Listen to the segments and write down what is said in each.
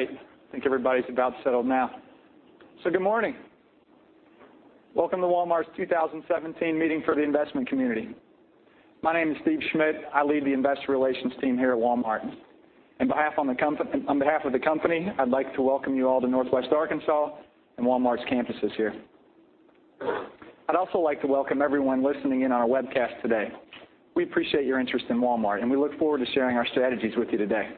All right, I think everybody's about settled now. Good morning. Welcome to Walmart's 2017 meeting for the investment community. My name is Steve Schmitt. I lead the investor relations team here at Walmart. On behalf of the company, I'd like to welcome you all to Northwest Arkansas and Walmart's campuses here. I'd also like to welcome everyone listening in on our webcast today. We appreciate your interest in Walmart, and we look forward to sharing our strategies with you today.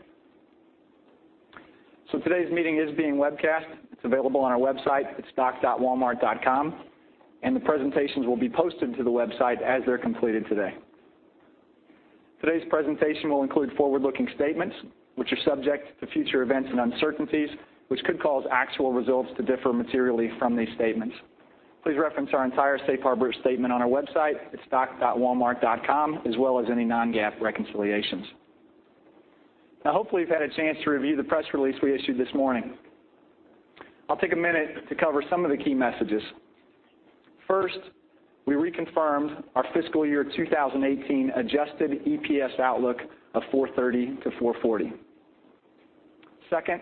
Today's meeting is being webcast. It's available on our website at stock.walmart.com, and the presentations will be posted to the website as they're completed today. Today's presentation will include forward-looking statements which are subject to future events and uncertainties which could cause actual results to differ materially from these statements. Please reference our entire safe harbor statement on our website at stock.walmart.com, as well as any non-GAAP reconciliations. Hopefully, you've had a chance to review the press release we issued this morning. I'll take a minute to cover some of the key messages. First, we reconfirmed our fiscal year 2018 adjusted EPS outlook of $4.30 to $4.40. Second,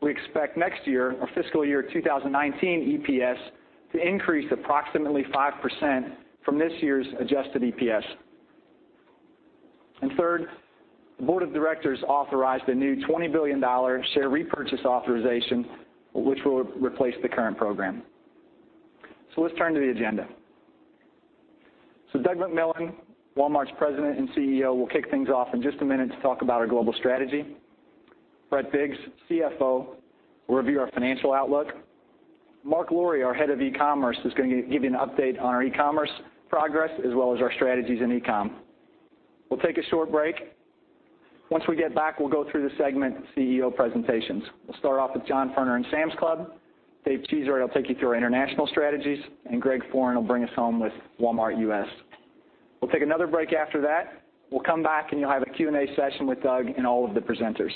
we expect next year, our fiscal year 2019 EPS to increase approximately 5% from this year's adjusted EPS. Third, the board of directors authorized a new $20 billion share repurchase authorization, which will replace the current program. Let's turn to the agenda. Doug McMillon, Walmart's president and CEO, will kick things off in just a minute to talk about our global strategy. Brett Biggs, CFO, will review our financial outlook. Marc Lore, our head of e-commerce, is going to give you an update on our e-commerce progress as well as our strategies in e-com. We'll take a short break. Once we get back, we'll go through the segment CEO presentations. We'll start off with John Furner in Sam's Club, Dave Cheesewright will take you through our international strategies, and Greg Foran will bring us home with Walmart U.S. We'll take another break after that. We'll come back, and you'll have a Q&A session with Doug and all of the presenters.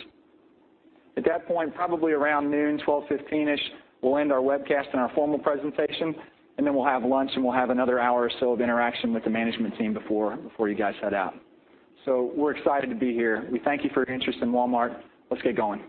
At that point, probably around noon, 12:15-ish, we'll end our webcast and our formal presentation, and then we'll have lunch, and we'll have another hour or so of interaction with the management team before you guys head out. We're excited to be here. We thank you for your interest in Walmart. Let's get going.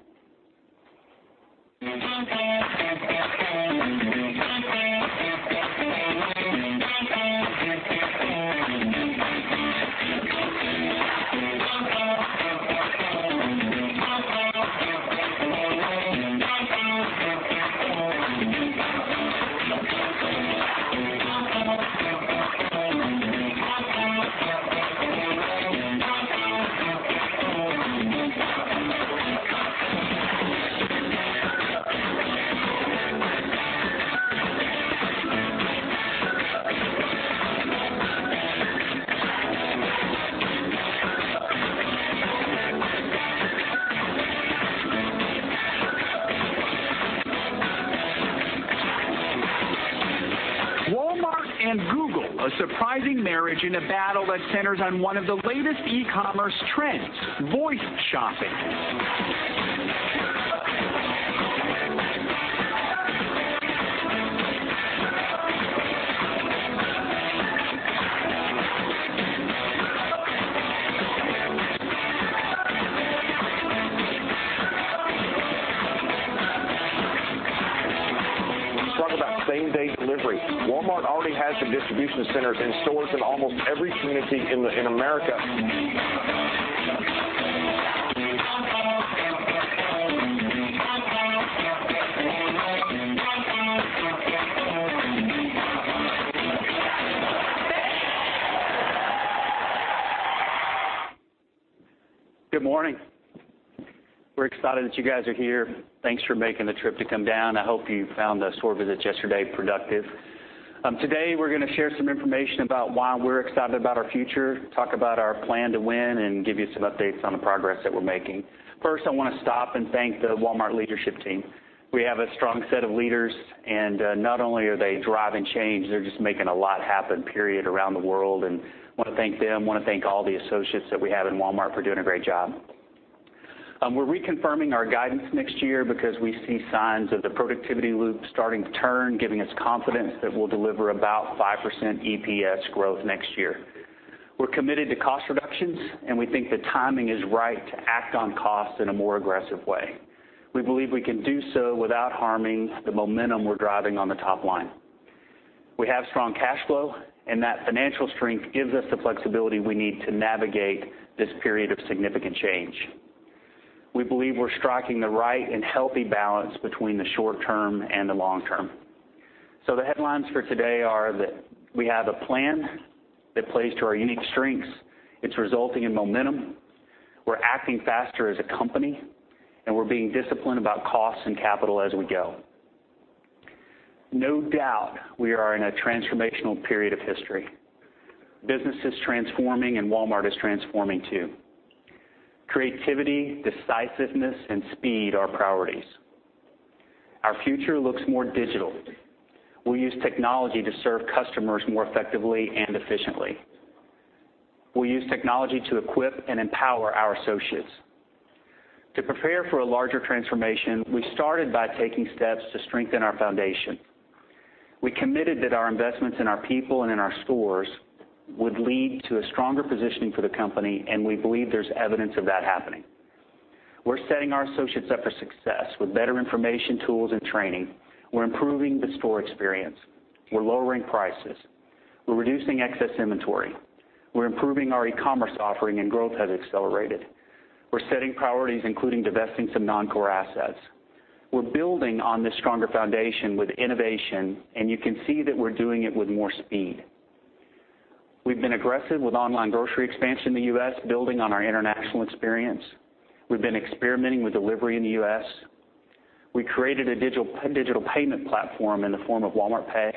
Walmart and Google, a surprising marriage in a battle that centers on one of the latest e-commerce trends, voice shopping. Talk about same-day delivery. Walmart already has some distribution centers and stores in almost every community in America. Good morning. We're excited that you guys are here. Thanks for making the trip to come down. I hope you found the store visits yesterday productive. Today, we're going to share some information about why we're excited about our future, talk about our plan to win, and give you some updates on the progress that we're making. First, I want to stop and thank the Walmart leadership team. We have a strong set of leaders. Not only are they driving change, they're just making a lot happen, period, around the world. Want to thank them, want to thank all the associates that we have in Walmart for doing a great job. We're reconfirming our guidance next year because we see signs of the productivity loop starting to turn, giving us confidence that we'll deliver about 5% EPS growth next year. We're committed to cost reductions. We think the timing is right to act on costs in a more aggressive way. We believe we can do so without harming the momentum we're driving on the top line. We have strong cash flow. That financial strength gives us the flexibility we need to navigate this period of significant change. We believe we're striking the right and healthy balance between the short term and the long term. The headlines for today are that we have a plan that plays to our unique strengths. It's resulting in momentum. We're acting faster as a company. We're being disciplined about costs and capital as we go. No doubt, we are in a transformational period of history. Business is transforming. Walmart is transforming, too. Creativity, decisiveness, and speed are priorities. Our future looks more digital. We'll use technology to serve customers more effectively and efficiently. We'll use technology to equip and empower our associates. To prepare for a larger transformation, we started by taking steps to strengthen our foundation. We committed that our investments in our people and in our stores would lead to a stronger positioning for the company. We believe there's evidence of that happening. We're setting our associates up for success with better information, tools, and training. We're improving the store experience. We're lowering prices. We're reducing excess inventory. We're improving our e-commerce offering and growth has accelerated. We're setting priorities, including divesting some non-core assets. We're building on this stronger foundation with innovation. You can see that we're doing it with more speed. We've been aggressive with online grocery expansion in the U.S., building on our international experience. We've been experimenting with delivery in the U.S. We created a digital payment platform in the form of Walmart Pay.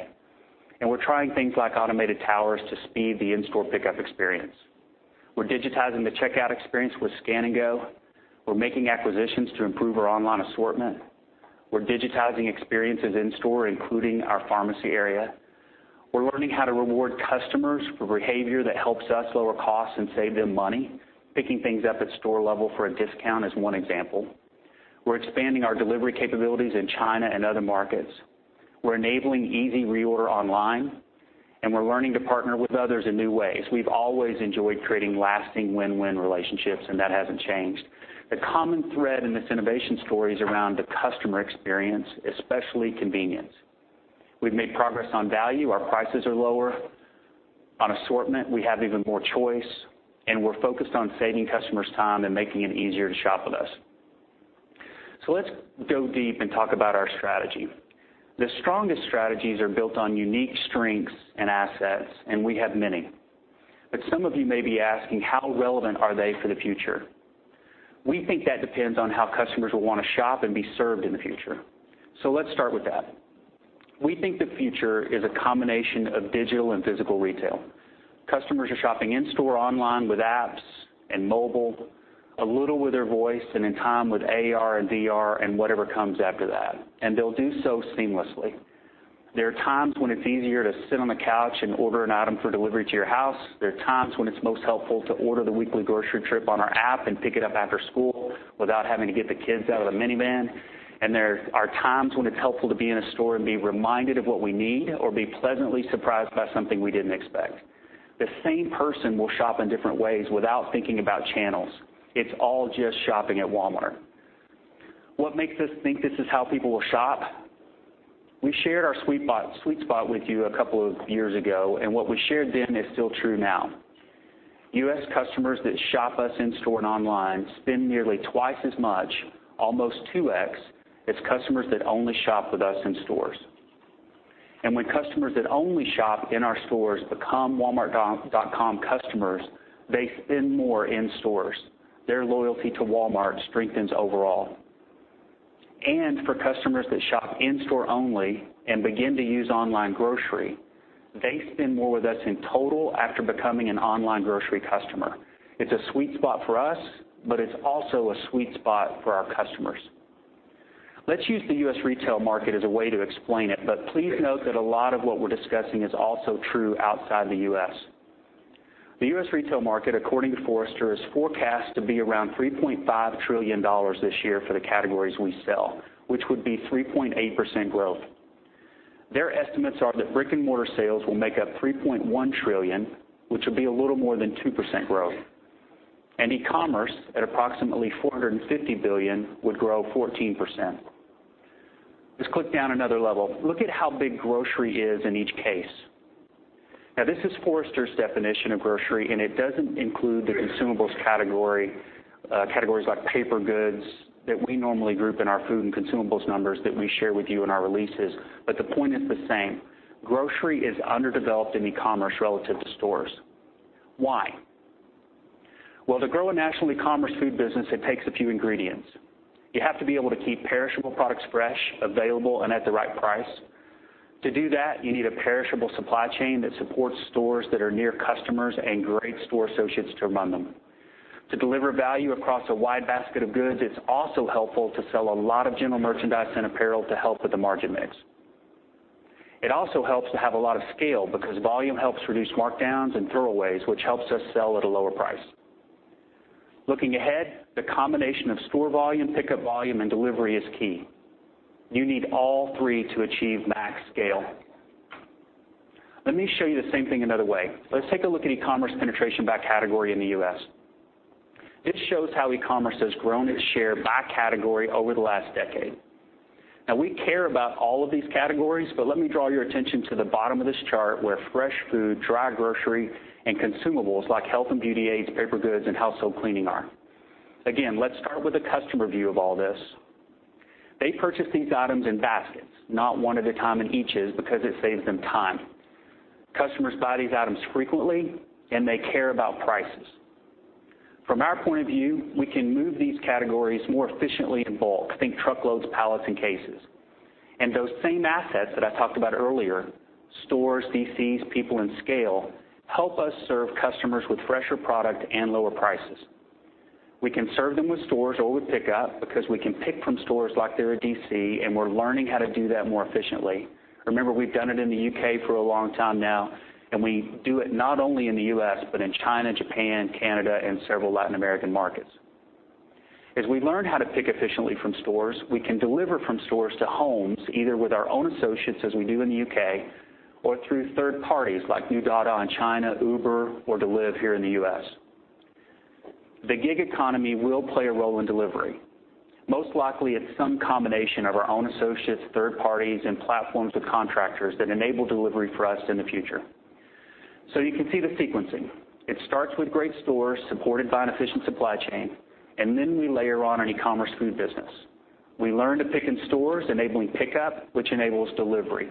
We're trying things like automated towers to speed the in-store pickup experience. We're digitizing the checkout experience with Scan & Go. We're making acquisitions to improve our online assortment. We're digitizing experiences in store, including our pharmacy area. We're learning how to reward customers for behavior that helps us lower costs and save them money. Picking things up at store level for a discount is one example. We're expanding our delivery capabilities in China and other markets. We're enabling easy reorder online. We're learning to partner with others in new ways. We've always enjoyed creating lasting win-win relationships. That hasn't changed. The common thread in this innovation story is around the customer experience, especially convenience. We've made progress on value. Our prices are lower. On assortment, we have even more choice. We're focused on saving customers time and making it easier to shop with us. Let's go deep and talk about our strategy. The strongest strategies are built on unique strengths and assets. We have many. Some of you may be asking, how relevant are they for the future? We think that depends on how customers will want to shop and be served in the future. Let's start with that. We think the future is a combination of digital and physical retail. Customers are shopping in store, online, with apps, and mobile, a little with their voice, in time with AR and VR and whatever comes after that. They'll do so seamlessly. There are times when it's easier to sit on the couch and order an item for delivery to your house. There are times when it's most helpful to order the weekly grocery trip on our app and pick it up after school without having to get the kids out of the minivan. There are times when it's helpful to be in a store and be reminded of what we need or be pleasantly surprised by something we didn't expect. The same person will shop in different ways without thinking about channels. It's all just shopping at Walmart. What makes us think this is how people will shop? We shared our sweet spot with you a couple of years ago. What we shared then is still true now. U.S. customers that shop us in store and online spend nearly twice as much, almost 2x, as customers that only shop with us in stores. When customers that only shop in our stores become walmart.com customers, they spend more in stores. Their loyalty to Walmart strengthens overall. For customers that shop in store only and begin to use online grocery, they spend more with us in total after becoming an online grocery customer. It's a sweet spot for us, but it's also a sweet spot for our customers. Let's use the U.S. retail market as a way to explain it, but please note that a lot of what we're discussing is also true outside the U.S. The U.S. retail market, according to Forrester, is forecast to be around $3.5 trillion this year for the categories we sell, which would be 3.8% growth. Their estimates are that brick-and-mortar sales will make up $3.1 trillion, which will be a little more than 2% growth. E-commerce at approximately $450 billion would grow 14%. Let's click down another level. Look at how big grocery is in each case. This is Forrester's definition of grocery, and it doesn't include the consumables categories like paper goods that we normally group in our food and consumables numbers that we share with you in our releases, but the point is the same. Grocery is underdeveloped in e-commerce relative to stores. Why? To grow a national e-commerce food business, it takes a few ingredients. You have to be able to keep perishable products fresh, available, and at the right price. To do that, you need a perishable supply chain that supports stores that are near customers and great store associates to run them. To deliver value across a wide basket of goods, it's also helpful to sell a lot of general merchandise and apparel to help with the margin mix. It also helps to have a lot of scale because volume helps reduce markdowns and throwaways, which helps us sell at a lower price. Looking ahead, the combination of store volume, pickup volume, and delivery is key. You need all three to achieve max scale. Let me show you the same thing another way. Let's take a look at e-commerce penetration by category in the U.S. This shows how e-commerce has grown its share by category over the last decade. We care about all of these categories, but let me draw your attention to the bottom of this chart where fresh food, dry grocery, and consumables like health and beauty aids, paper goods, and household cleaning are. Let's start with the customer view of all this. They purchase these items in baskets, not one at a time in each's because it saves them time. Customers buy these items frequently, they care about prices. From our point of view, we can move these categories more efficiently in bulk. Think truckloads, pallets, and cases. Those same assets that I talked about earlier, stores, DCs, people, and scale, help us serve customers with fresher product and lower prices. We can serve them with stores or with pickup because we can pick from stores like they're a DC, and we're learning how to do that more efficiently. Remember, we've done it in the U.K. for a long time now, and we do it not only in the U.S., but in China, Japan, Canada, and several Latin American markets. As we learn how to pick efficiently from stores, we can deliver from stores to homes, either with our own associates as we do in the U.K., or through third parties like New Dada in China, Uber, or Deliv here in the U.S. The gig economy will play a role in delivery. Most likely it's some combination of our own associates, third parties, and platforms with contractors that enable delivery for us in the future. You can see the sequencing. It starts with great stores supported by an efficient supply chain. We layer on an e-commerce food business. We learn to pick in stores, enabling pickup, which enables delivery.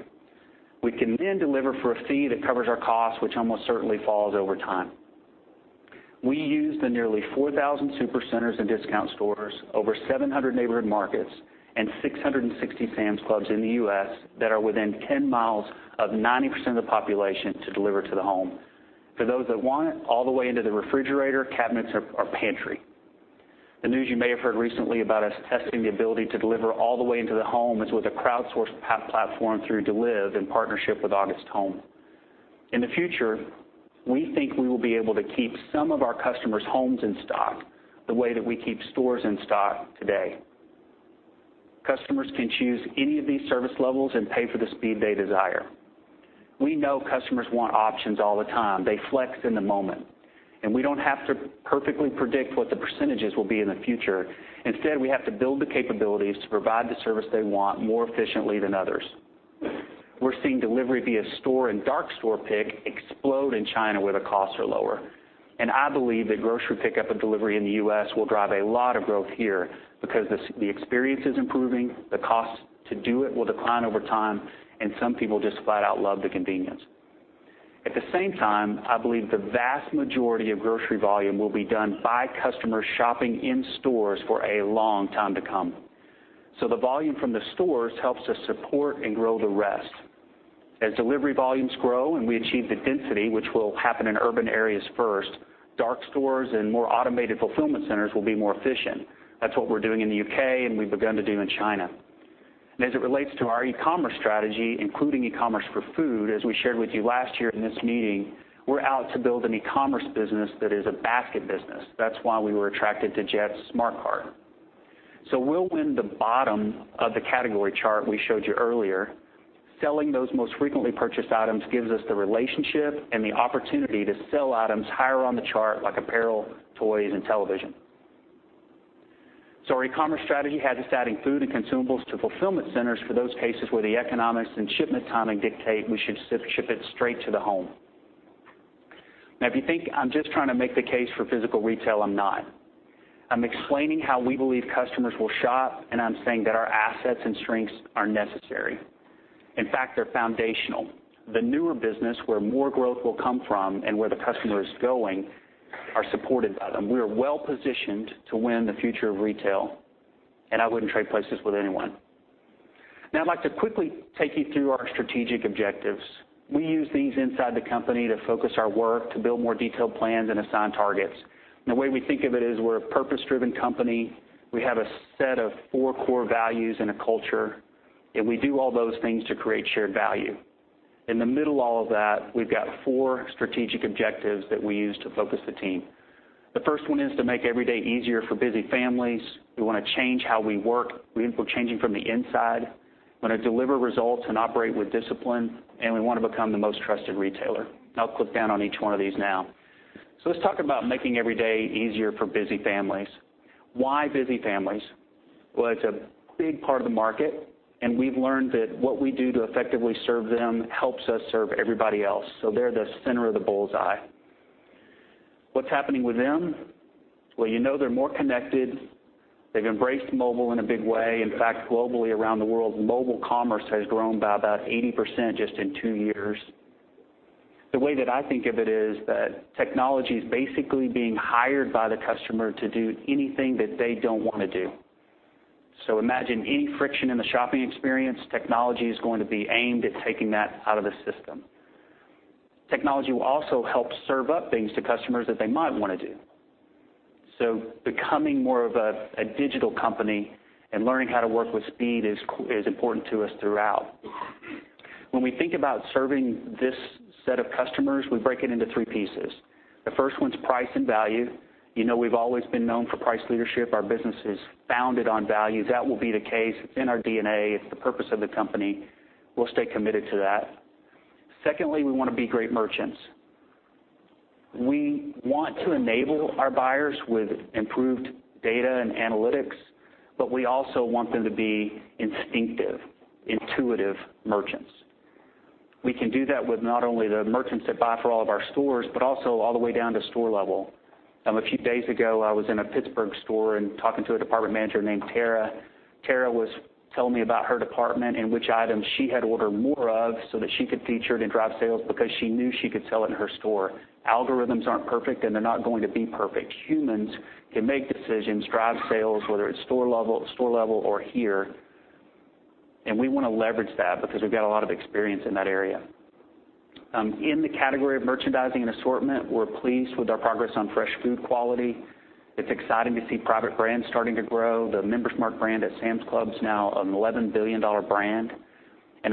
We can deliver for a fee that covers our cost, which almost certainly falls over time. We use the nearly 4,000 Supercenters and discount stores, over 700 neighborhood markets, and 660 Sam's Clubs in the U.S. that are within 10 miles of 90% of the population to deliver to the home. For those that want it, all the way into the refrigerator, cabinets, or pantry. The news you may have heard recently about us testing the ability to deliver all the way into the home is with a crowdsourced platform through Deliv in partnership with August Home. In the future, we think we will be able to keep some of our customers' homes in stock the way that we keep stores in stock today. Customers can choose any of these service levels and pay for the speed they desire. We know customers want options all the time. They flex in the moment. We don't have to perfectly predict what the percentages will be in the future. Instead, we have to build the capabilities to provide the service they want more efficiently than others. We're seeing delivery via store and dark store pick explode in China where the costs are lower. I believe that grocery pickup and delivery in the U.S. will drive a lot of growth here because the experience is improving, the cost to do it will decline over time, and some people just flat out love the convenience. At the same time, I believe the vast majority of grocery volume will be done by customers shopping in stores for a long time to come. The volume from the stores helps us support and grow the rest. As delivery volumes grow and we achieve the density, which will happen in urban areas first, dark stores and more automated fulfillment centers will be more efficient. That's what we're doing in the U.K. We've begun to do in China. As it relates to our e-commerce strategy, including e-commerce for food, as we shared with you last year in this meeting, we're out to build an e-commerce business that is a basket business. That's why we were attracted to Jet's Smart Cart. We'll win the bottom of the category chart we showed you earlier. Selling those most frequently purchased items gives us the relationship and the opportunity to sell items higher on the chart, like apparel, toys, and television. Our e-commerce strategy has us adding food and consumables to fulfillment centers for those cases where the economics and shipment timing dictate we should ship it straight to the home. If you think I'm just trying to make the case for physical retail, I'm not. I'm explaining how we believe customers will shop, and I'm saying that our assets and strengths are necessary. In fact, they're foundational. The newer business, where more growth will come from and where the customer is going, are supported by them. We are well-positioned to win the future of retail, and I wouldn't trade places with anyone. I'd like to quickly take you through our strategic objectives. We use these inside the company to focus our work, to build more detailed plans, and assign targets. The way we think of it is we're a purpose-driven company. We have a set of 4 core values and a culture, we do all those things to create shared value. In the middle of all of that, we've got 4 strategic objectives that we use to focus the team. The first one is to make every day easier for busy families. We want to change how we work. We're changing from the inside. We want to deliver results and operate with discipline, we want to become the most trusted retailer. I'll click down on each one of these now. Let's talk about making every day easier for busy families. Why busy families? Well, it's a big part of the market, and we've learned that what we do to effectively serve them helps us serve everybody else. They're the center of the bullseye. What's happening with them? Well, you know they're more connected. They've embraced mobile in a big way. In fact, globally around the world, mobile commerce has grown by about 80% just in 2 years. The way that I think of it is that technology's basically being hired by the customer to do anything that they don't want to do. Imagine any friction in the shopping experience, technology is going to be aimed at taking that out of the system. Technology will also help serve up things to customers that they might want to do. Becoming more of a digital company and learning how to work with speed is important to us throughout. When we think about serving this set of customers, we break it into 3 pieces. The first one's price and value. You know we've always been known for price leadership. Our business is founded on value. That will be the case. It's in our DNA. It's the purpose of the company. We'll stay committed to that. Secondly, we want to be great merchants. We want to enable our buyers with improved data and analytics, we also want them to be instinctive, intuitive merchants. We can do that with not only the merchants that buy for all of our stores, but also all the way down to store level. A few days ago, I was in a Pittsburgh store and talking to a department manager named Tara. Tara was telling me about her department and which items she had ordered more of so that she could feature it and drive sales because she knew she could sell it in her store. Algorithms aren't perfect, they're not going to be perfect. Humans can make decisions, drive sales, whether it's store level or here. We want to leverage that because we've got a lot of experience in that area. In the category of merchandising and assortment, we're pleased with our progress on fresh food quality. It's exciting to see private brands starting to grow. The Member's Mark brand at Sam's Club's now an $11 billion brand.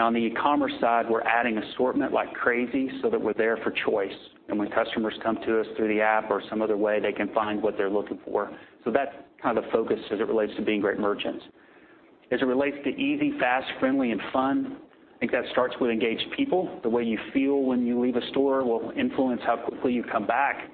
On the e-commerce side, we're adding assortment like crazy so that we're there for choice. When customers come to us through the app or some other way, they can find what they're looking for. That's kind of the focus as it relates to being great merchants. As it relates to easy, fast, friendly, and fun, I think that starts with engaged people. The way you feel when you leave a store will influence how quickly you come back.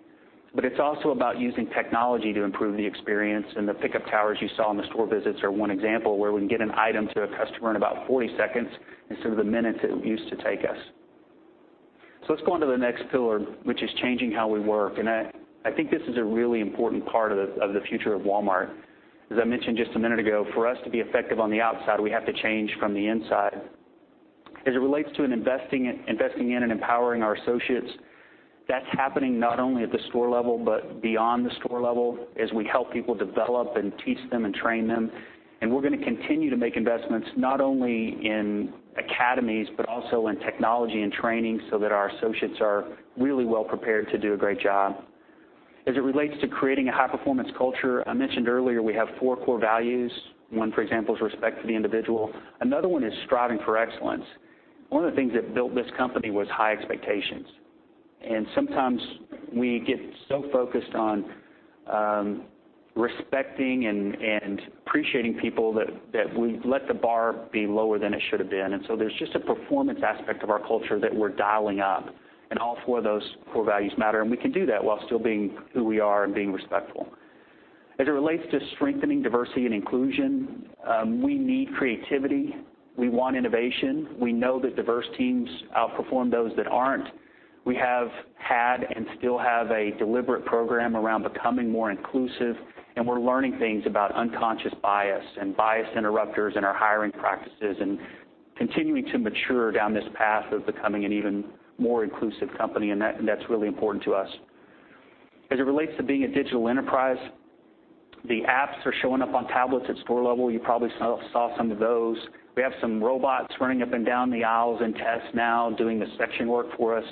It's also about using technology to improve the experience, and the pickup towers you saw in the store visits are one example where we can get an item to a customer in about 40 seconds instead of the minutes it used to take us. Let's go on to the next pillar, which is changing how we work. I think this is a really important part of the future of Walmart. As I mentioned just a minute ago, for us to be effective on the outside, we have to change from the inside. As it relates to investing in and empowering our associates, that's happening not only at the store level but beyond the store level as we help people develop and teach them and train them. We're going to continue to make investments not only in academies but also in technology and training so that our associates are really well prepared to do a great job. As it relates to creating a high-performance culture, I mentioned earlier we have four core values. One, for example, is respect for the individual. Another one is striving for excellence. One of the things that built this company was high expectations. Sometimes we get so focused on respecting and appreciating people that we let the bar be lower than it should have been. There's just a performance aspect of our culture that we're dialing up, and all four of those core values matter, and we can do that while still being who we are and being respectful. As it relates to strengthening diversity and inclusion, we need creativity. We want innovation. We know that diverse teams outperform those that aren't. We have had and still have a deliberate program around becoming more inclusive, and we're learning things about unconscious bias and bias interrupters in our hiring practices, and continuing to mature down this path of becoming an even more inclusive company, and that's really important to us. As it relates to being a digital enterprise, the apps are showing up on tablets at store level. You probably saw some of those. We have some robots running up and down the aisles in tests now doing the section work for us,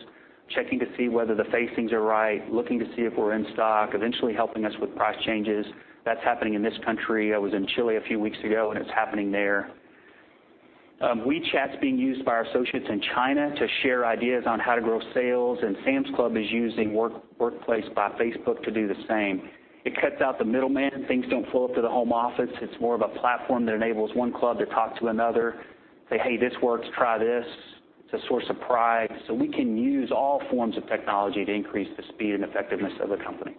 checking to see whether the facings are right, looking to see if we're in stock, eventually helping us with price changes. That's happening in this country. I was in Chile a few weeks ago, and it's happening there. WeChat's being used by our associates in China to share ideas on how to grow sales, and Sam's Club is using Workplace by Facebook to do the same. It cuts out the middleman. Things don't flow up to the home office. It's more of a platform that enables one club to talk to another, say, "Hey, this works. Try this." It's a source of pride. We can use all forms of technology to increase the speed and effectiveness of the company.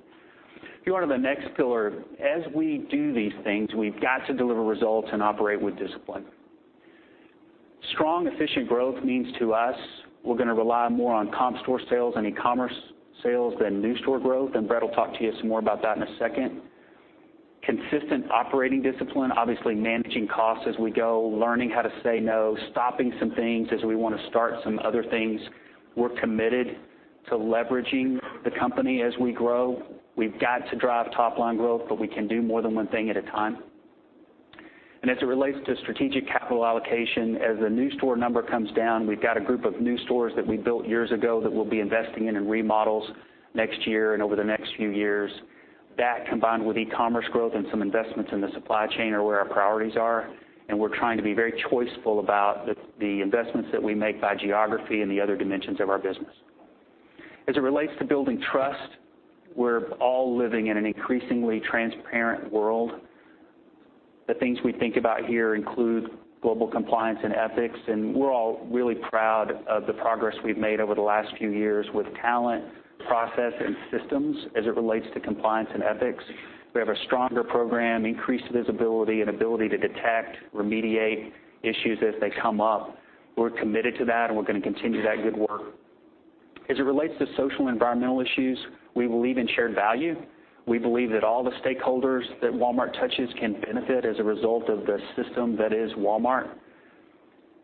If you go on to the next pillar, as we do these things, we've got to deliver results and operate with discipline. Strong, efficient growth means to us we're going to rely more on comp store sales and e-commerce sales than new store growth, and Brett will talk to you some more about that in a second. Consistent operating discipline, obviously managing costs as we go, learning how to say no, stopping some things as we want to start some other things. We're committed to leveraging the company as we grow. We've got to drive top-line growth, but we can do more than one thing at a time. As it relates to strategic capital allocation, as the new store number comes down, we've got a group of new stores that we built years ago that we'll be investing in in remodels next year and over the next few years. That combined with e-commerce growth and some investments in the supply chain are where our priorities are. We're trying to be very choiceful about the investments that we make by geography and the other dimensions of our business. As it relates to building trust, we're all living in an increasingly transparent world. The things we think about here include global compliance and ethics. We're all really proud of the progress we've made over the last few years with talent, process, and systems as it relates to compliance and ethics. We have a stronger program, increased visibility, and ability to detect, remediate issues as they come up. We're committed to that. We're going to continue that good work. As it relates to social and environmental issues, we believe in shared value. We believe that all the stakeholders that Walmart touches can benefit as a result of the system that is Walmart.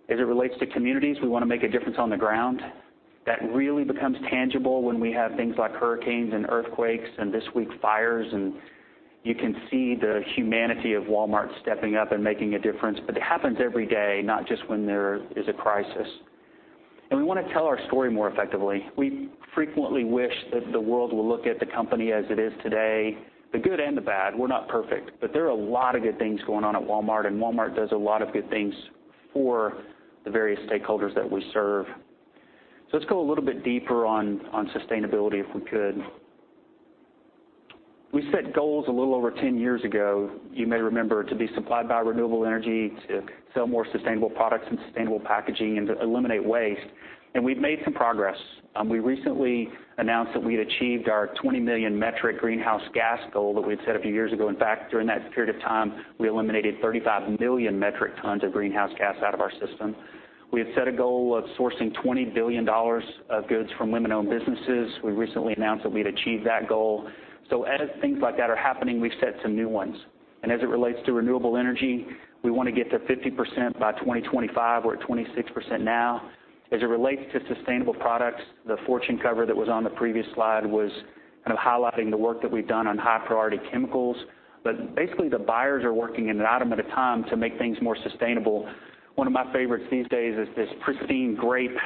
As it relates to communities, we want to make a difference on the ground. That really becomes tangible when we have things like hurricanes and earthquakes, and this week, fires. You can see the humanity of Walmart stepping up and making a difference. It happens every day, not just when there is a crisis. We want to tell our story more effectively. We frequently wish that the world will look at the company as it is today, the good and the bad. We're not perfect. There are a lot of good things going on at Walmart. Walmart does a lot of good things for the various stakeholders that we serve. Let's go a little bit deeper on sustainability, if we could. We set goals a little over 10 years ago, you may remember, to be supplied by renewable energy, to sell more sustainable products and sustainable packaging, to eliminate waste. We've made some progress. We recently announced that we had achieved our 20 million metric greenhouse gas goal that we had set a few years ago. In fact, during that period of time, we eliminated 35 million metric tons of greenhouse gas out of our system. We had set a goal of sourcing $20 billion of goods from women-owned businesses. We recently announced that we'd achieved that goal. As things like that are happening, we've set some new ones. As it relates to renewable energy, we want to get to 50% by 2025. We're at 26% now. As it relates to sustainable products, the Fortune cover that was on the previous slide was kind of highlighting the work that we've done on high-priority chemicals. Basically, the buyers are working an item at a time to make things more sustainable. One of my favorites these days is this Pristine grape.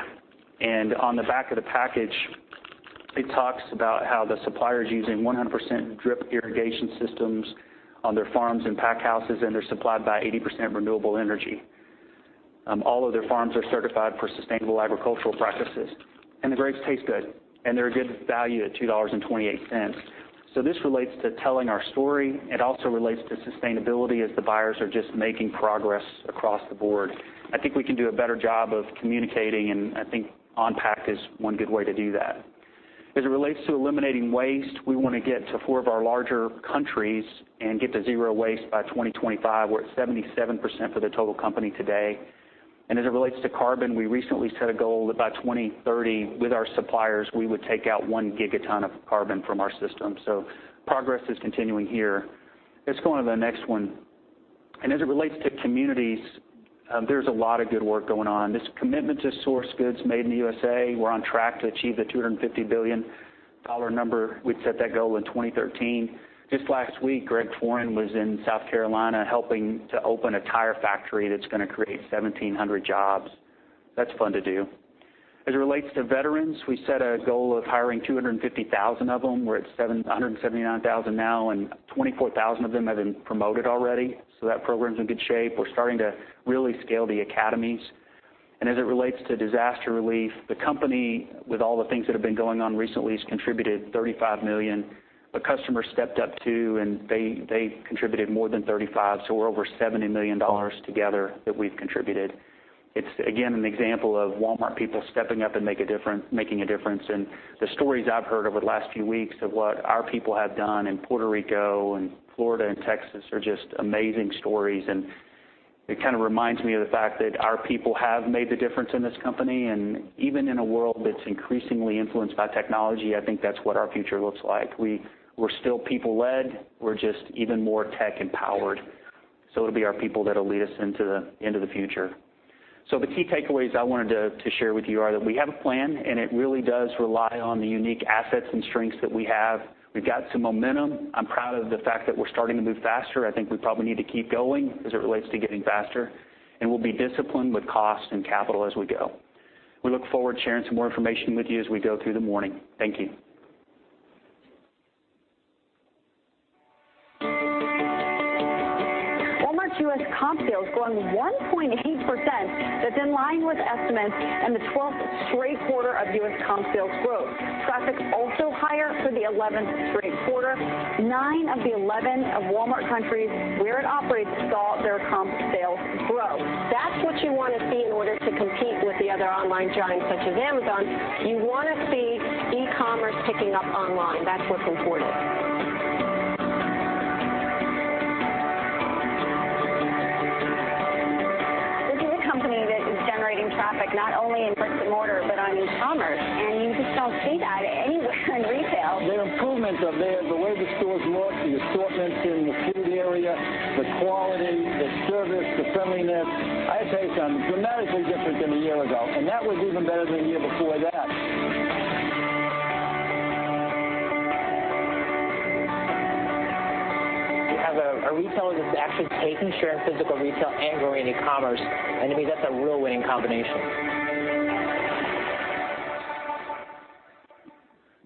On the back of the package it talks about how the supplier is using 100% drip irrigation systems on their farms and pack houses, and they're supplied by 80% renewable energy. All of their farms are certified for sustainable agricultural practices, and the grapes taste good, and they're a good value at $2.28. This relates to telling our story. It also relates to sustainability as the buyers are just making progress across the board. I think we can do a better job of communicating. I think on-pack is one good way to do that. As it relates to eliminating waste, we want to get to four of our larger countries and get to zero waste by 2025. We're at 77% for the total company today. As it relates to carbon, we recently set a goal that by 2030 with our suppliers, we would take out 1 gigaton of carbon from our system. Progress is continuing here. Let's go on to the next one. As it relates to communities, there's a lot of good work going on. This commitment to source goods made in the U.S.A., we're on track to achieve the $250 billion number. We set that goal in 2013. Just last week, Greg Foran was in South Carolina helping to open a tire factory that's going to create 1,700 jobs. That's fun to do. As it relates to veterans, we set a goal of hiring 250,000 of them. We're at 179,000 now, and 24,000 of them have been promoted already. That program's in good shape. We're starting to really scale the academies. As it relates to disaster relief, the company, with all the things that have been going on recently, has contributed $35 million. The customers stepped up, too, and they contributed more than $35 million, so we're over $70 million together that we've contributed. It's again an example of Walmart people stepping up and making a difference. The stories I've heard over the last few weeks of what our people have done in Puerto Rico and Florida and Texas are just amazing stories. It kind of reminds me of the fact that our people have made the difference in this company. Even in a world that's increasingly influenced by technology, I think that's what our future looks like. We're still people-led. We're just even more tech-empowered. It'll be our people that'll lead us into the future. The key takeaways I wanted to share with you are that we have a plan, and it really does rely on the unique assets and strengths that we have. We've got some momentum. I'm proud of the fact that we're starting to move faster. I think we probably need to keep going as it relates to getting faster. We'll be disciplined with cost and capital as we go. We look forward to sharing some more information with you as we go through the morning. Thank you. Walmart's U.S. comp sales growing 1.8%. That's in line with estimates and the 12th straight quarter of U.S. comp sales growth. Traffic's also higher for the 11th straight quarter. Nine of the 11 of Walmart countries where it operates saw their comp sales grow. That's what you want to see in order to compete with the other online giants such as Amazon. You want to see e-commerce picking up online. That's what's important. This is a company that is generating traffic not only in brick and mortar, but on e-commerce, and you just don't see that anywhere in retail. The improvements are there, the way the stores look, the assortments in the food area, the quality, the service, the friendliness. I'd say it's dramatically different than a year ago, and that was even better than a year before that. You have a retailer that's actually taking share in physical retail and growing e-commerce, and to me, that's a real winning combination.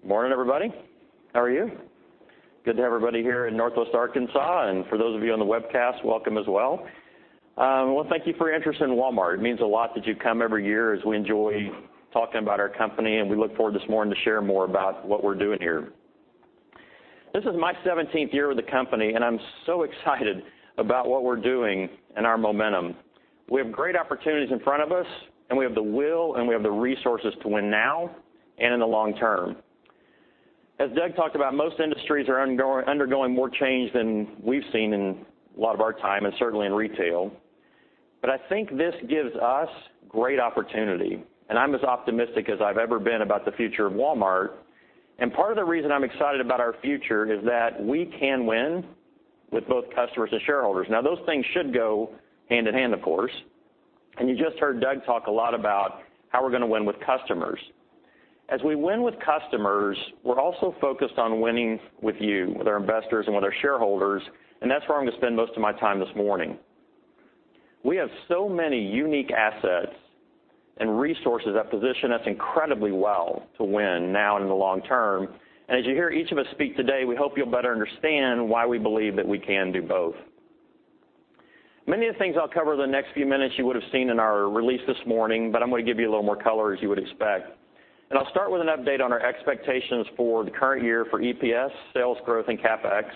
Morning, everybody. How are you? Good to have everybody here in Northwest Arkansas. For those of you on the webcast, welcome as well. Well, thank you for your interest in Walmart. It means a lot that you come every year as we enjoy talking about our company, and we look forward this morning to share more about what we're doing here. This is my 17th year with the company, and I'm so excited about what we're doing and our momentum. We have great opportunities in front of us, and we have the will, and we have the resources to win now and in the long term. As Doug talked about, most industries are undergoing more change than we've seen in a lot of our time, and certainly in retail. I think this gives us great opportunity, and I'm as optimistic as I've ever been about the future of Walmart. Part of the reason I'm excited about our future is that we can win with both customers and shareholders. Now, those things should go hand in hand, of course. You just heard Doug talk a lot about how we're going to win with customers. As we win with customers, we're also focused on winning with you, with our investors and with our shareholders, and that's where I'm going to spend most of my time this morning. We have so many unique assets and resources that position us incredibly well to win now and in the long term. As you hear each of us speak today, we hope you'll better understand why we believe that we can do both. Many of the things I'll cover in the next few minutes you would've seen in our release this morning, but I'm going to give you a little more color as you would expect. I'll start with an update on our expectations for the current year for EPS, sales growth, and CapEx.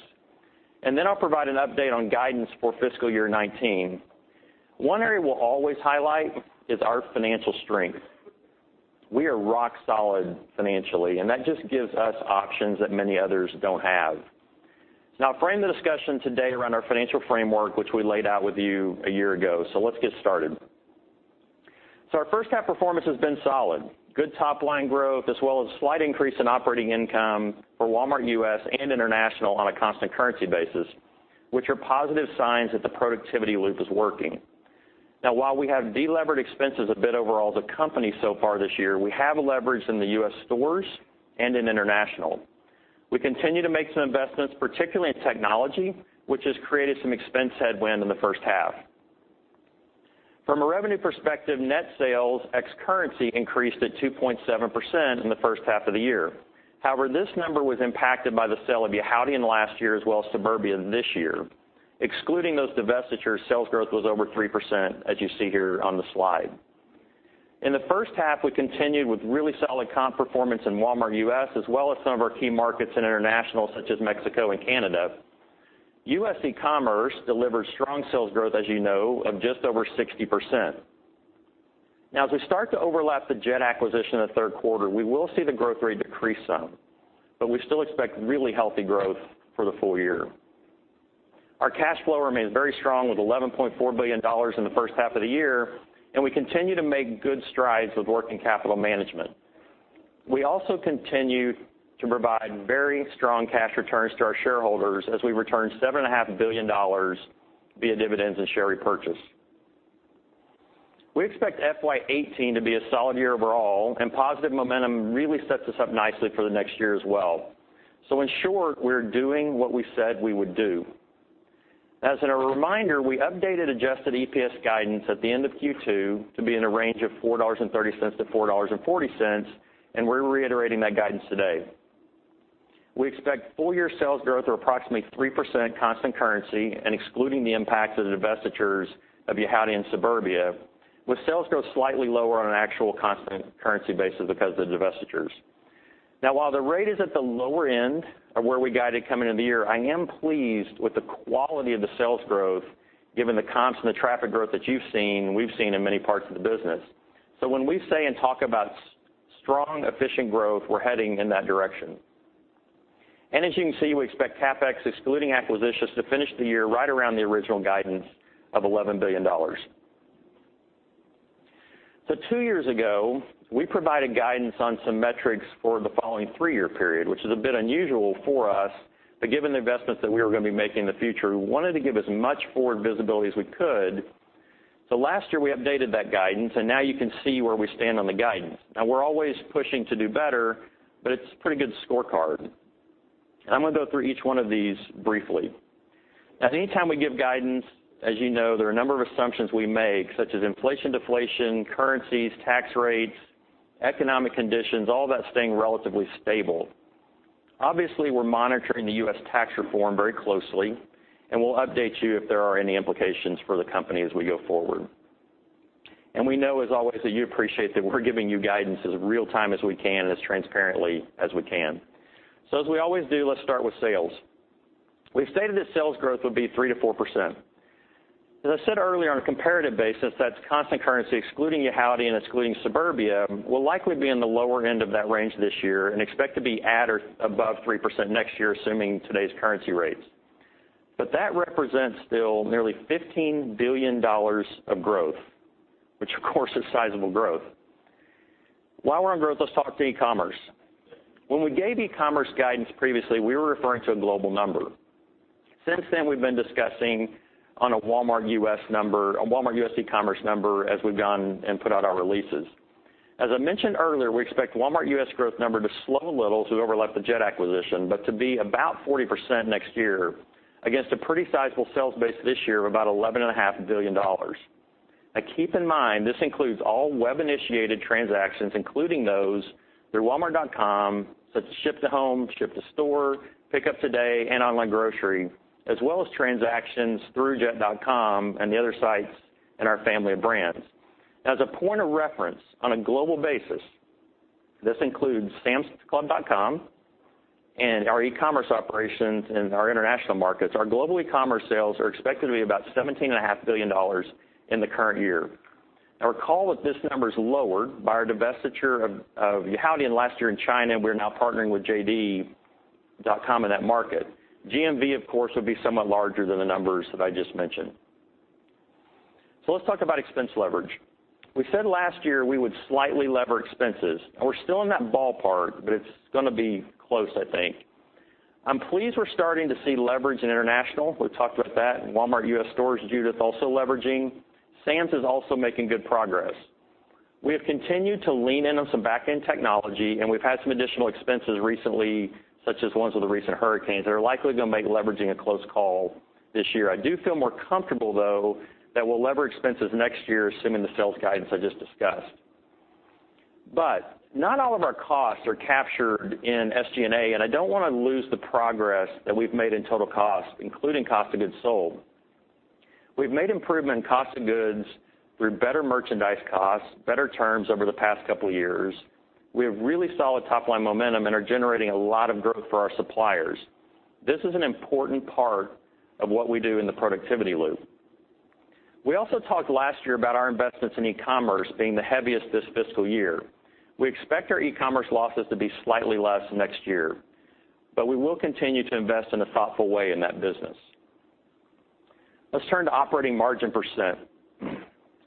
I'll provide an update on guidance for fiscal year 2019. One area we'll always highlight is our financial strength. We are rock solid financially, and that just gives us options that many others don't have. Now I'll frame the discussion today around our financial framework, which we laid out with you a year ago. Let's get started. Our first half performance has been solid. Good top-line growth, as well as slight increase in operating income for Walmart U.S. and international on a constant currency basis, which are positive signs that the productivity loop is working. Now while we have delevered expenses a bit overall as a company so far this year, we have a leverage in the U.S. stores and in international. We continue to make some investments, particularly in technology, which has created some expense headwind in the first half. From a revenue perspective, net sales ex currency increased at 2.7% in the first half of the year. However, this number was impacted by the sale of Yihaodian last year as well as Suburbia this year. Excluding those divestitures, sales growth was over 3%, as you see here on the slide. In the first half, we continued with really solid comp performance in Walmart U.S., as well as some of our key markets in international, such as Mexico and Canada. U.S. eCommerce delivered strong sales growth, as you know, of just over 60%. As we start to overlap the Jet acquisition in the third quarter, we will see the growth rate decrease some, but we still expect really healthy growth for the full year. Our cash flow remains very strong with $11.4 billion in the first half of the year, and we continue to make good strides with working capital management. We also continue to provide very strong cash returns to our shareholders as we return $7.5 billion via dividends and share repurchase. We expect FY 2018 to be a solid year overall, and positive momentum really sets us up nicely for the next year as well. In short, we're doing what we said we would do. As a reminder, we updated adjusted EPS guidance at the end of Q2 to be in a range of $4.30-$4.40, and we're reiterating that guidance today. We expect full-year sales growth of approximately 3% constant currency and excluding the impact of the divestitures of Yihaodian and Suburbia, with sales growth slightly lower on an actual constant currency basis because of the divestitures. While the rate is at the lower end of where we guided coming into the year, I am pleased with the quality of the sales growth given the comps and the traffic growth that you've seen, we've seen in many parts of the business. When we say and talk about strong, efficient growth, we're heading in that direction. As you can see, we expect CapEx, excluding acquisitions, to finish the year right around the original guidance of $11 billion. Two years ago, we provided guidance on some metrics for the following three-year period, which is a bit unusual for us, but given the investments that we were going to be making in the future, we wanted to give as much forward visibility as we could. Last year, we updated that guidance, and now you can see where we stand on the guidance. We're always pushing to do better, but it's a pretty good scorecard. I'm going to go through each one of these briefly. Anytime we give guidance, as you know, there are a number of assumptions we make, such as inflation, deflation, currencies, tax rates, economic conditions, all that staying relatively stable. Obviously, we're monitoring the U.S. tax reform very closely, and we'll update you if there are any implications for the company as we go forward. We know as always, that you appreciate that we're giving you guidance as real-time as we can and as transparently as we can. As we always do, let's start with sales. We've stated that sales growth would be 3%-4%. As I said earlier, on a comparative basis, that's constant currency, excluding Yihaodian and excluding Suburbia, we'll likely be in the lower end of that range this year and expect to be at or above 3% next year, assuming today's currency rates. That represents still nearly $15 billion of growth, which of course is sizable growth. While we're on growth, let's talk to eCommerce. When we gave eCommerce guidance previously, we were referring to a global number. Since then, we've been discussing on a Walmart U.S. eCommerce number as we've gone and put out our releases. As I mentioned earlier, we expect Walmart U.S. growth number to slow a little as we overlap the Jet acquisition, but to be about 40% next year against a pretty sizable sales base this year of about $11.5 billion. Keep in mind, this includes all web-initiated transactions, including those through walmart.com, such as Ship to Home, Ship to Store, Pickup Today, and Online Grocery, as well as transactions through jet.com and the other sites in our family of brands. As a point of reference, on a global basis, this includes samsclub.com and our eCommerce operations in our international markets. Our global eCommerce sales are expected to be about $17.5 billion in the current year. Recall that this number is lower by our divestiture of Yihaodian last year in China. We're now partnering with jd.com in that market. GMV, of course, will be somewhat larger than the numbers that I just mentioned. Let's talk about expense leverage. We said last year we would slightly lever expenses, and we're still in that ballpark, but it's going to be close, I think. I'm pleased we're starting to see leverage in international. We've talked about that. Walmart U.S. stores, Judith, also leveraging. Sam's is also making good progress. We have continued to lean in on some back-end technology, and we've had some additional expenses recently, such as ones with the recent hurricanes. They're likely going to make leveraging a close call this year. I do feel more comfortable, though, that we'll lever expenses next year, assuming the sales guidance I just discussed. Not all of our costs are captured in SG&A, and I don't want to lose the progress that we've made in total cost, including cost of goods sold. We've made improvement in cost of goods through better merchandise costs, better terms over the past couple of years. We have really solid top-line momentum and are generating a lot of growth for our suppliers. This is an important part of what we do in the productivity loop. We also talked last year about our investments in eCommerce being the heaviest this fiscal year. We expect our eCommerce losses to be slightly less next year, but we will continue to invest in a thoughtful way in that business. Let's turn to operating margin percent.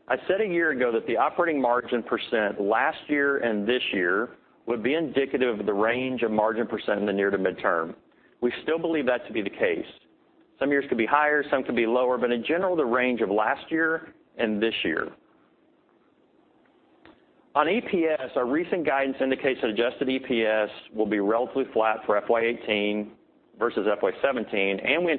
I said a year ago that the operating margin percent last year and this year would be indicative of the range of margin percent in the near to midterm. We still believe that to be the case. Some years could be higher, some could be lower, but in general, the range of last year and this year. On EPS, our recent guidance indicates that adjusted EPS will be relatively flat for FY 2018 versus FY 2017, and we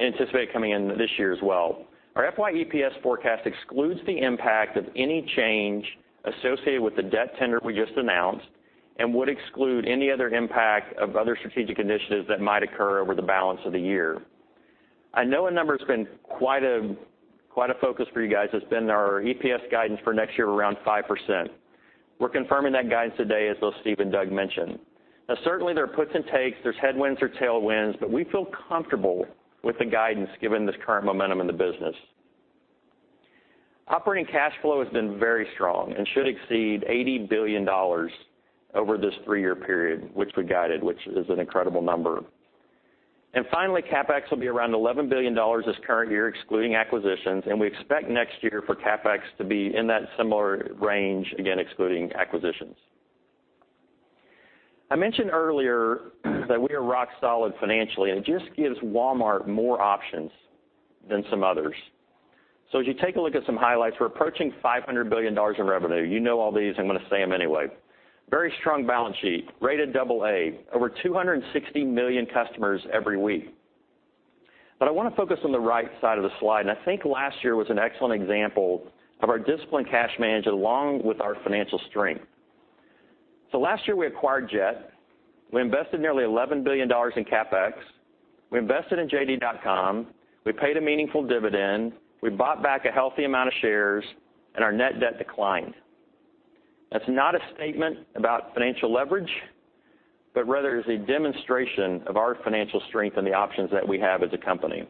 anticipate it coming in this year as well. Our FY EPS forecast excludes the impact of any change associated with the debt tender we just announced and would exclude any other impact of other strategic initiatives that might occur over the balance of the year. I know a number that's been quite a focus for you guys has been our EPS guidance for next year around 5%. We're confirming that guidance today, as both Steve and Doug mentioned. Certainly there are puts and takes, there's headwinds or tailwinds, but we feel comfortable with the guidance given this current momentum in the business. Operating cash flow has been very strong and should exceed $80 billion over this three-year period, which we guided, which is an incredible number. Finally, CapEx will be around $11 billion this current year, excluding acquisitions, and we expect next year for CapEx to be in that similar range, again, excluding acquisitions. I mentioned earlier that we are rock solid financially, it just gives Walmart more options than some others. As you take a look at some highlights, we're approaching $500 billion in revenue. You know all these, I'm going to say them anyway. Very strong balance sheet, rated double A. Over 260 million customers every week. I want to focus on the right side of the slide, I think last year was an excellent example of our disciplined cash management along with our financial strength. Last year we acquired Jet. We invested nearly $11 billion in CapEx. We invested in JD.com. We paid a meaningful dividend. We bought back a healthy amount of shares, our net debt declined. That's not a statement about financial leverage, rather is a demonstration of our financial strength and the options that we have as a company.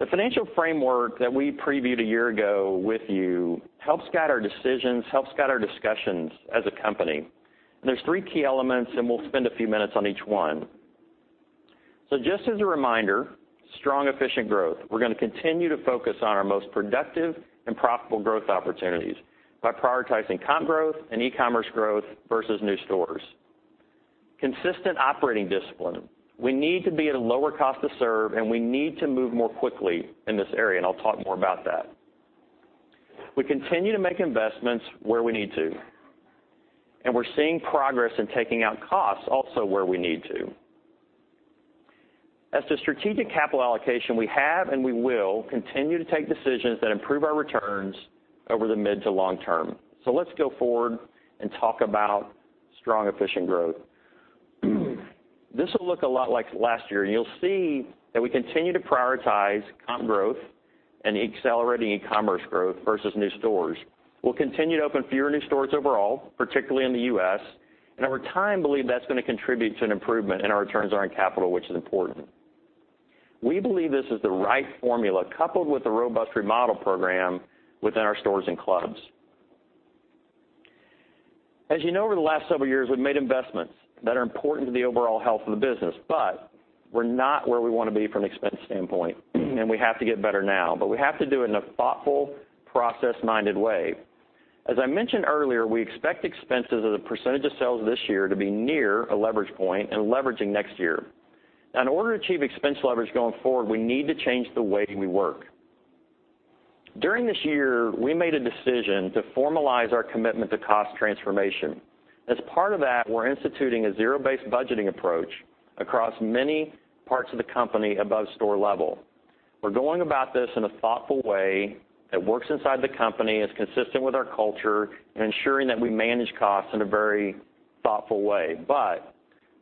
The financial framework that we previewed a year ago with you helps guide our decisions, helps guide our discussions as a company. There's three key elements, we'll spend a few minutes on each one. Just as a reminder, strong, efficient growth. We're going to continue to focus on our most productive and profitable growth opportunities by prioritizing comp growth and e-commerce growth versus new stores. Consistent operating discipline. We need to be at a lower cost to serve, we need to move more quickly in this area, I'll talk more about that. We continue to make investments where we need to, we're seeing progress in taking out costs also where we need to. As to strategic capital allocation, we have and we will continue to take decisions that improve our returns over the mid to long term. Let's go forward and talk about strong, efficient growth. This will look a lot like last year, and you'll see that we continue to prioritize comp growth and accelerating e-commerce growth versus new stores. We'll continue to open fewer new stores overall, particularly in the U.S., over time, believe that's going to contribute to an improvement in our returns on our capital, which is important. We believe this is the right formula, coupled with the robust remodel program within our stores and clubs. As you know, over the last several years, we've made investments that are important to the overall health of the business, we're not where we want to be from an expense standpoint, we have to get better now. We have to do it in a thoughtful, process-minded way. As I mentioned earlier, we expect expenses as a percentage of sales this year to be near a leverage point and leveraging next year. In order to achieve expense leverage going forward, we need to change the way we work. During this year, we made a decision to formalize our commitment to cost transformation. As part of that, we're instituting a zero-based budgeting approach across many parts of the company above store level. We're going about this in a thoughtful way that works inside the company, is consistent with our culture, and ensuring that we manage costs in a very thoughtful way.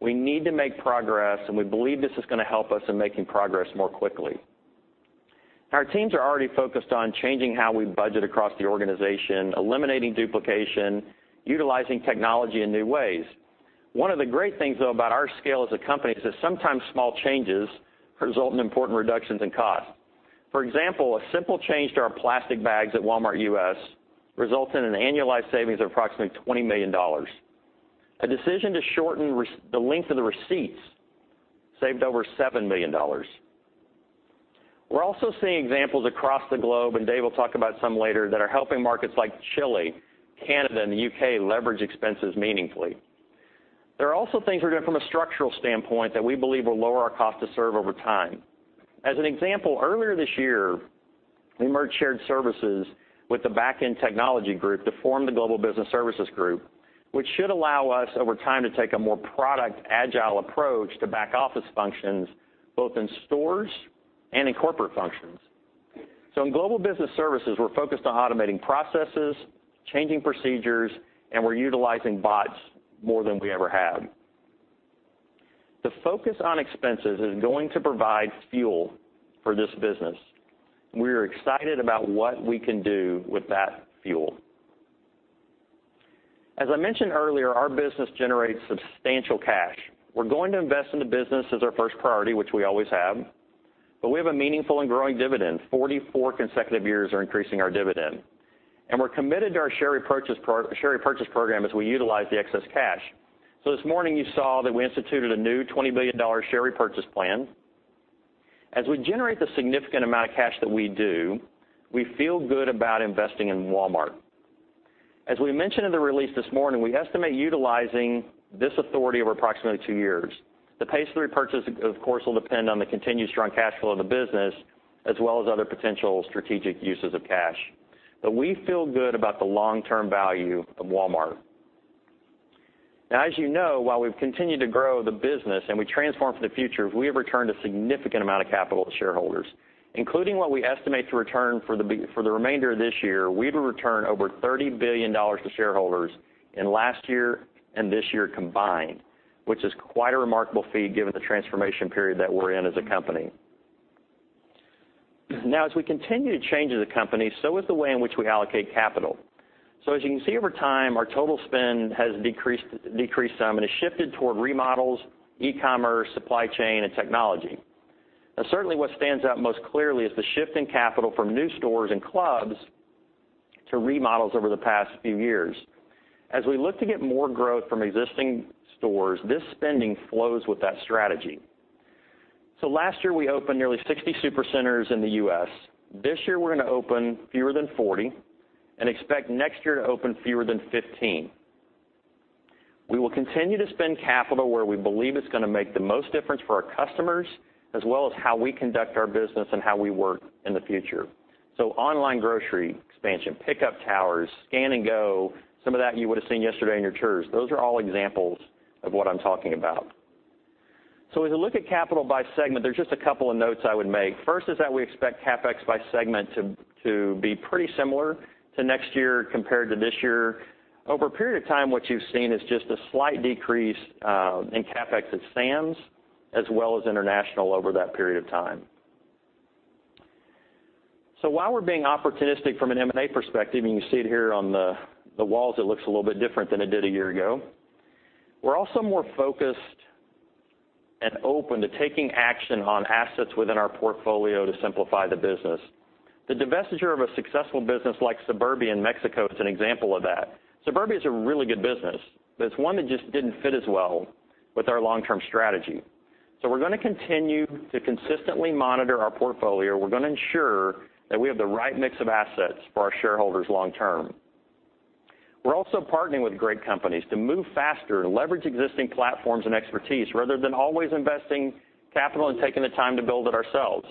We need to make progress, and we believe this is going to help us in making progress more quickly. Our teams are already focused on changing how we budget across the organization, eliminating duplication, utilizing technology in new ways. One of the great things, though, about our scale as a company is that sometimes small changes result in important reductions in cost. For example, a simple change to our plastic bags at Walmart U.S. results in an annualized savings of approximately $20 million. A decision to shorten the length of the receipts saved over $7 million. We're also seeing examples across the globe, and Dave will talk about some later, that are helping markets like Chile, Canada, and the U.K. leverage expenses meaningfully. There are also things we're doing from a structural standpoint that we believe will lower our cost to serve over time. As an example, earlier this year, we merged shared services with the back-end technology group to form the Global Business Services group, which should allow us over time to take a more product agile approach to back-office functions, both in stores and in corporate functions. In Global Business Services, we're focused on automating processes, changing procedures, and we're utilizing bots more than we ever have. The focus on expenses is going to provide fuel for this business. We're excited about what we can do with that fuel. As I mentioned earlier, our business generates substantial cash. We're going to invest in the business as our first priority, which we always have, but we have a meaningful and growing dividend. 44 consecutive years are increasing our dividend. We're committed to our share repurchase program as we utilize the excess cash. This morning you saw that we instituted a new $20 billion share repurchase plan. As we generate the significant amount of cash that we do, we feel good about investing in Walmart. As we mentioned in the release this morning, we estimate utilizing this authority over approximately two years. The pace of repurchase, of course, will depend on the continued strong cash flow of the business as well as other potential strategic uses of cash. We feel good about the long-term value of Walmart. As you know, while we've continued to grow the business and we transform for the future, we have returned a significant amount of capital to shareholders. Including what we estimate to return for the remainder of this year, we will return over $30 billion to shareholders in last year and this year combined, which is quite a remarkable feat given the transformation period that we're in as a company. As we continue to change as a company, so is the way in which we allocate capital. As you can see over time, our total spend has decreased some and has shifted toward remodels, e-commerce, supply chain, and technology. Certainly, what stands out most clearly is the shift in capital from new stores and clubs to remodels over the past few years. As we look to get more growth from existing stores, this spending flows with that strategy. Last year, we opened nearly 60 Supercenters in the U.S. This year, we're going to open fewer than 40 and expect next year to open fewer than 15. We will continue to spend capital where we believe it's going to make the most difference for our customers, as well as how we conduct our business and how we work in the future. Online grocery expansion, pickup towers, Scan & Go, some of that you would've seen yesterday on your tours. Those are all examples of what I'm talking about. As I look at capital by segment, there's just a couple of notes I would make. First is that we expect CapEx by segment to be pretty similar to next year compared to this year. Over a period of time, what you've seen is just a slight decrease in CapEx at Sam's as well as International over that period of time. While we're being opportunistic from an M&A perspective, and you see it here on the walls, it looks a little bit different than it did a year ago. We're also more focused and open to taking action on assets within our portfolio to simplify the business. The divestiture of a successful business like Suburbia in Mexico is an example of that. Suburbia's a really good business, but it's one that just didn't fit as well with our long-term strategy. We're going to continue to consistently monitor our portfolio. We're going to ensure that we have the right mix of assets for our shareholders long term. We're also partnering with great companies to move faster and leverage existing platforms and expertise rather than always investing capital and taking the time to build it ourselves.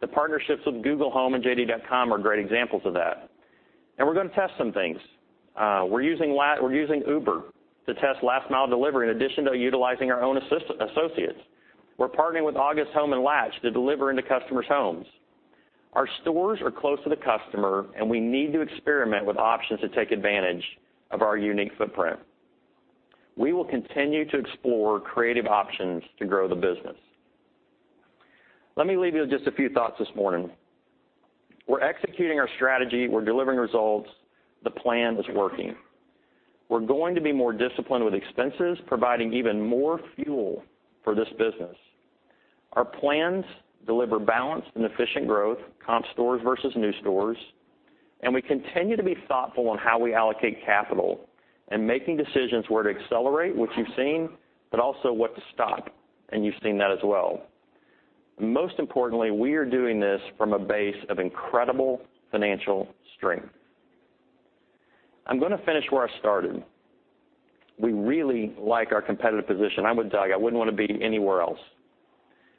The partnerships with Google Home and JD.com are great examples of that. We're going to test some things. We're using Uber to test last-mile delivery in addition to utilizing our own associates. We're partnering with August Home and Latch to deliver into customers' homes. Our stores are close to the customer, and we need to experiment with options to take advantage of our unique footprint. We will continue to explore creative options to grow the business. Let me leave you with just a few thoughts this morning. We're executing our strategy. We're delivering results. The plan is working. We're going to be more disciplined with expenses, providing even more fuel for this business. Our plans deliver balanced and efficient growth, comp stores versus new stores, and we continue to be thoughtful on how we allocate capital and making decisions where to accelerate, which you've seen, but also what to stop, and you've seen that as well. Most importantly, we are doing this from a base of incredible financial strength. I'm going to finish where I started. We really like our competitive position. I would tell you, I wouldn't want to be anywhere else.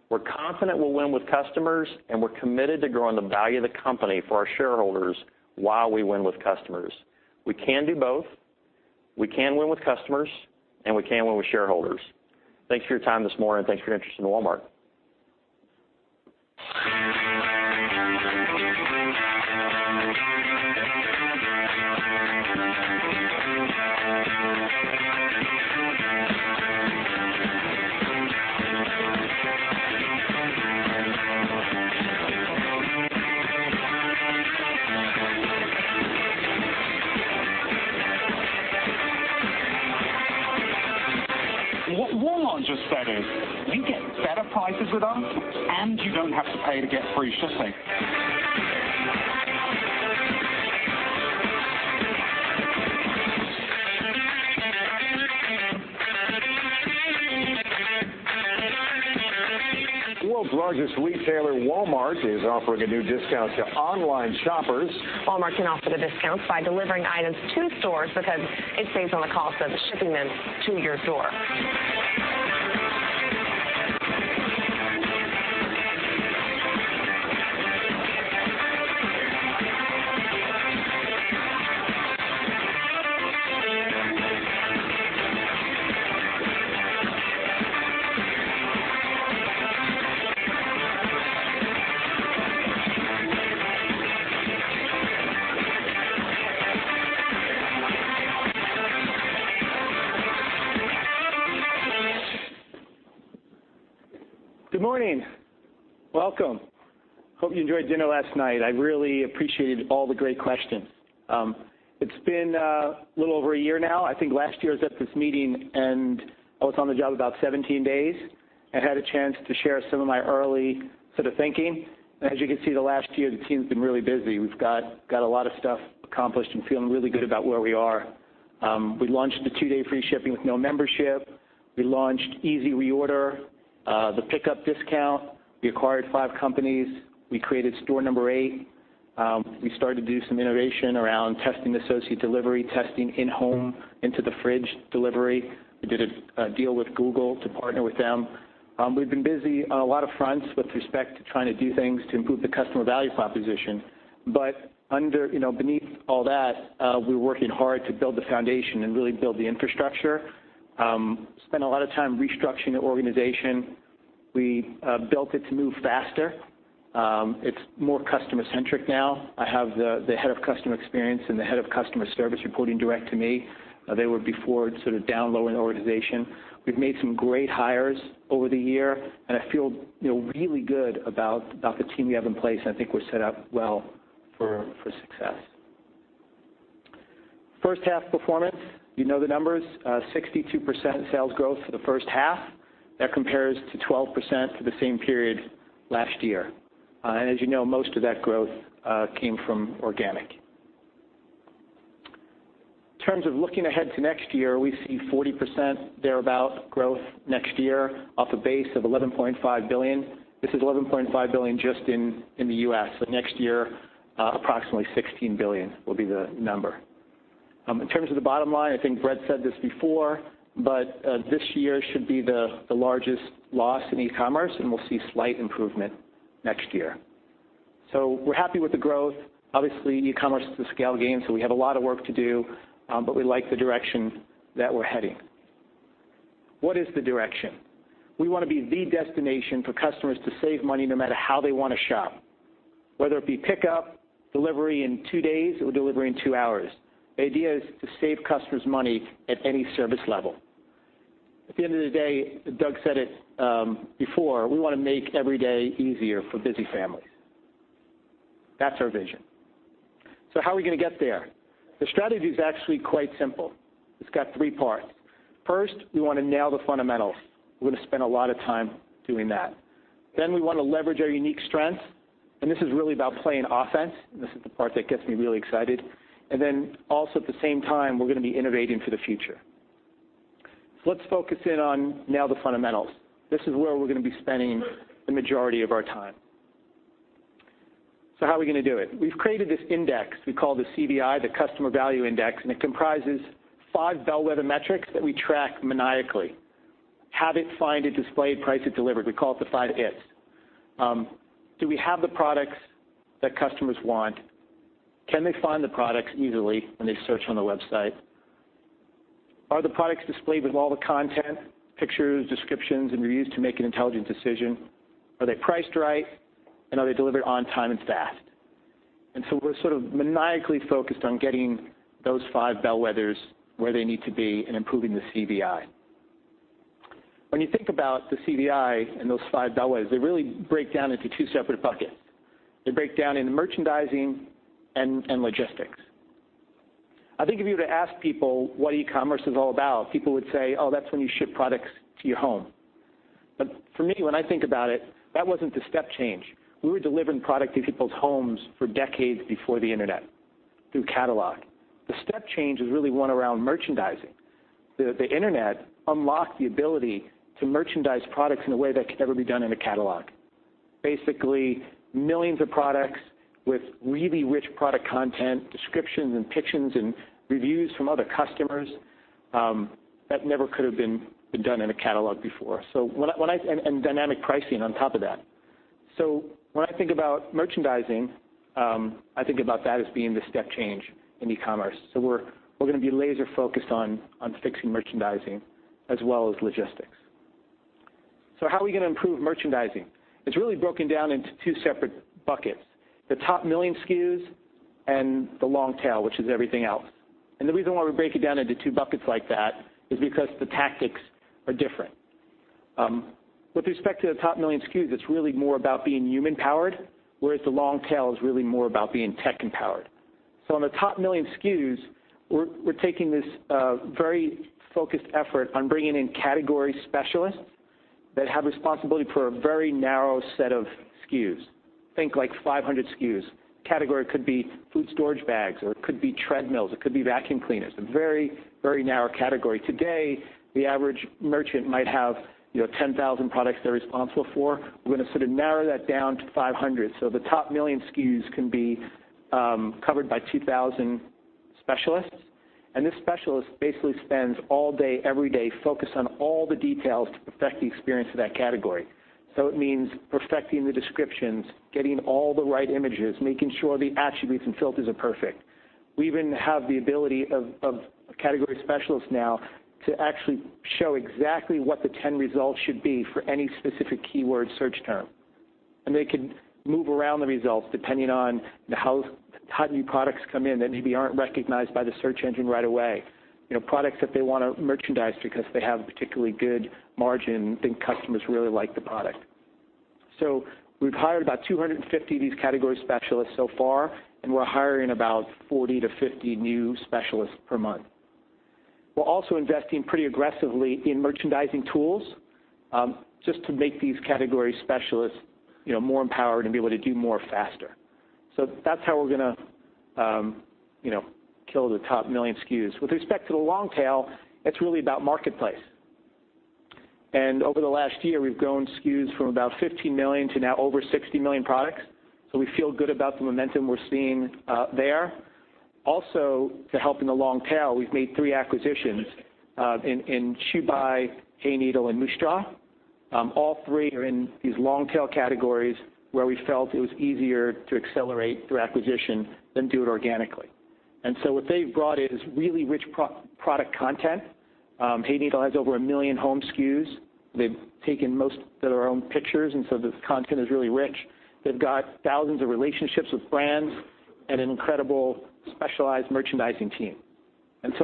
We're confident we'll win with customers, and we're committed to growing the value of the company for our shareholders while we win with customers. We can do both. We can win with customers, and we can win with shareholders. Thanks for your time this morning. Thanks for your interest in Walmart. What Walmart just said is, "You get better prices with us, and you don't have to pay to get free shipping. World's largest retailer, Walmart, is offering a new discount to online shoppers. Walmart can offer the discounts by delivering items to stores because it saves on the cost of shipping them to your door. Good morning. Welcome. Hope you enjoyed dinner last night. I really appreciated all the great questions. It's been a little over a year now. I think last year I was at this meeting, I was on the job about 17 days and had a chance to share some of my early sort of thinking. As you can see the last year, the team's been really busy. We've got a lot of stuff accomplished and feeling really good about where we are. We launched the two-day free shipping with no membership. We launched easy reorder, the pickup discount. We acquired five companies. We created Store No. 8. We started to do some innovation around testing associate delivery, testing in-home into the fridge delivery. We did a deal with Google to partner with them. We've been busy on a lot of fronts with respect to trying to do things to improve the customer value proposition. Beneath all that, we're working hard to build the foundation and really build the infrastructure. Spent a lot of time restructuring the organization. We built it to move faster. It's more customer-centric now. I have the head of customer experience and the head of customer service reporting direct to me. They were before sort of down low in the organization. We've made some great hires over the year. I feel really good about the team we have in place, and I think we're set up well for success. First half performance, you know the numbers, 62% sales growth for the first half. That compares to 12% for the same period last year. As you know, most of that growth came from organic. In terms of looking ahead to next year, we see 40% thereabout growth next year off a base of $11.5 billion. This is $11.5 billion just in the U.S., so next year, approximately $16 billion will be the number. In terms of the bottom line, I think Brett said this before, this year should be the largest loss in e-commerce, and we'll see slight improvement next year. We're happy with the growth. Obviously, e-commerce is a scale game. We have a lot of work to do, but we like the direction that we're heading. What is the direction? We want to be the destination for customers to save money no matter how they want to shop, whether it be pickup, delivery in two days, or delivery in two hours. The idea is to save customers money at any service level. At the end of the day, Doug said it before, we want to make every day easier for busy families. That's our vision. How are we going to get there? The strategy is actually quite simple. It's got three parts. First, we want to nail the fundamentals. We're going to spend a lot of time doing that. We want to leverage our unique strengths, and this is really about playing offense. This is the part that gets me really excited. Then also at the same time, we're going to be innovating for the future. Let's focus in on nail the fundamentals. This is where we're going to be spending the majority of our time. How are we going to do it? We've created this index we call the CVI, the customer value index, and it comprises five bellwether metrics that we track maniacally. Have it, find it, display it, price it, deliver it. We call it the five Is. Do we have the products that customers want? Can they find the products easily when they search on the website? Are the products displayed with all the content, pictures, descriptions, and reviews to make an intelligent decision? Are they priced right? Are they delivered on time and fast? We're sort of maniacally focused on getting those five bellwethers where they need to be and improving the CVI. When you think about the CVI and those five bellwethers, they really break down into two separate buckets. They break down into merchandising and logistics. I think if you were to ask people what e-commerce is all about, people would say, "Oh, that's when you ship products to your home." For me, when I think about it, that wasn't the step change. We were delivering product to people's homes for decades before the internet through catalog. The step change is really one around merchandising. The internet unlocked the ability to merchandise products in a way that could never be done in a catalog. Basically, millions of products with really rich product content, descriptions and pictures and reviews from other customers. That never could have been done in a catalog before. Dynamic pricing on top of that. When I think about merchandising, I think about that as being the step change in e-commerce. We're going to be laser-focused on fixing merchandising as well as logistics. How are we going to improve merchandising? It's really broken down into two separate buckets, the top million SKUs and the long tail, which is everything else. The reason why we break it down into two buckets like that is because the tactics are different. With respect to the top million SKUs, it's really more about being human-powered, whereas the long tail is really more about being tech-empowered. On the top million SKUs, we're taking this very focused effort on bringing in category specialists that have responsibility for a very narrow set of SKUs. Think like 500 SKUs. Category could be food storage bags, or it could be treadmills. It could be vacuum cleaners. A very narrow category. Today, the average merchant might have 10,000 products they're responsible for. We're going to sort of narrow that down to 500. The top million SKUs can be covered by 2,000 specialists, and this specialist basically spends all day, every day, focused on all the details to perfect the experience of that category. It means perfecting the descriptions, getting all the right images, making sure the attributes and filters are perfect. We even have the ability of category specialists now to actually show exactly what the 10 results should be for any specific keyword search term. They can move around the results depending on how new products come in that maybe aren't recognized by the search engine right away. Products that they want to merchandise because they have a particularly good margin and customers really like the product. We've hired about 250 of these category specialists so far, and we're hiring about 40-50 new specialists per month. We're also investing pretty aggressively in merchandising tools, just to make these category specialists more empowered and be able to do more faster. That's how we're going to kill the top million SKUs. With respect to the long tail, it's really about marketplace. Over the last year, we've grown SKUs from about 15 million to now over 60 million products. We feel good about the momentum we're seeing there. Also, to help in the long tail, we've made three acquisitions, in ShoeBuy, Hayneedle, and Moosejaw. All three are in these long-tail categories where we felt it was easier to accelerate through acquisition than do it organically. What they've brought is really rich product content. Hayneedle has over 1 million home SKUs. They've taken most that are their own pictures. The content is really rich. They've got thousands of relationships with brands and an incredible specialized merchandising team.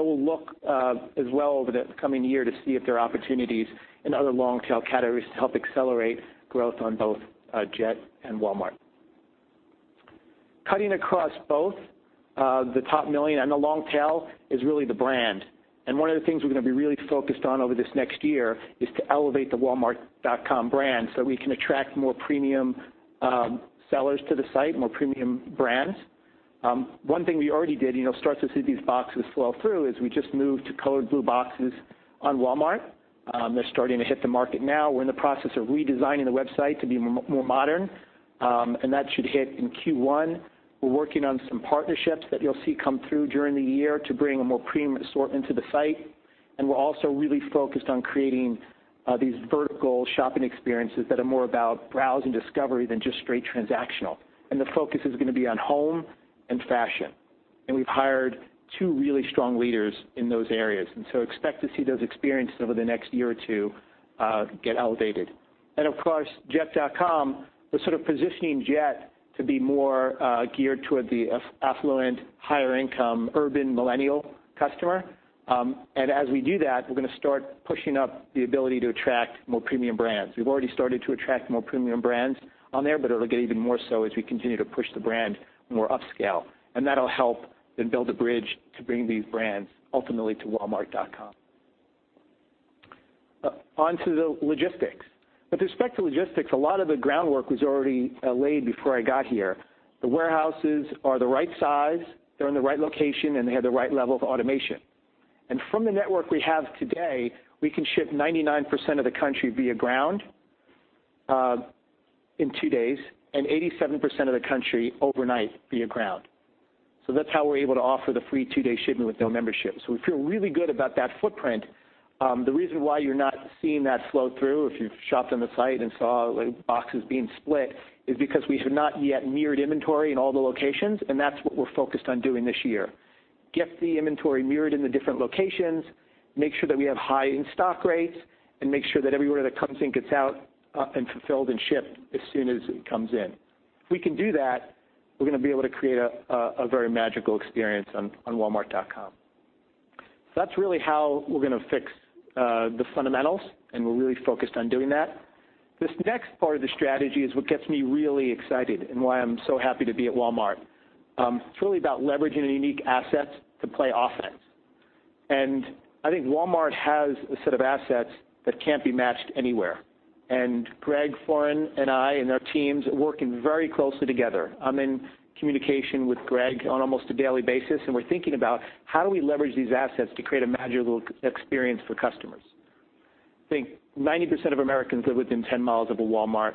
We'll look as well over the coming year to see if there are opportunities in other long-tail categories to help accelerate growth on both Jet and Walmart. Cutting across both the top 1 million and the long tail is really the brand. One of the things we're going to be really focused on over this next year is to elevate the walmart.com brand so we can attract more premium sellers to the site, more premium brands. One thing we already did, you start to see these boxes flow through, is we just moved to colored blue boxes on Walmart. They're starting to hit the market now. We're in the process of redesigning the website to be more modern. That should hit in Q1. We're working on some partnerships that you'll see come through during the year to bring a more premium assortment to the site. We're also really focused on creating these vertical shopping experiences that are more about browse and discovery than just straight transactional. The focus is going to be on home and fashion. We've hired two really strong leaders in those areas. Expect to see those experiences over the next year or two get elevated. Of course, jet.com, we're sort of positioning Jet to be more geared toward the affluent, higher income, urban millennial customer. As we do that, we're going to start pushing up the ability to attract more premium brands. We've already started to attract more premium brands on there, but it'll get even more so as we continue to push the brand more upscale. That'll help then build a bridge to bring these brands ultimately to walmart.com. Onto the logistics. With respect to logistics, a lot of the groundwork was already laid before I got here. The warehouses are the right size, they're in the right location, and they have the right level of automation. From the network we have today, we can ship 99% of the country via ground in 2 days, and 87% of the country overnight via ground. That's how we're able to offer the free 2-day shipping with no membership. We feel really good about that footprint. The reason why you're not seeing that flow through, if you've shopped on the site and saw boxes being split, is because we have not yet mirrored inventory in all the locations, and that's what we're focused on doing this year. Get the inventory mirrored in the different locations, make sure that we have high in-stock rates, and make sure that every order that comes in gets out and fulfilled and shipped as soon as it comes in. If we can do that, we're going to be able to create a very magical experience on walmart.com. That's really how we're going to fix the fundamentals, and we're really focused on doing that. This next part of the strategy is what gets me really excited and why I'm so happy to be at Walmart. It's really about leveraging the unique assets to play offense. I think Walmart has a set of assets that can't be matched anywhere. Greg Foran and I and our teams are working very closely together. I'm in communication with Greg on almost a daily basis, and we're thinking about how do we leverage these assets to create a magical experience for customers. Think 90% of Americans live within 10 miles of a Walmart.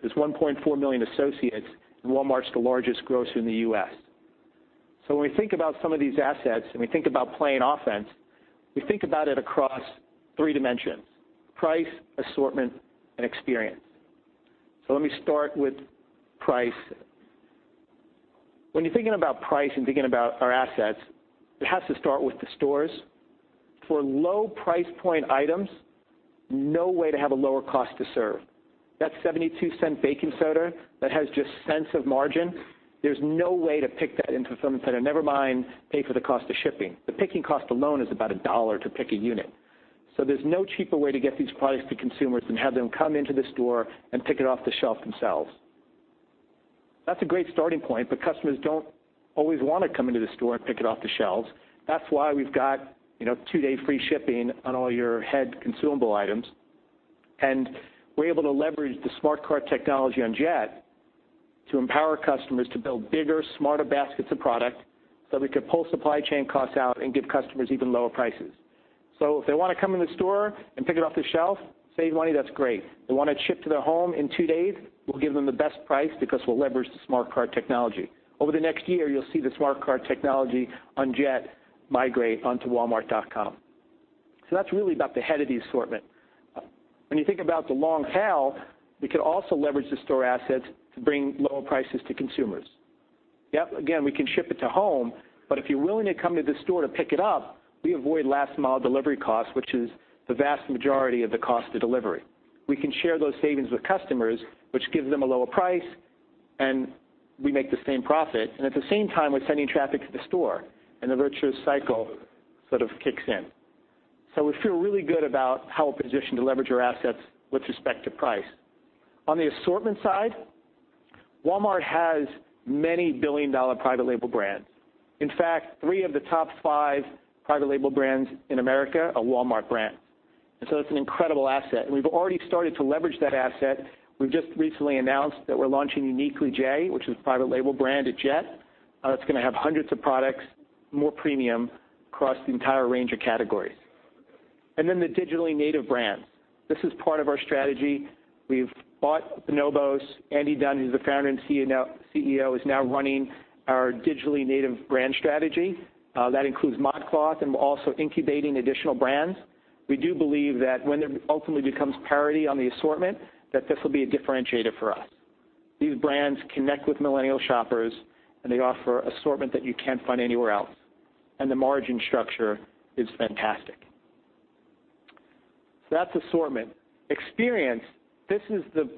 There's 1.4 million associates, and Walmart's the largest grocer in the U.S. When we think about some of these assets, and we think about playing offense, we think about it across three dimensions: price, assortment, and experience. Let me start with price. When you're thinking about price and thinking about our assets, it has to start with the stores. For low price point items, no way to have a lower cost to serve. That $0.72 baking soda that has just cents of margin, there's no way to pick that in fulfillment center, never mind pay for the cost of shipping. The picking cost alone is about $1 to pick a unit. There's no cheaper way to get these products to consumers than have them come into the store and pick it off the shelf themselves. That's a great starting point, but customers don't always want to come into the store and pick it off the shelves. That's why we've got two-day free shipping on all your head consumable items. We're able to leverage the Smart Cart technology on Jet to empower customers to build bigger, smarter baskets of product so we can pull supply chain costs out and give customers even lower prices. If they want to come in the store and pick it off the shelf, save money, that's great. They want it shipped to their home in two days, we'll give them the best price because we'll leverage the Smart Cart technology. Over the next year, you'll see the Smart Cart technology on Jet migrate onto walmart.com. That's really about the head of the assortment. When you think about the long tail, we could also leverage the store assets to bring lower prices to consumers. Again, we can ship it to home, but if you're willing to come to the store to pick it up, we avoid last mile delivery costs, which is the vast majority of the cost to delivery. We can share those savings with customers, which gives them a lower price, and we make the same profit. At the same time, we're sending traffic to the store, the virtuous cycle sort of kicks in. We feel really good about how we're positioned to leverage our assets with respect to price. On the assortment side, Walmart has many billion-dollar private label brands. In fact, three of the top five private label brands in America are Walmart brands. It's an incredible asset. We've already started to leverage that asset. We've just recently announced that we're launching Uniquely J, which is a private label brand at Jet. It's going to have hundreds of products, more premium across the entire range of categories. The digitally native brands. This is part of our strategy. We've bought Bonobos. Andy Dunn, who's the Founder and CEO, is now running our digitally native brand strategy. That includes ModCloth, and we're also incubating additional brands. We do believe that when there ultimately becomes parity on the assortment, this will be a differentiator for us. These brands connect with millennial shoppers, and they offer assortment that you can't find anywhere else. The margin structure is fantastic. That's assortment. Experience, this is the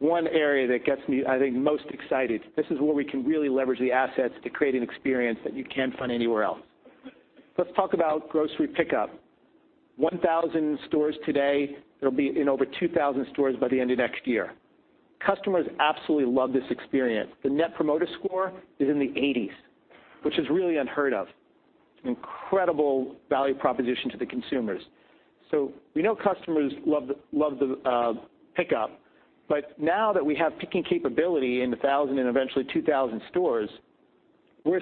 one area that gets me, I think, most excited. This is where we can really leverage the assets to create an experience that you can't find anywhere else. Let's talk about grocery pickup. 1,000 stores today. It'll be in over 2,000 stores by the end of next year. Customers absolutely love this experience. The net promoter score is in the 80s, which is really unheard of. Incredible value proposition to the consumers. We know customers love the pickup, now that we have picking capability in the 1,000 and eventually 2,000 stores, we're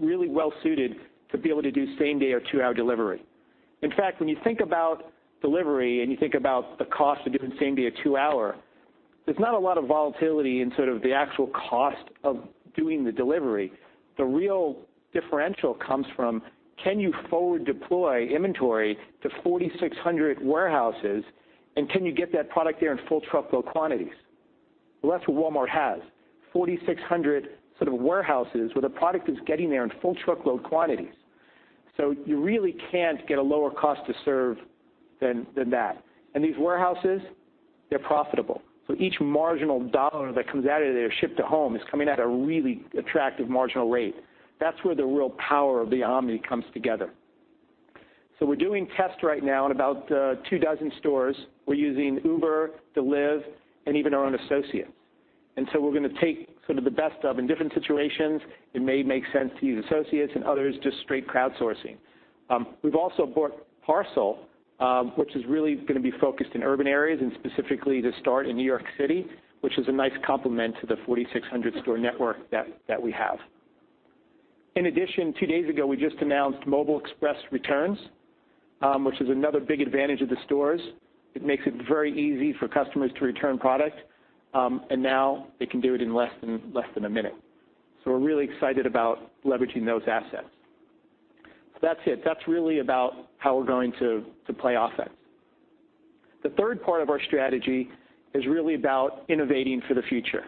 really well suited to be able to do same-day or two-hour delivery. In fact, when you think about delivery and you think about the cost of doing same-day or two-hour, there's not a lot of volatility in sort of the actual cost of doing the delivery. The real differential comes from can you forward deploy inventory to 4,600 warehouses, and can you get that product there in full truckload quantities? That's what Walmart has, 4,600 sort of warehouses where the product is getting there in full truckload quantities. You really can't get a lower cost to serve than that. These warehouses, they're profitable. Each marginal dollar that comes out of their ship to home is coming at a really attractive marginal rate. That's where the real power of the omni comes together. We're doing tests right now in about two dozen stores. We're using Uber, Deliv, and even our own associates. We're going to take sort of the best of. In different situations, it may make sense to use associates, and others, just straight crowdsourcing. We've also bought Parcel, which is really going to be focused in urban areas and specifically to start in New York City, which is a nice complement to the 4,600-store network that we have. In addition, two days ago, we just announced Mobile Express Returns, which is another big advantage of the stores. It makes it very easy for customers to return product, and now they can do it in less than a minute. We're really excited about leveraging those assets. That's it. That's really about how we're going to play offense. The third part of our strategy is really about innovating for the future.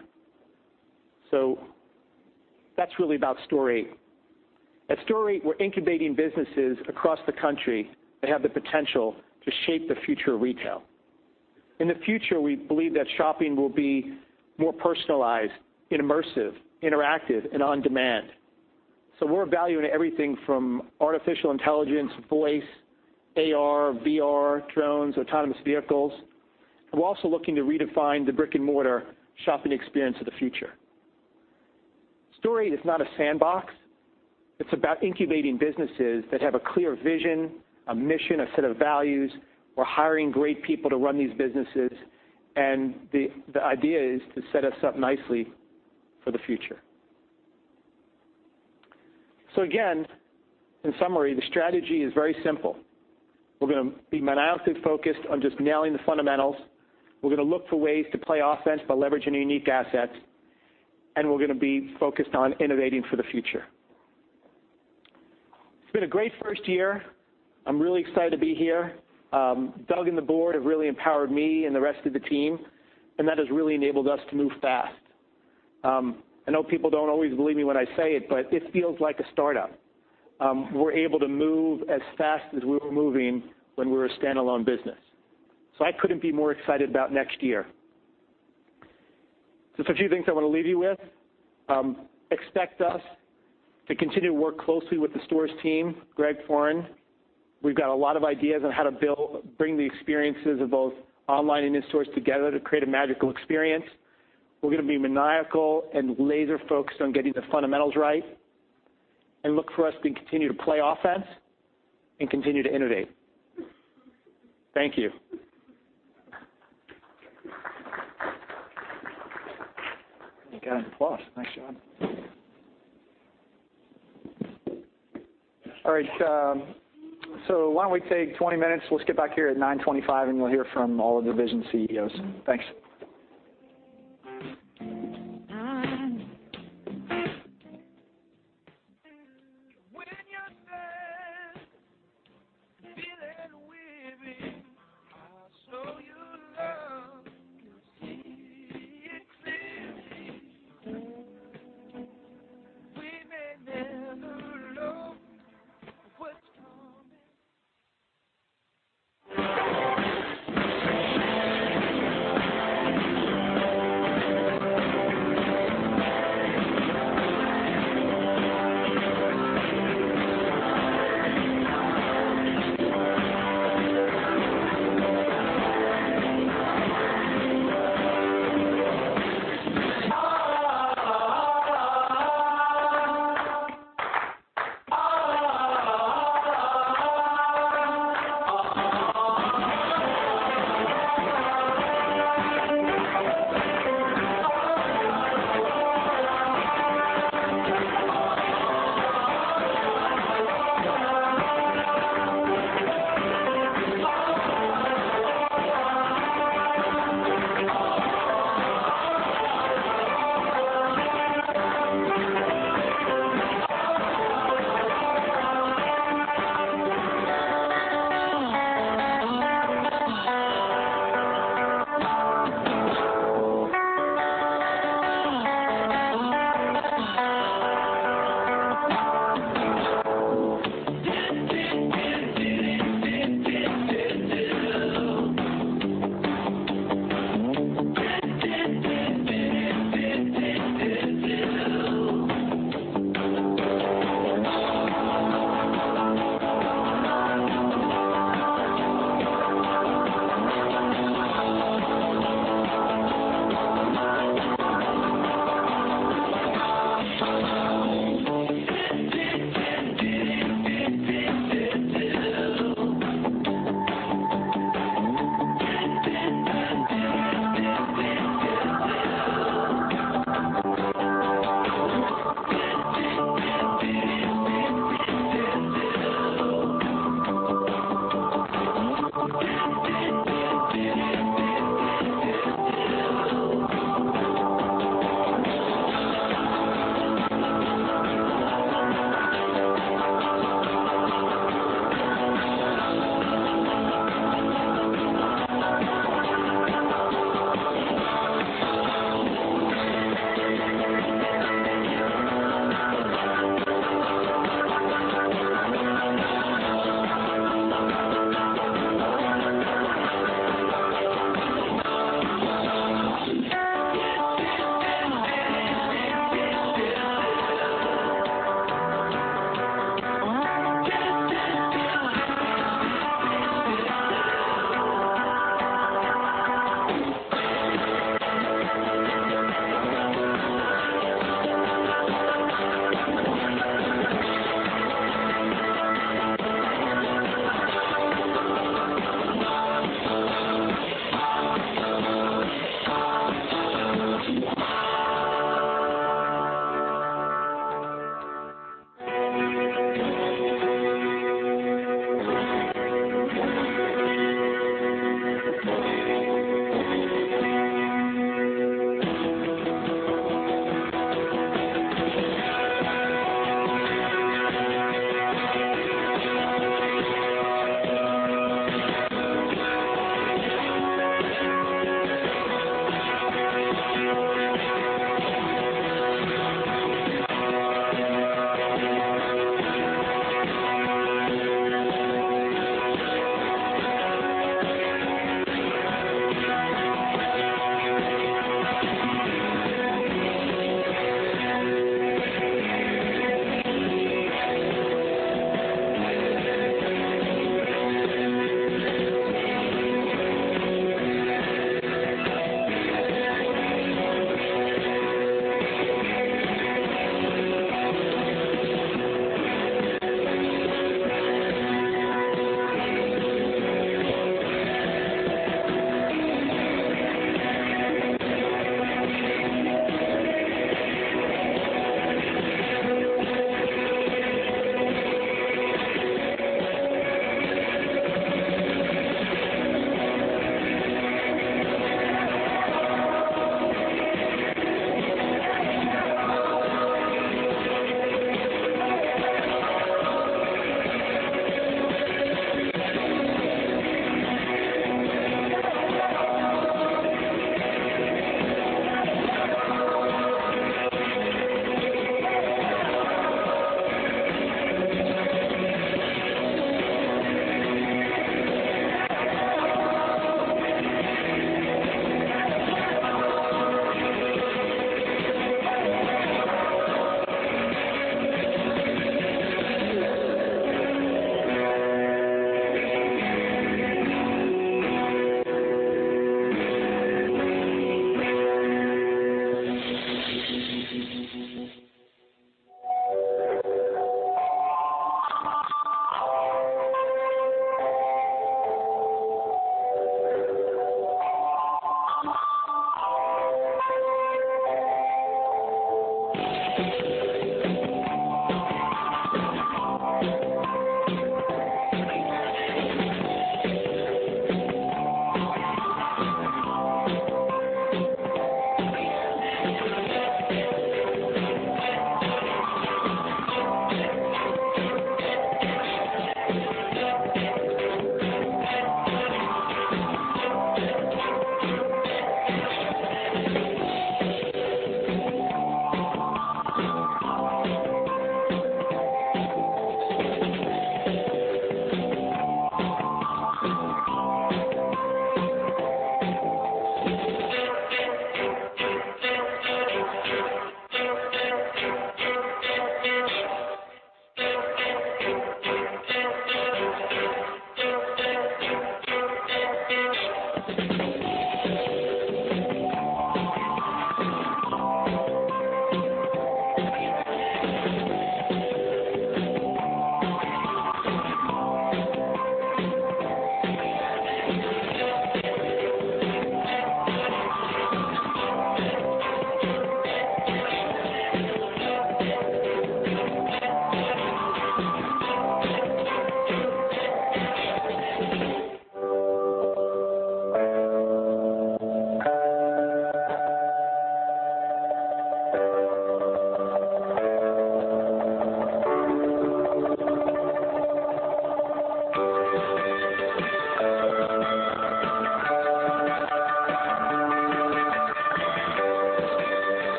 That's really about Store #8. At Store #8, we're incubating businesses across the country that have the potential to shape the future of retail. In the future, we believe that shopping will be more personalized and immersive, interactive, and on-demand. We're valuing everything from artificial intelligence, voice, AR, VR, drones, autonomous vehicles. We're also looking to redefine the brick-and-mortar shopping experience of the future. Store #8 is not a sandbox. It's about incubating businesses that have a clear vision, a mission, a set of values. We're hiring great people to run these businesses, and the idea is to set us up nicely for the future. Again, in summary, the strategy is very simple. We're going to be maniacally focused on just nailing the fundamentals. We're going to look for ways to play offense by leveraging unique assets. We're going to be focused on innovating for the future. It's been a great first year. I'm really excited to be here. Doug and the board have really empowered me and the rest of the team, and that has really enabled us to move fast. I know people don't always believe me when I say it, but it feels like a startup. We're able to move as fast as we were moving when we were a standalone business. I couldn't be more excited about next year. Some few things I want to leave you with. Expect us to continue to work closely with the stores team, Greg Foran. We've got a lot of ideas on how to bring the experiences of both online and in stores together to create a magical experience. We're going to be maniacal and laser-focused on getting the fundamentals right. Look for us to continue to play offense and continue to innovate. Thank you. You got an applause. Nice job. All right, why don't we take 20 minutes? We'll get back here at 9:25, and we'll hear from all the division CEOs. Thanks.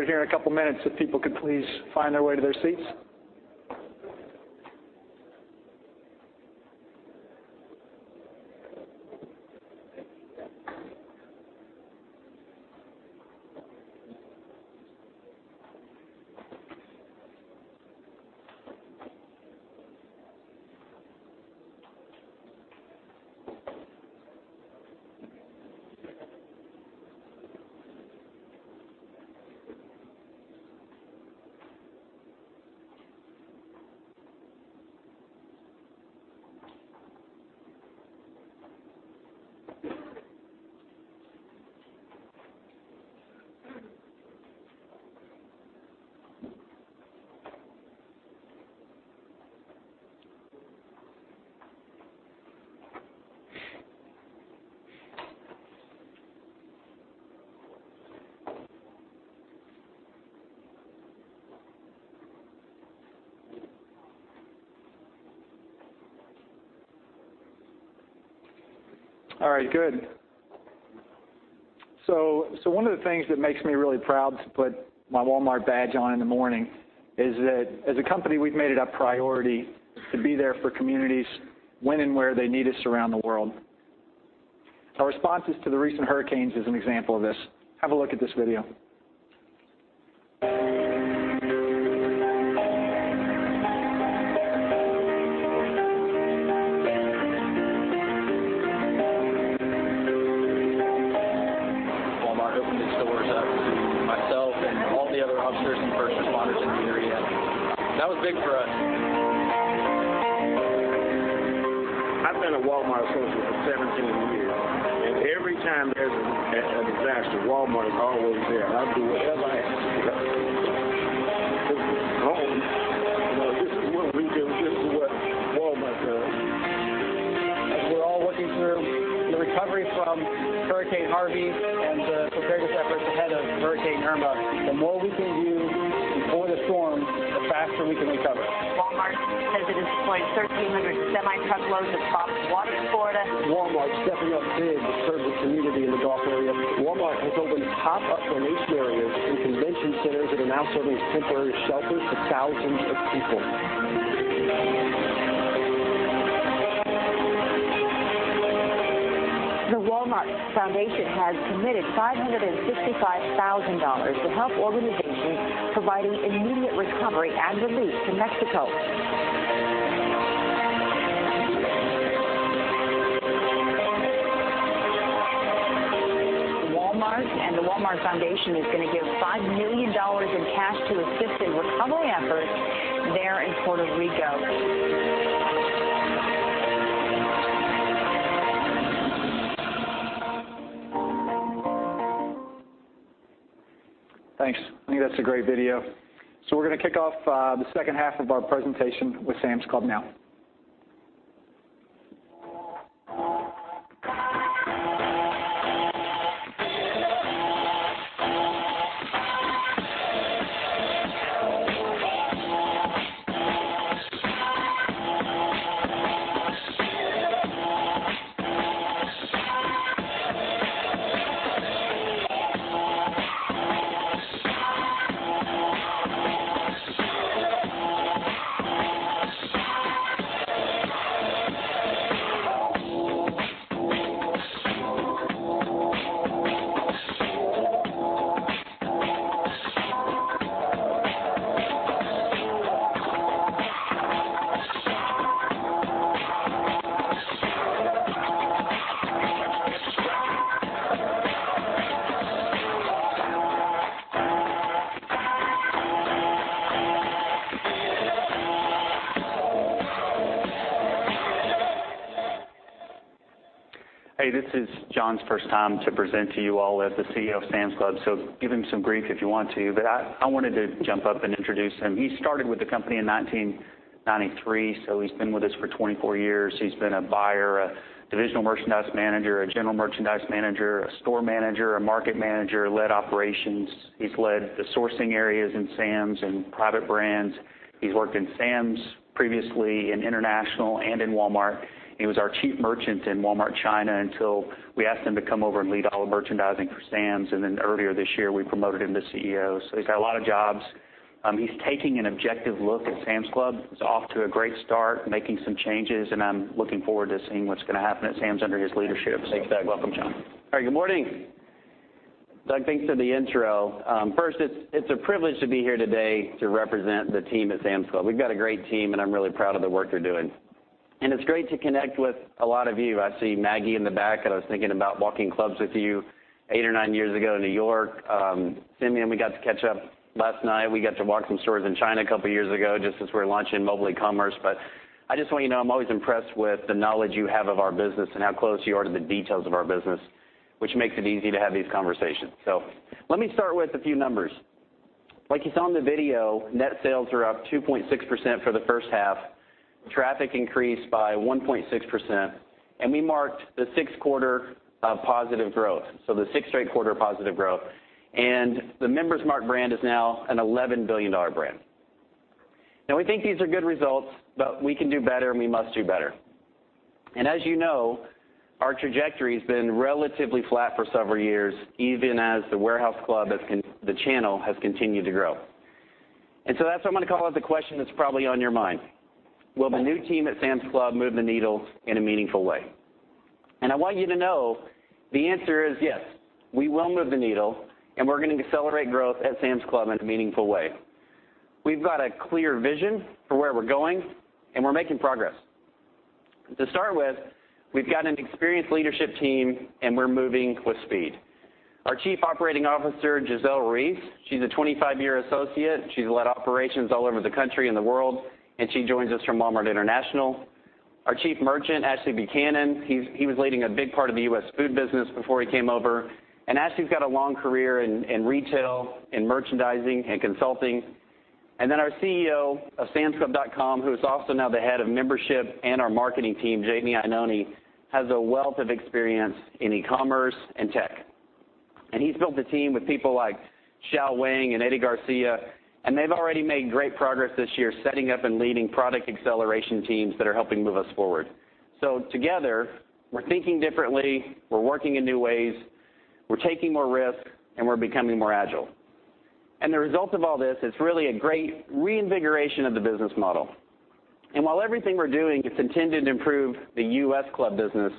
When you're sad, feeling weary. I'll show you love, you'll see it clearly. We may never know what's coming. All right, we're going to get started here in a couple minutes if people could please find their way to their seats. All right, good. One of the things that makes me really proud to put my Walmart badge on in the morning is that as a company, we've made it a priority to be there for communities when and where they need us around the world. Our responses to the recent hurricanes is an example of this. Have a look at this video. The Walmart Foundation has committed $565,000 to help organizations providing immediate recovery and relief to Mexico. Walmart and the Walmart Foundation is going to give $5 million in cash to assist in recovery efforts there in Puerto Rico. Thanks. I think that's a great video. We're going to kick off the second half of our presentation with Sam's Club now. Hey, this is John's first time to present to you all as the CEO of Sam's Club, so give him some grief if you want to. I wanted to jump up and introduce him. He started with the company in nineteen- 1993, so he's been with us for 24 years. He's been a buyer, a divisional merchandise manager, a general merchandise manager, a store manager, a market manager, led operations. He's led the sourcing areas in Sam's and private brands. He's worked in Sam's previously, in international, and in Walmart. He was our chief merchant in Walmart China until we asked him to come over and lead all the merchandising for Sam's. Earlier this year, we promoted him to CEO. He's got a lot of jobs. He's taking an objective look at Sam's Club. He's off to a great start, making some changes, and I'm looking forward to seeing what's going to happen at Sam's under his leadership. Thanks, Doug. Welcome, John. All right. Good morning. Doug, thanks for the intro. First, it's a privilege to be here today to represent the team at Sam's Club. We've got a great team, and I'm really proud of the work they're doing. It's great to connect with a lot of you. I see Maggie in the back, and I was thinking about walking clubs with you eight or nine years ago in New York. Simeon, we got to catch up last night. We got to walk some stores in China a couple of years ago, just as we were launching mobile e-commerce. I just want you to know, I'm always impressed with the knowledge you have of our business and how close you are to the details of our business, which makes it easy to have these conversations. Let me start with a few numbers. Like you saw in the video, net sales are up 2.6% for the first half. Traffic increased by 1.6%. We marked the sixth quarter of positive growth, the sixth straight quarter of positive growth. The Member's Mark brand is now an $11 billion brand. Now, we think these are good results, but we can do better and we must do better. As you know, our trajectory has been relatively flat for several years, even as the warehouse club, the channel, has continued to grow. That's what I'm going to call as the question that's probably on your mind. Will the new team at Sam's Club move the needle in a meaningful way? I want you to know the answer is yes. We will move the needle, and we're going to accelerate growth at Sam's Club in a meaningful way. We've got a clear vision for where we're going, and we're making progress. To start with, we've got an experienced leadership team, and we're moving with speed. Our Chief Operating Officer, Gisel Ruiz, she's a 25-year associate. She's led operations all over the country and the world, and she joins us from Walmart International. Our Chief Merchant, Ashley Buchanan, he was leading a big part of the U.S. food business before he came over. Ashley's got a long career in retail, in merchandising, and consulting. Our CEO of samsclub.com, who is also now the head of membership and our marketing team, Jamie Iannone, has a wealth of experience in e-commerce and tech. He's built a team with people like Hsiao Wang and Eddie Garcia, and they've already made great progress this year, setting up and leading product acceleration teams that are helping move us forward. Together, we're thinking differently, we're working in new ways, we're taking more risks, and we're becoming more agile. The result of all this is really a great reinvigoration of the business model. While everything we're doing is intended to improve the U.S. club business,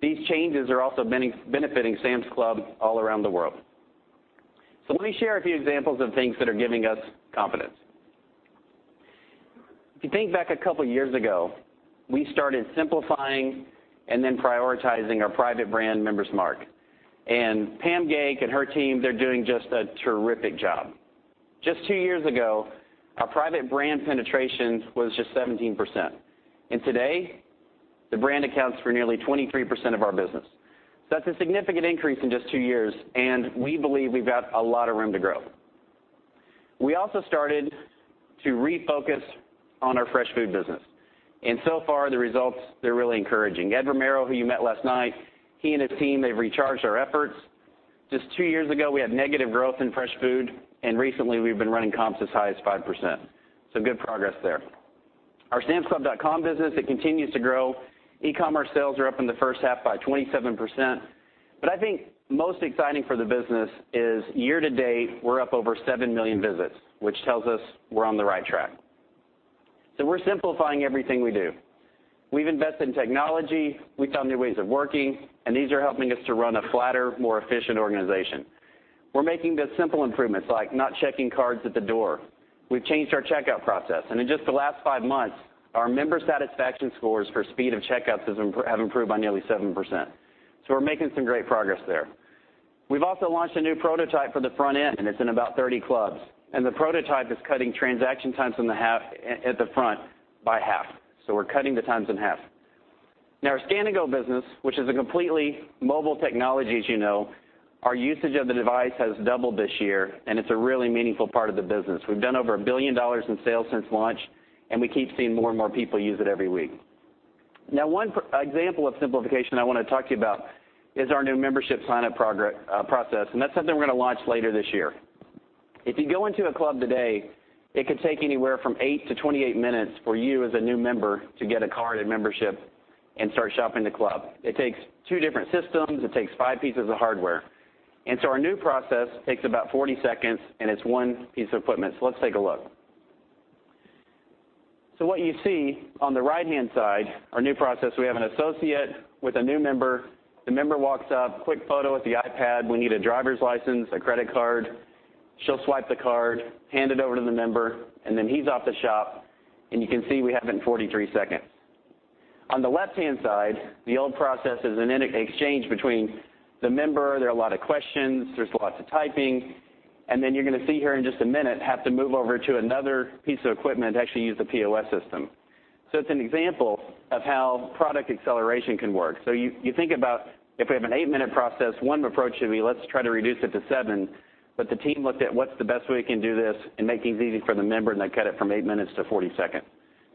these changes are also benefiting Sam's Club all around the world. Let me share a few examples of things that are giving us confidence. If you think back a couple of years ago, we started simplifying and then prioritizing our private brand, Member's Mark. Pam Gask and her team, they're doing just a terrific job. Just two years ago, our private brand penetration was just 17%. Today, the brand accounts for nearly 23% of our business. That's a significant increase in just two years, and we believe we've got a lot of room to grow. We also started to refocus on our fresh food business. So far, the results, they're really encouraging. Eduardo Romero, who you met last night, he and his team, they've recharged our efforts. Just two years ago, we had negative growth in fresh food, and recently we've been running comps as high as 5%. Good progress there. Our samsclub.com business, it continues to grow. E-commerce sales are up in the first half by 27%. I think most exciting for the business is year to date, we're up over 7 million visits, which tells us we're on the right track. We're simplifying everything we do. We've invested in technology, we've found new ways of working, and these are helping us to run a flatter, more efficient organization. We're making the simple improvements, like not checking cards at the door. We've changed our checkout process. In just the last five months, our member satisfaction scores for speed of checkouts have improved by nearly 7%. We're making some great progress there. We've also launched a new prototype for the front end. It's in about 30 clubs. The prototype is cutting transaction times at the front by half. We're cutting the times in half. Our Scan & Go business, which is a completely mobile technology, as you know, our usage of the device has doubled this year, and it's a really meaningful part of the business. We've done over $1 billion in sales since launch, and we keep seeing more and more people use it every week. One example of simplification I want to talk to you about is our new membership sign-up process. That's something we're going to launch later this year. If you go into a club today, it could take anywhere from eight to 28 minutes for you as a new member to get a card and membership and start shopping the club. It takes two different systems. It takes five pieces of hardware. Our new process takes about 40 seconds, and it's one piece of equipment. Let's take a look. What you see on the right-hand side, our new process, we have an associate with a new member. The member walks up, quick photo with the iPad. We need a driver's license, a credit card. She'll swipe the card, hand it over to the member. Then he's off to shop. You can see we have it in 43 seconds. On the left-hand side, the old process is an exchange between the member, there are a lot of questions, there's lots of typing. You're going to see here in just a minute, have to move over to another piece of equipment to actually use the POS system. It's an example of how product acceleration can work. You think about if we have an eight-minute process, one approach should be, let's try to reduce it to seven, but the team looked at what's the best way we can do this and make things easy for the member, and they cut it from eight minutes to 40 seconds.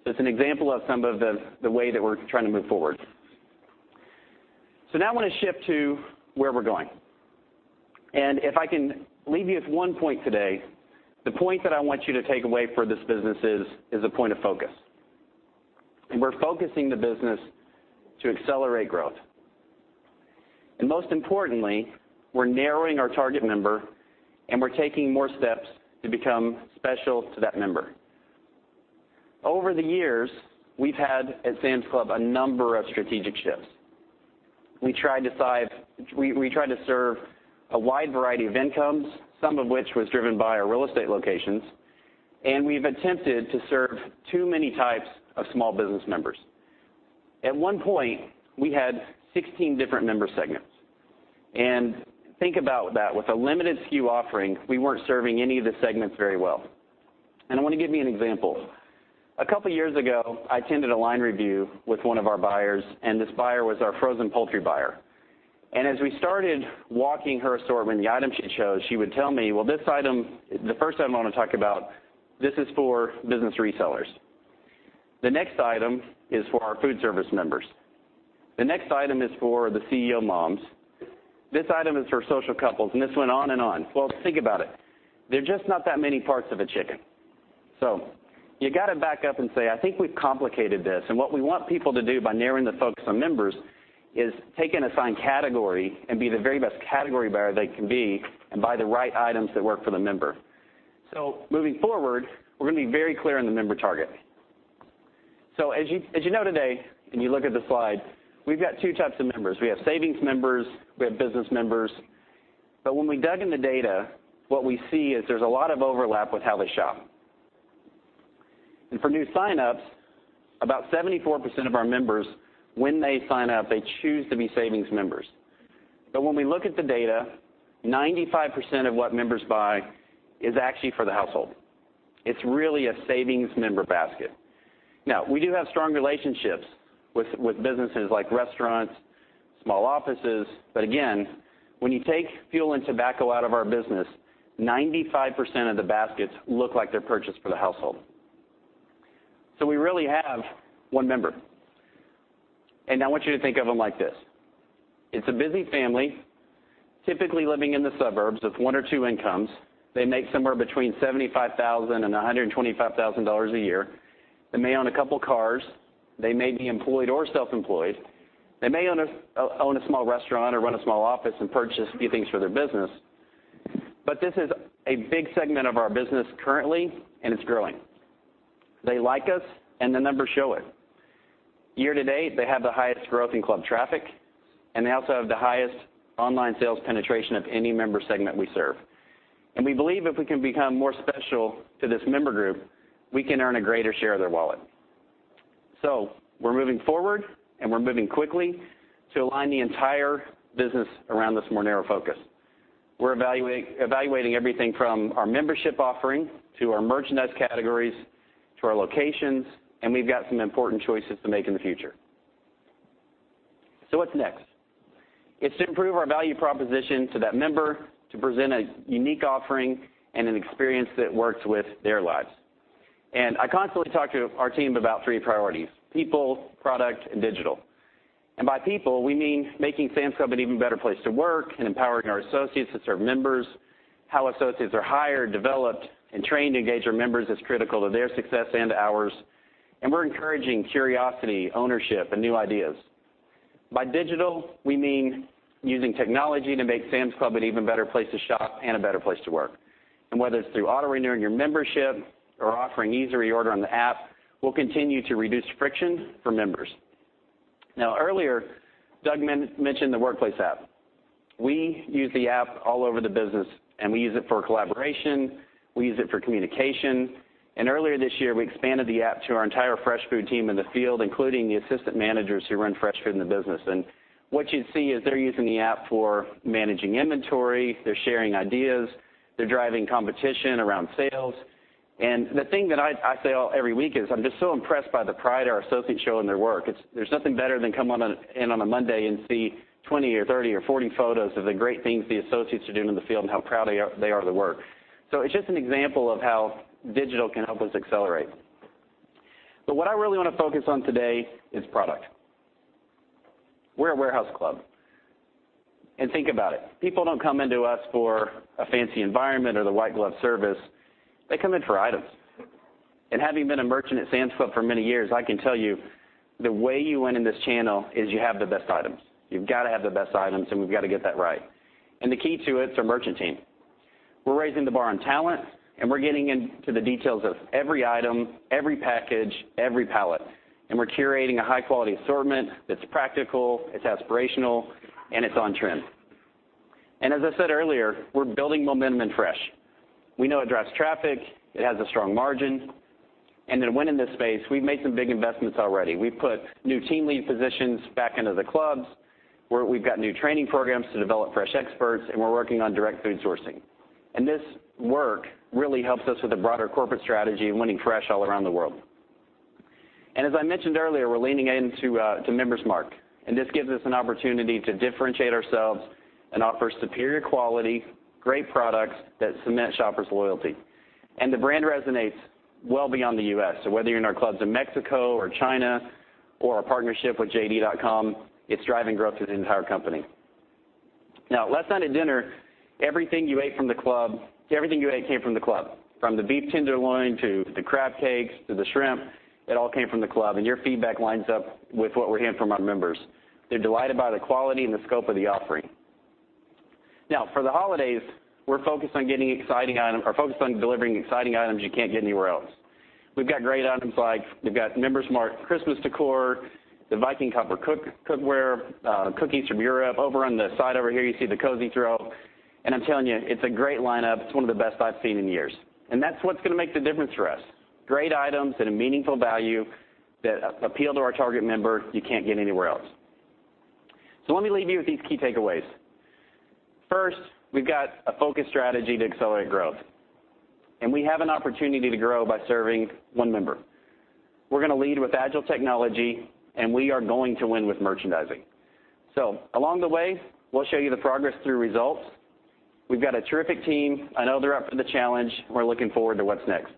It's an example of some of the way that we're trying to move forward. Now I want to shift to where we're going. If I can leave you with one point today, the point that I want you to take away for this business is a point of focus. We're focusing the business to accelerate growth. Most importantly, we're narrowing our target member and we're taking more steps to become special to that member. Over the years, we've had, at Sam's Club, a number of strategic shifts. We try to serve a wide variety of incomes, some of which was driven by our real estate locations, and we've attempted to serve too many types of small business members. At one point, we had 16 different member segments. Think about that. With a limited SKU offering, we weren't serving any of the segments very well. I want to give you an example. A couple of years ago, I attended a line review with one of our buyers, and this buyer was our frozen poultry buyer. As we started walking her assortment, the item she chose, she would tell me, "Well, this item, the first item I want to talk about, this is for business resellers. The next item is for our food service members. The next item is for the CEO moms. This item is for social couples," and this went on and on. Think about it. There are just not that many parts of a chicken. You got to back up and say, "I think we've complicated this." What we want people to do by narrowing the focus on members is take an assigned category and be the very best category buyer they can be and buy the right items that work for the member. Moving forward, we're going to be very clear on the member target. As you know today, when you look at the slide, we've got two types of members. We have savings members, we have business members. When we dug in the data, what we see is there's a lot of overlap with how they shop. For new signups, about 74% of our members, when they sign up, they choose to be savings members. When we look at the data, 95% of what members buy is actually for the household. It's really a savings member basket. We do have strong relationships with businesses like restaurants, small offices, but again, when you take fuel and tobacco out of our business, 95% of the baskets look like they're purchased for the household. We really have one member. I want you to think of them like this. It's a busy family, typically living in the suburbs with one or two incomes. They make somewhere between $75,000 and $125,000 a year. They may own a couple of cars. They may be employed or self-employed. They may own a small restaurant or run a small office and purchase a few things for their business. This is a big segment of our business currently, and it's growing. They like us, and the numbers show it. Year to date, they have the highest growth in club traffic, and they also have the highest online sales penetration of any member segment we serve. We believe if we can become more special to this member group, we can earn a greater share of their wallet. We're moving forward, and we're moving quickly to align the entire business around this more narrow focus. We're evaluating everything from our membership offering to our merchandise categories, to our locations, and we've got some important choices to make in the future. What's next? It's to improve our value proposition to that member, to present a unique offering and an experience that works with their lives. I constantly talk to our team about three priorities: people, product, and digital. By people, we mean making Sam's Club an even better place to work and empowering our associates to serve members. How associates are hired, developed, and trained to engage our members is critical to their success and ours. We're encouraging curiosity, ownership, and new ideas. By digital, we mean using technology to make Sam's Club an even better place to shop and a better place to work. Whether it's through auto-renewing your membership or offering easy reorder on the app, we'll continue to reduce friction for members. Earlier, Doug mentioned the Workplace app. We use the app all over the business, we use it for collaboration, we use it for communication. Earlier this year, we expanded the app to our entire fresh food team in the field, including the assistant managers who run fresh food in the business. What you'd see is they're using the app for managing inventory, they're sharing ideas, they're driving competition around sales. The thing that I say every week is I'm just so impressed by the pride our associates show in their work. There's nothing better than come in on a Monday and see 20 or 30 or 40 photos of the great things the associates are doing in the field and how proud they are of their work. It's just an example of how digital can help us accelerate. What I really want to focus on today is product. We're a warehouse club. Think about it. People don't come into us for a fancy environment or the white glove service. They come in for items. Having been a merchant at Sam's Club for many years, I can tell you the way you win in this channel is you have the best items. You've got to have the best items, and we've got to get that right. The key to it is our merchant team. We're raising the bar on talent, we're getting into the details of every item, every package, every pallet. We're curating a high-quality assortment that's practical, it's aspirational, it's on trend. As I said earlier, we're building momentum in fresh. We know it drives traffic, it has a strong margin. To win in this space, we've made some big investments already. We've put new team lead positions back into the clubs. We've got new training programs to develop fresh experts, we're working on direct food sourcing. This work really helps us with the broader corporate strategy of winning fresh all around the world. As I mentioned earlier, we're leaning into Member's Mark, this gives us an opportunity to differentiate ourselves and offer superior quality, great products that cement shoppers' loyalty. The brand resonates well beyond the U.S. Whether you're in our clubs in Mexico or China or our partnership with JD.com, it's driving growth through the entire company. Last night at dinner, everything you ate came from the club. From the beef tenderloin to the crab cakes to the shrimp, it all came from the club. Your feedback lines up with what we're hearing from our members. They're delighted by the quality and the scope of the offering. For the holidays, we're focused on delivering exciting items you can't get anywhere else. We've got great items like, we've got Member's Mark Christmas decor, the Viking copper cookware, cookies from Europe. Over on the side over here, you see the cozy throw. I'm telling you, it's a great lineup. It's one of the best I've seen in years. That's what's going to make the difference for us. Great items at a meaningful value that appeal to our target member you can't get anywhere else. Let me leave you with these key takeaways. First, we've got a focused strategy to accelerate growth. We have an opportunity to grow by serving One Member. We're going to lead with agile technology. We are going to win with merchandising. Along the way, we'll show you the progress through results. We've got a terrific team. I know they're up for the challenge. We're looking forward to what's next.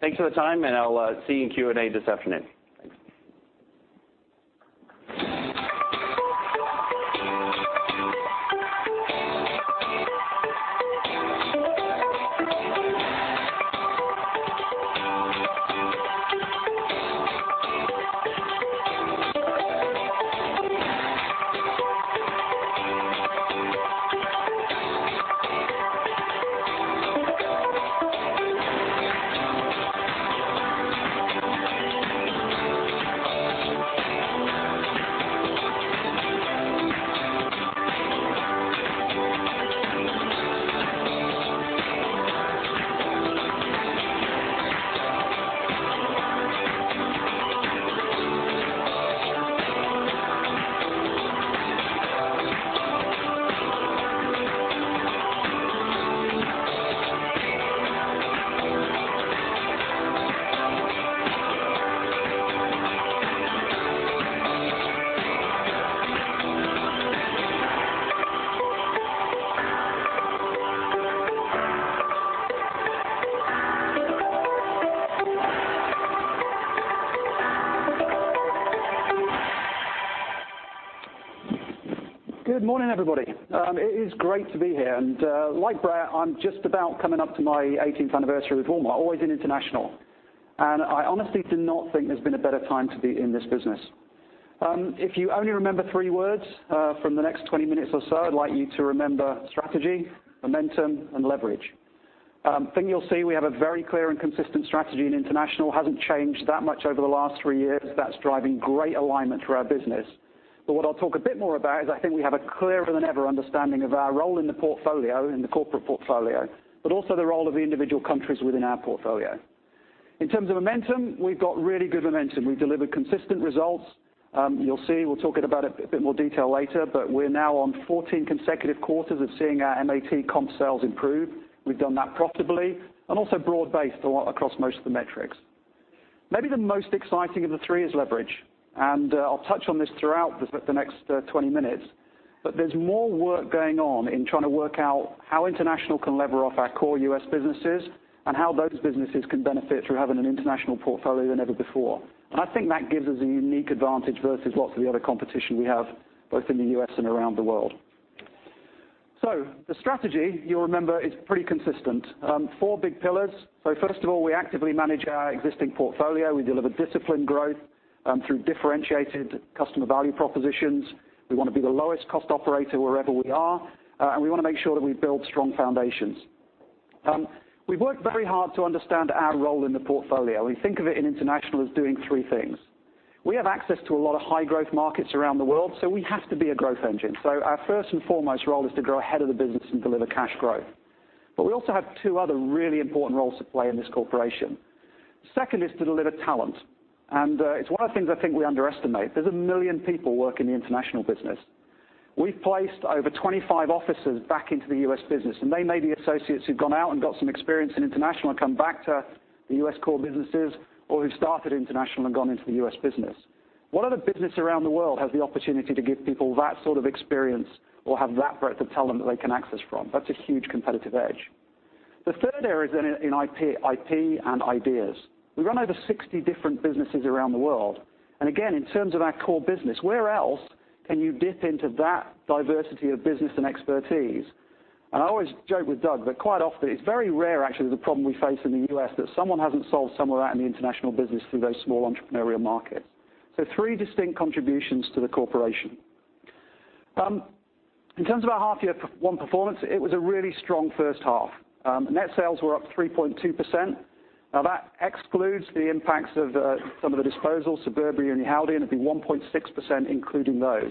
Thanks for the time. I'll see you in Q&A this afternoon. Thanks. Good morning, everybody. It is great to be here. Like Brett, I'm just about coming up to my 18th anniversary with Walmart, always in international. I honestly do not think there's been a better time to be in this business. If you only remember three words from the next 20 minutes or so, I'd like you to remember strategy, momentum, and leverage. Thing you'll see, we have a very clear and consistent strategy in international. Hasn't changed that much over the last three years. That's driving great alignment for our business. What I'll talk a bit more about is I think we have a clearer-than-ever understanding of our role in the portfolio, in the corporate portfolio, but also the role of the individual countries within our portfolio. In terms of momentum, we've got really good momentum. We've delivered consistent results. You'll see, we'll talk about it in a bit more detail later. We're now on 14 consecutive quarters of seeing our MAT comp sales improve. We've done that profitably and also broad-based across most of the metrics. Maybe the most exciting of the three is leverage. I'll touch on this throughout the next 20 minutes. There's more work going on in trying to work out how international can lever off our core U.S. businesses and how those businesses can benefit through having an international portfolio than ever before. I think that gives us a unique advantage versus lots of the other competition we have, both in the U.S. and around the world. The strategy, you'll remember, is pretty consistent. Four big pillars. First of all, we actively manage our existing portfolio. We deliver disciplined growth through differentiated customer value propositions. We want to be the lowest cost operator wherever we are. We want to make sure that we build strong foundations. We've worked very hard to understand our role in the portfolio. We think of it in international as doing three things. We have access to a lot of high-growth markets around the world. We have to be a growth engine. Our first and foremost role is to grow ahead of the business and deliver cash growth. We also have two other really important roles to play in this corporation. Second is to deliver talent. It's one of the things I think we underestimate. There's 1 million people working in the international business. We've placed over 25 officers back into the U.S. business, and they may be associates who've gone out and got some experience in international and come back to the U.S. core businesses or who started international and gone into the U.S. business. What other business around the world has the opportunity to give people that sort of experience or have that breadth of talent that they can access from? That's a huge competitive edge. The third area is in IP and ideas. We run over 60 different businesses around the world. Again, in terms of our core business, where else can you dip into that diversity of business and expertise? I always joke with Doug that quite often, it's very rare, actually, the problem we face in the U.S. that someone hasn't solved somewhere out in the international business through those small entrepreneurial markets. Three distinct contributions to the corporation. In terms of our half year one performance, it was a really strong first half. Net sales were up 3.2%. That excludes the impacts of some of the disposals, Suburbia and Yihaodian, and it'd be 1.6% including those.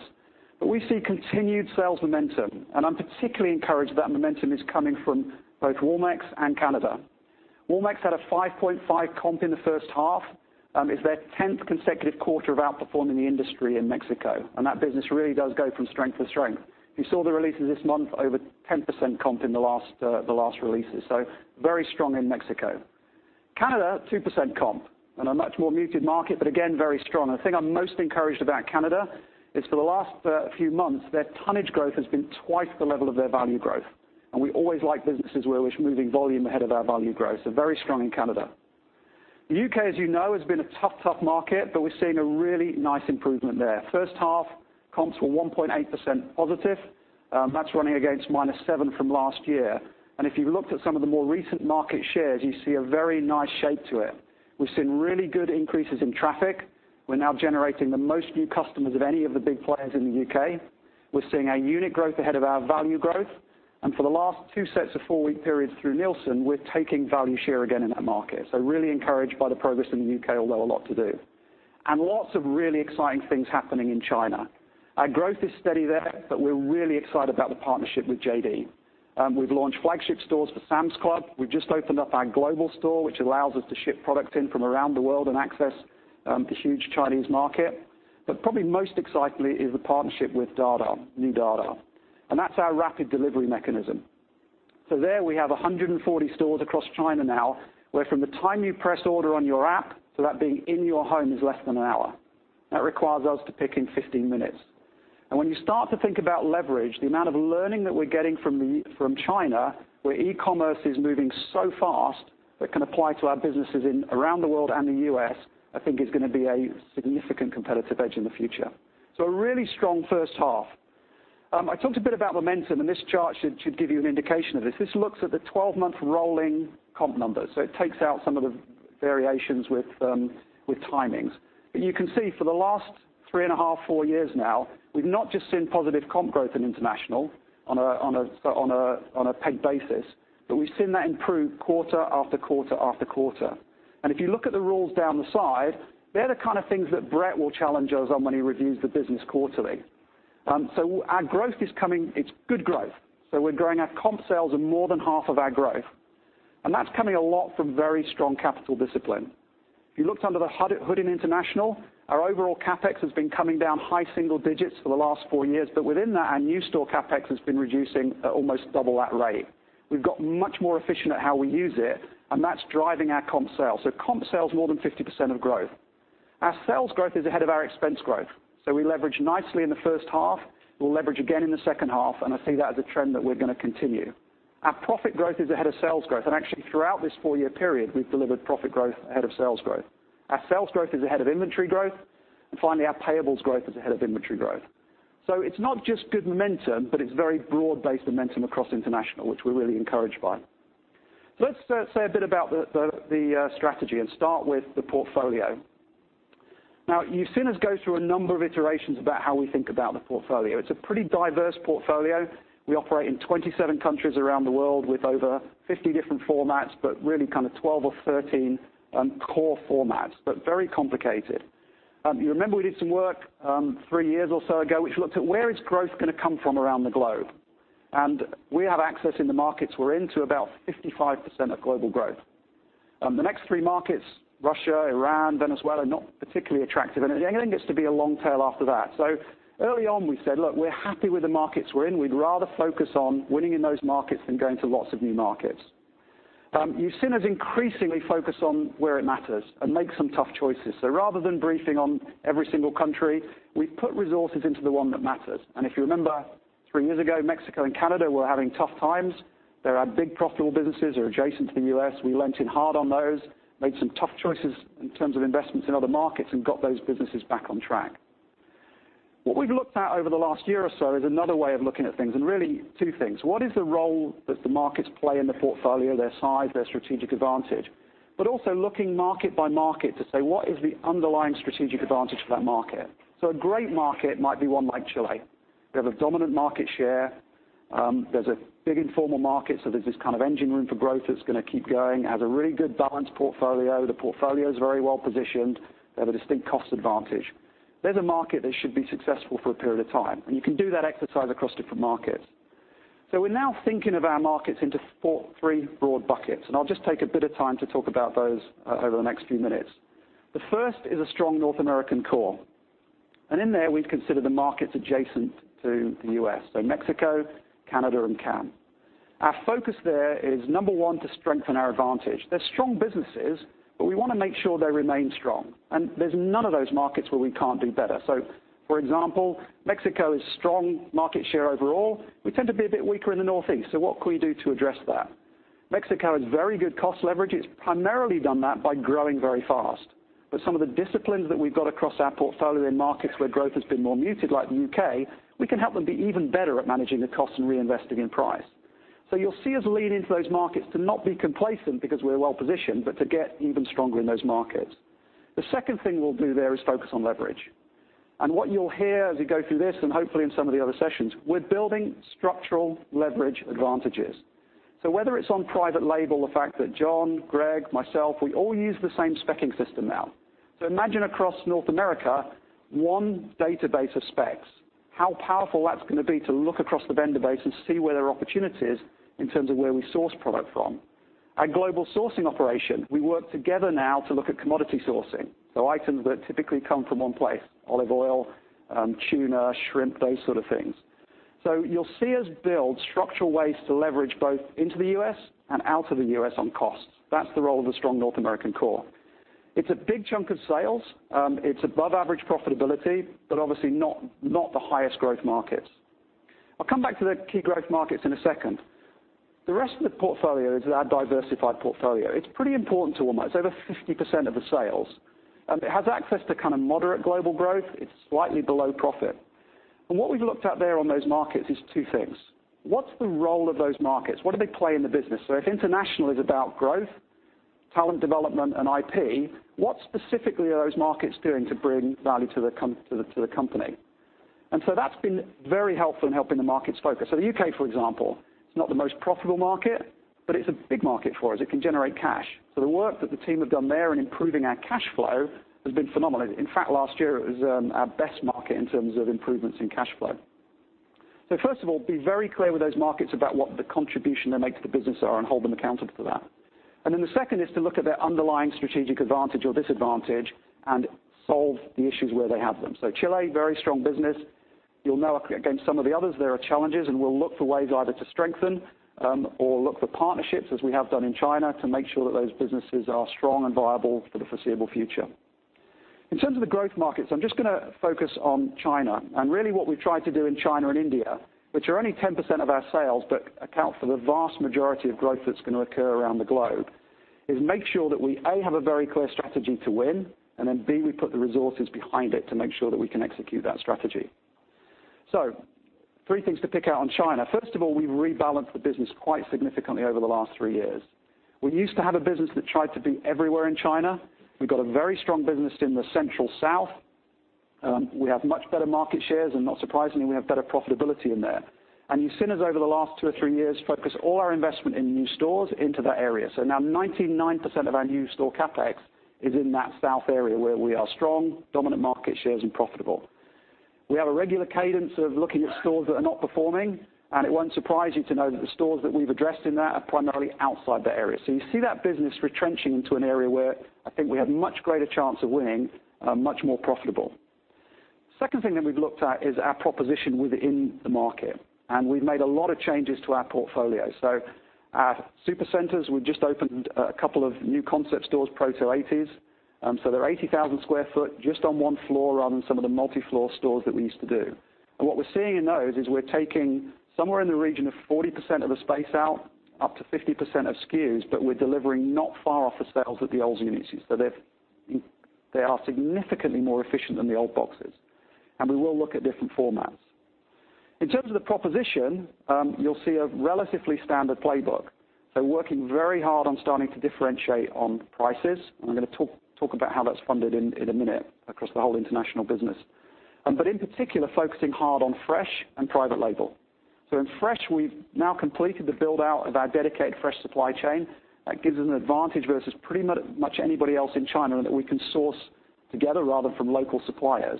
We see continued sales momentum, and I'm particularly encouraged that momentum is coming from both Walmex and Canada. Walmex had a 5.5 comp in the first half. It's their 10th consecutive quarter of outperforming the industry in Mexico, and that business really does go from strength to strength. You saw the releases this month, over 10% comp in the last releases. Very strong in Mexico. Canada, 2% comp on a much more muted market, but again, very strong. The thing I'm most encouraged about Canada is for the last few months, their tonnage growth has been twice the level of their value growth. We always like businesses where we're moving volume ahead of our value growth. Very strong in Canada. The U.K., as you know, has been a tough market, but we're seeing a really nice improvement there. First half comps were 1.8% positive. That's running against -7% from last year. If you looked at some of the more recent market shares, you see a very nice shape to it. We've seen really good increases in traffic. We're now generating the most new customers of any of the big players in the U.K. We're seeing our unit growth ahead of our value growth. For the last two sets of four-week periods through Nielsen, we're taking value share again in that market. Really encouraged by the progress in the U.K., although a lot to do. Lots of really exciting things happening in China. Our growth is steady there, but we're really excited about the partnership with JD. We've launched flagship stores for Sam's Club. We've just opened up our global store, which allows us to ship product in from around the world and access the huge Chinese market. Probably most excitedly is the partnership with Dada, New Dada. That's our rapid delivery mechanism. There we have 140 stores across China now, where from the time you press order on your app to that being in your home is less than an hour. That requires us to pick in 15 minutes. When you start to think about leverage, the amount of learning that we're getting from China, where e-commerce is moving so fast that can apply to our businesses around the world and the U.S., I think is going to be a significant competitive edge in the future. A really strong first half. I talked a bit about momentum, and this chart should give you an indication of this. This looks at the 12-month rolling comp numbers. It takes out some of the variations with timings. You can see for the last three and a half, four years now, we've not just seen positive comp growth in international on a paid basis, but we've seen that improve quarter after quarter after quarter. If you look at the rules down the side, they're the kind of things that Brett will challenge us on when he reviews the business quarterly. Our growth is coming. It's good growth. We're growing our comp sales of more than half of our growth. That's coming a lot from very strong capital discipline. If you looked under the hood in international, our overall CapEx has been coming down high single digits for the last four years. Within that, our new store CapEx has been reducing at almost double that rate. We've got much more efficient at how we use it, and that's driving our comp sales. Comp sales more than 50% of growth. Our sales growth is ahead of our expense growth. We leverage nicely in the first half. We'll leverage again in the second half, and I see that as a trend that we're going to continue. Our profit growth is ahead of sales growth. Actually, throughout this four-year period, we've delivered profit growth ahead of sales growth. Our sales growth is ahead of inventory growth. Finally, our payables growth is ahead of inventory growth. It's not just good momentum, but it's very broad-based momentum across international, which we're really encouraged by. Let's say a bit about the strategy and start with the portfolio. Now, you've seen us go through a number of iterations about how we think about the portfolio. It's a pretty diverse portfolio. We operate in 27 countries around the world with over 50 different formats, but really kind of 12 or 13 core formats, but very complicated. You remember we did some work three years or so ago, which looked at where is growth going to come from around the globe. We have access in the markets we're in to about 55% of global growth. The next three markets, Russia, Iran, Venezuela, not particularly attractive. Then it gets to be a long tail after that. Early on, we said, look, we're happy with the markets we're in. We'd rather focus on winning in those markets than going to lots of new markets. You've seen us increasingly focus on where it matters and make some tough choices. Rather than briefing on every single country, we've put resources into the one that matters. If you remember, three years ago, Mexico and Canada were having tough times. They're our big profitable businesses. They're adjacent to the U.S. We leaned in hard on those, made some tough choices in terms of investments in other markets, and got those businesses back on track. What we've looked at over the last year or so is another way of looking at things, and really two things. What is the role that the markets play in the portfolio, their size, their strategic advantage? Also looking market by market to say, what is the underlying strategic advantage for that market? A great market might be one like Chile. We have a dominant market share. There's a big informal market, so there's this kind of engine room for growth that's going to keep going. It has a really good balanced portfolio. The portfolio is very well positioned. They have a distinct cost advantage. There's a market that should be successful for a period of time, and you can do that exercise across different markets. We're now thinking of our markets into three broad buckets, and I'll just take a bit of time to talk about those over the next few minutes. The first is a strong North American core. In there, we'd consider the markets adjacent to the U.S., Mexico, Canada, and Central America. Our focus there is, number 1, to strengthen our advantage. They're strong businesses, but we want to make sure they remain strong. There's none of those markets where we can't do better. For example, Mexico is strong market share overall. We tend to be a bit weaker in the Northeast. What can we do to address that? Mexico has very good cost leverage. It's primarily done that by growing very fast. Some of the disciplines that we've got across our portfolio in markets where growth has been more muted, like the U.K., we can help them be even better at managing the cost and reinvesting in price. You'll see us lean into those markets to not be complacent because we're well positioned, but to get even stronger in those markets. The second thing we'll do there is focus on leverage. What you'll hear as we go through this, and hopefully in some of the other sessions, we're building structural leverage advantages. Whether it's on private label, the fact that John, Greg, myself, we all use the same spec'ing system now. Imagine across North America, one database of specs, how powerful that's going to be to look across the vendor base and see where there are opportunities in terms of where we source product from. Our global sourcing operation, we work together now to look at commodity sourcing. Items that typically come from one place, olive oil, tuna, shrimp, those sort of things. You'll see us build structural ways to leverage both into the U.S. and out of the U.S. on costs. That's the role of the strong North American core. It's a big chunk of sales. It's above average profitability, but obviously not the highest growth markets. I'll come back to the key growth markets in a second. The rest of the portfolio is our diversified portfolio. It's pretty important to Walmart. It's over 50% of the sales. It has access to moderate global growth. It's slightly below profit. What we've looked at there on those markets is two things. What's the role of those markets? What do they play in the business? If international is about growth, talent development, and IP, what specifically are those markets doing to bring value to the company? That's been very helpful in helping the markets focus. The U.K., for example, it's not the most profitable market, but it's a big market for us. It can generate cash. The work that the team have done there in improving our cash flow has been phenomenal. In fact, last year it was our best market in terms of improvements in cash flow. First of all, be very clear with those markets about what the contribution they make to the business are and hold them accountable for that. Then the second is to look at their underlying strategic advantage or disadvantage and solve the issues where they have them. Chile, very strong business. You'll know, again, some of the others, there are challenges, and we'll look for ways either to strengthen or look for partnerships, as we have done in China, to make sure that those businesses are strong and viable for the foreseeable future. In terms of the growth markets, I'm just going to focus on China. Really what we've tried to do in China and India, which are only 10% of our sales but account for the vast majority of growth that's going to occur around the globe, is make sure that we, A, have a very clear strategy to win, and then B, we put the resources behind it to make sure that we can execute that strategy. Three things to pick out on China. First of all, we rebalanced the business quite significantly over the last three years. We used to have a business that tried to be everywhere in China. We've got a very strong business in the central south. We have much better market shares, and not surprisingly, we have better profitability in there. You've seen us over the last two or three years focus all our investment in new stores into that area. Now 99% of our new store CapEx is in that south area where we are strong, dominant market shares, and profitable. We have a regular cadence of looking at stores that are not performing, and it won't surprise you to know that the stores that we've addressed in that are primarily outside the area. You see that business retrenching into an area where I think we have much greater chance of winning and are much more profitable. Second thing that we've looked at is our proposition within the market, and we've made a lot of changes to our portfolio. Our supercenters, we've just opened a couple of new concept stores, Project 80s. They're 80,000 sq ft just on one floor rather than some of the multi-floor stores that we used to do. What we're seeing in those is we're taking somewhere in the region of 40% of the space out, up to 50% of SKUs, but we're delivering not far off the sales of the old units. They are significantly more efficient than the old boxes. We will look at different formats. In terms of the proposition, you'll see a relatively standard playbook. Working very hard on starting to differentiate on prices. I'm going to talk about how that's funded in a minute across the whole international business. In particular, focusing hard on fresh and private label. In fresh, we've now completed the build-out of our dedicated fresh supply chain. That gives us an advantage versus pretty much anybody else in China that we can source together rather from local suppliers.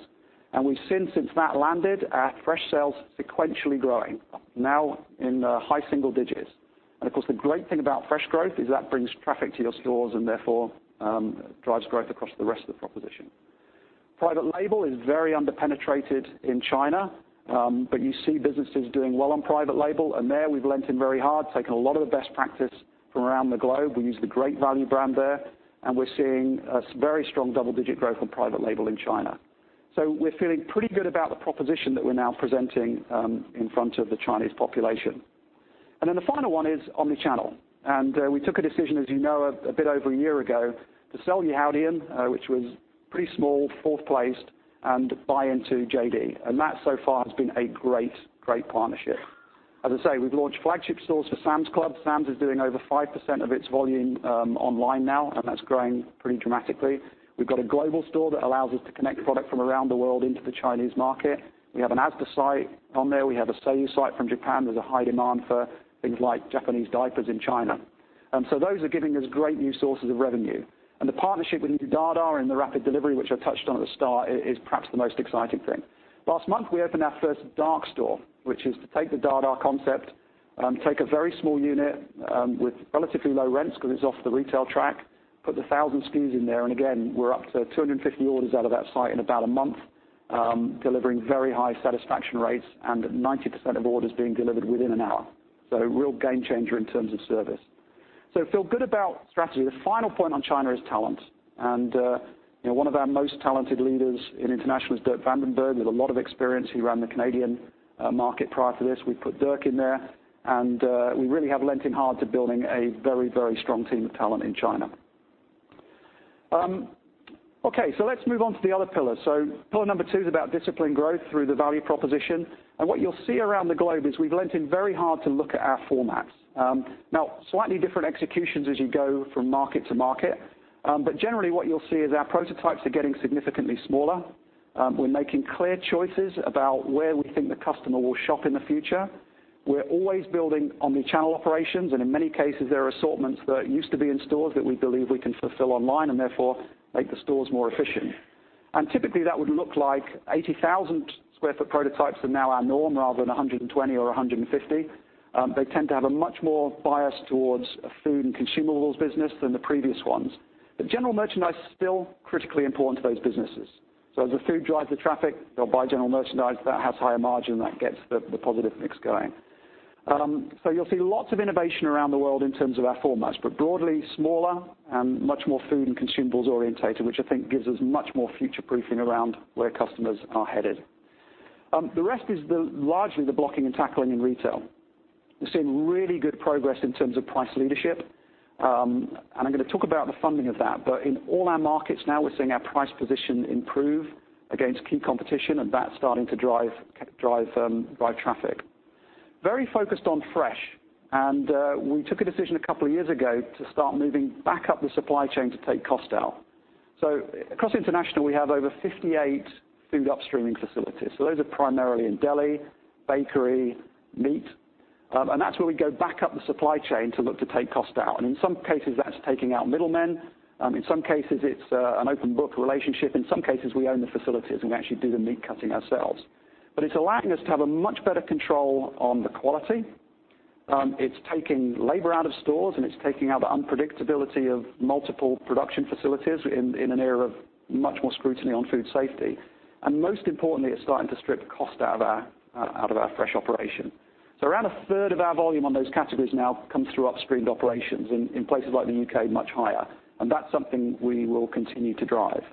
We've seen since that landed, our fresh sales sequentially growing, now in the high single digits. Of course, the great thing about fresh growth is that brings traffic to your stores and therefore drives growth across the rest of the proposition. Private label is very under-penetrated in China, but you see businesses doing well on private label, and there we've leant in very hard, taken a lot of the best practice from around the globe. We use the Great Value brand there, and we're seeing a very strong double-digit growth on private label in China. We're feeling pretty good about the proposition that we're now presenting in front of the Chinese population. The final one is omni-channel. We took a decision, as you know, a bit over a year ago to sell Yihaodian, which was pretty small, fourth place, and buy into JD. That so far has been a great partnership. As I say, we've launched flagship stores for Sam's Club. Sam's is doing over 5% of its volume online now, and that's growing pretty dramatically. We've got a global store that allows us to connect product from around the world into the Chinese market. We have an Asda site on there. We have a Seiyu site from Japan. There's a high demand for things like Japanese diapers in China. Those are giving us great new sources of revenue. The partnership with Dada and the rapid delivery, which I touched on at the start, is perhaps the most exciting thing. Last month, we opened our first dark store, which is to take the Dada concept, take a very small unit with relatively low rents because it's off the retail track, put the 1,000 SKUs in there. Again, we're up to 250 orders out of that site in about a month, delivering very high satisfaction rates and 90% of orders being delivered within an hour. A real game changer in terms of service. Feel good about strategy. The final point on China is talent. One of our most talented leaders in international is Dirk Van den Berghe, with a lot of experience. He ran the Canadian market prior to this. We put Dirk in there, we really have leant in hard to building a very strong team of talent in China. Let's move on to the other pillar. Pillar number 2 is about disciplined growth through the value proposition. What you'll see around the globe is we've leant in very hard to look at our formats. Now, slightly different executions as you go from market to market. Generally what you'll see is our prototypes are getting significantly smaller. We're making clear choices about where we think the customer will shop in the future. We're always building omni-channel operations, and in many cases, there are assortments that used to be in stores that we believe we can fulfill online and therefore make the stores more efficient. Typically, that would look like 80,000 sq ft prototypes are now our norm rather than 120 or 150. They tend to have a much more bias towards a food and consumables business than the previous ones. General merchandise is still critically important to those businesses. As the food drives the traffic, they'll buy general merchandise that has higher margin, that gets the positive mix going. You'll see lots of innovation around the world in terms of our formats, but broadly smaller and much more food and consumables oriented, which I think gives us much more future-proofing around where customers are headed. The rest is largely the blocking and tackling in retail. We're seeing really good progress in terms of price leadership. I'm going to talk about the funding of that. In all our markets now, we're seeing our price position improve against key competition, and that's starting to drive traffic. Very focused on fresh. We took a decision a couple of years ago to start moving back up the supply chain to take cost out. Across international, we have over 58 food upstreaming facilities. Those are primarily in deli, bakery, meat. That's where we go back up the supply chain to look to take cost out. In some cases, that's taking out middlemen. In some cases, it's an open book relationship. In some cases, we own the facilities and we actually do the meat cutting ourselves. It's allowing us to have a much better control on the quality. It's taking labor out of stores, and it's taking out the unpredictability of multiple production facilities in an era of much more scrutiny on food safety. Most importantly, it's starting to strip cost out of our fresh operation. Around a third of our volume on those categories now comes through upstreamed operations. In places like the U.K., much higher. That's something we will continue to drive.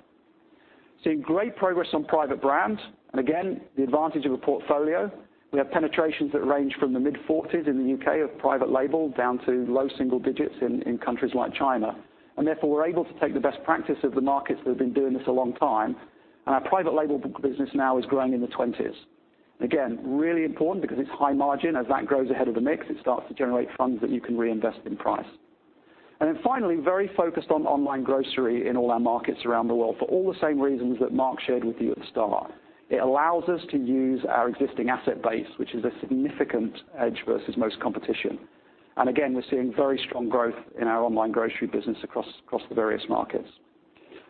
Seeing great progress on private brands. Again, the advantage of a portfolio. We have penetrations that range from the mid-40s in the U.K. of private label down to low single digits in countries like China. Therefore, we're able to take the best practice of the markets that have been doing this a long time. Our private label business now is growing in the 20s. Again, really important because it's high margin. As that grows ahead of the mix, it starts to generate funds that you can reinvest in price. Finally, very focused on online grocery in all our markets around the world for all the same reasons that Marc shared with you at the start. It allows us to use our existing asset base, which is a significant edge versus most competition. Again, we're seeing very strong growth in our online grocery business across the various markets.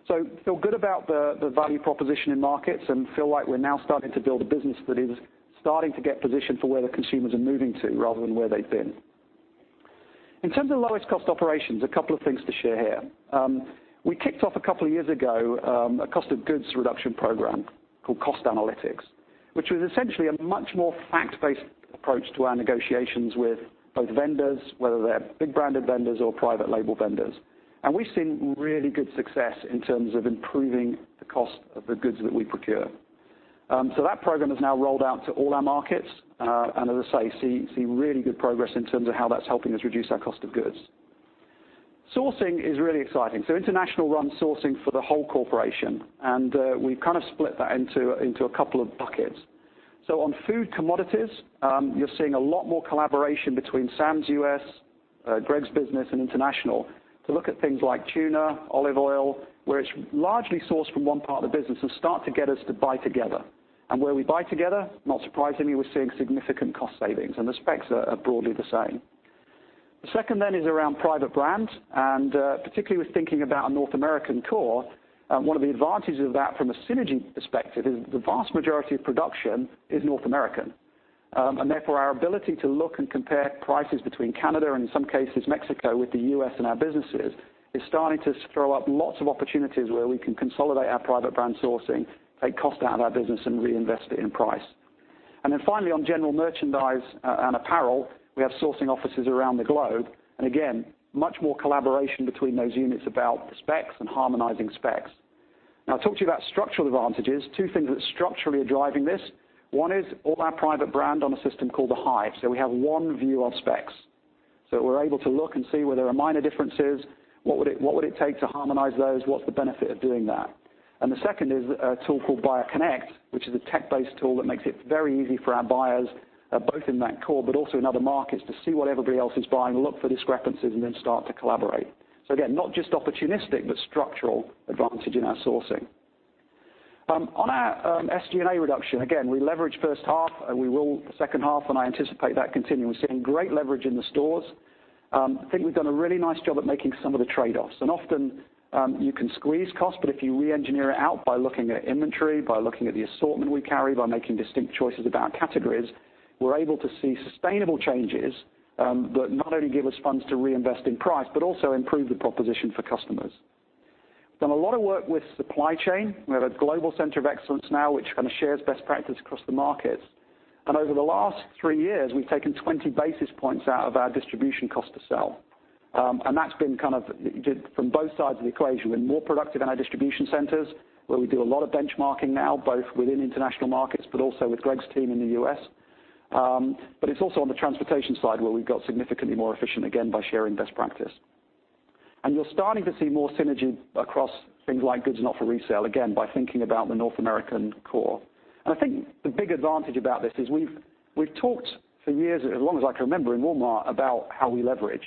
Feel good about the value proposition in markets and feel like we're now starting to build a business that is starting to get positioned for where the consumers are moving to rather than where they've been. In terms of lowest cost operations, a couple of things to share here. We kicked off a couple of years ago, a cost of goods reduction program called Cost Analytics, which was essentially a much more fact-based approach to our negotiations with both vendors, whether they're big branded vendors or private label vendors. We've seen really good success in terms of improving the cost of the goods that we procure. That program is now rolled out to all our markets. As I say, see really good progress in terms of how that's helping us reduce our cost of goods. Sourcing is really exciting. International runs sourcing for the whole corporation. We've kind of split that into a couple of buckets. On food commodities, you're seeing a lot more collaboration between Sam's U.S., Greg's business, and international to look at things like tuna, olive oil, where it's largely sourced from one part of the business and start to get us to buy together. Where we buy together, not surprisingly, we're seeing significant cost savings, and the specs are broadly the same. The second then is around private brands, and particularly with thinking about a North American core. One of the advantages of that from a synergy perspective is the vast majority of production is North American. Therefore, our ability to look and compare prices between Canada and in some cases Mexico with the U.S. and our businesses is starting to throw up lots of opportunities where we can consolidate our private brand sourcing, take cost out of our business, and reinvest it in price. Finally, on general merchandise and apparel, we have sourcing offices around the globe. Again, much more collaboration between those units about specs and harmonizing specs. Now I talked to you about structural advantages. Two things that structurally are driving this. One is all our private brand on a system called The Hive. We have one view on specs. We're able to look and see where there are minor differences. What would it take to harmonize those? What's the benefit of doing that? The second is a tool called Buyer Connect, which is a tech-based tool that makes it very easy for our buyers, both in that core, but also in other markets to see what everybody else is buying, look for discrepancies, and then start to collaborate. Again, not just opportunistic, but structural advantage in our sourcing. On our SG&A reduction, again, we leverage first half, and we will the second half, and I anticipate that continuing. We're seeing great leverage in the stores. I think we've done a really nice job at making some of the trade-offs. Often, you can squeeze costs, but if you re-engineer it out by looking at inventory, by looking at the assortment we carry, by making distinct choices about categories, we're able to see sustainable changes that not only give us funds to reinvest in price, but also improve the proposition for customers. We have done a lot of work with supply chain. We have a global center of excellence now, which kind of shares best practice across the markets. Over the last three years, we've taken 20 basis points out of our distribution cost to sell. That's been kind of from both sides of the equation. We're more productive in our distribution centers, where we do a lot of benchmarking now, both within international markets, but also with Greg's team in the U.S. It's also on the transportation side where we've got significantly more efficient, again, by sharing best practice. You're starting to see more synergy across things like goods not for resale, again, by thinking about the North American core. I think the big advantage about this is we've talked for years, as long as I can remember in Walmart, about how we leverage.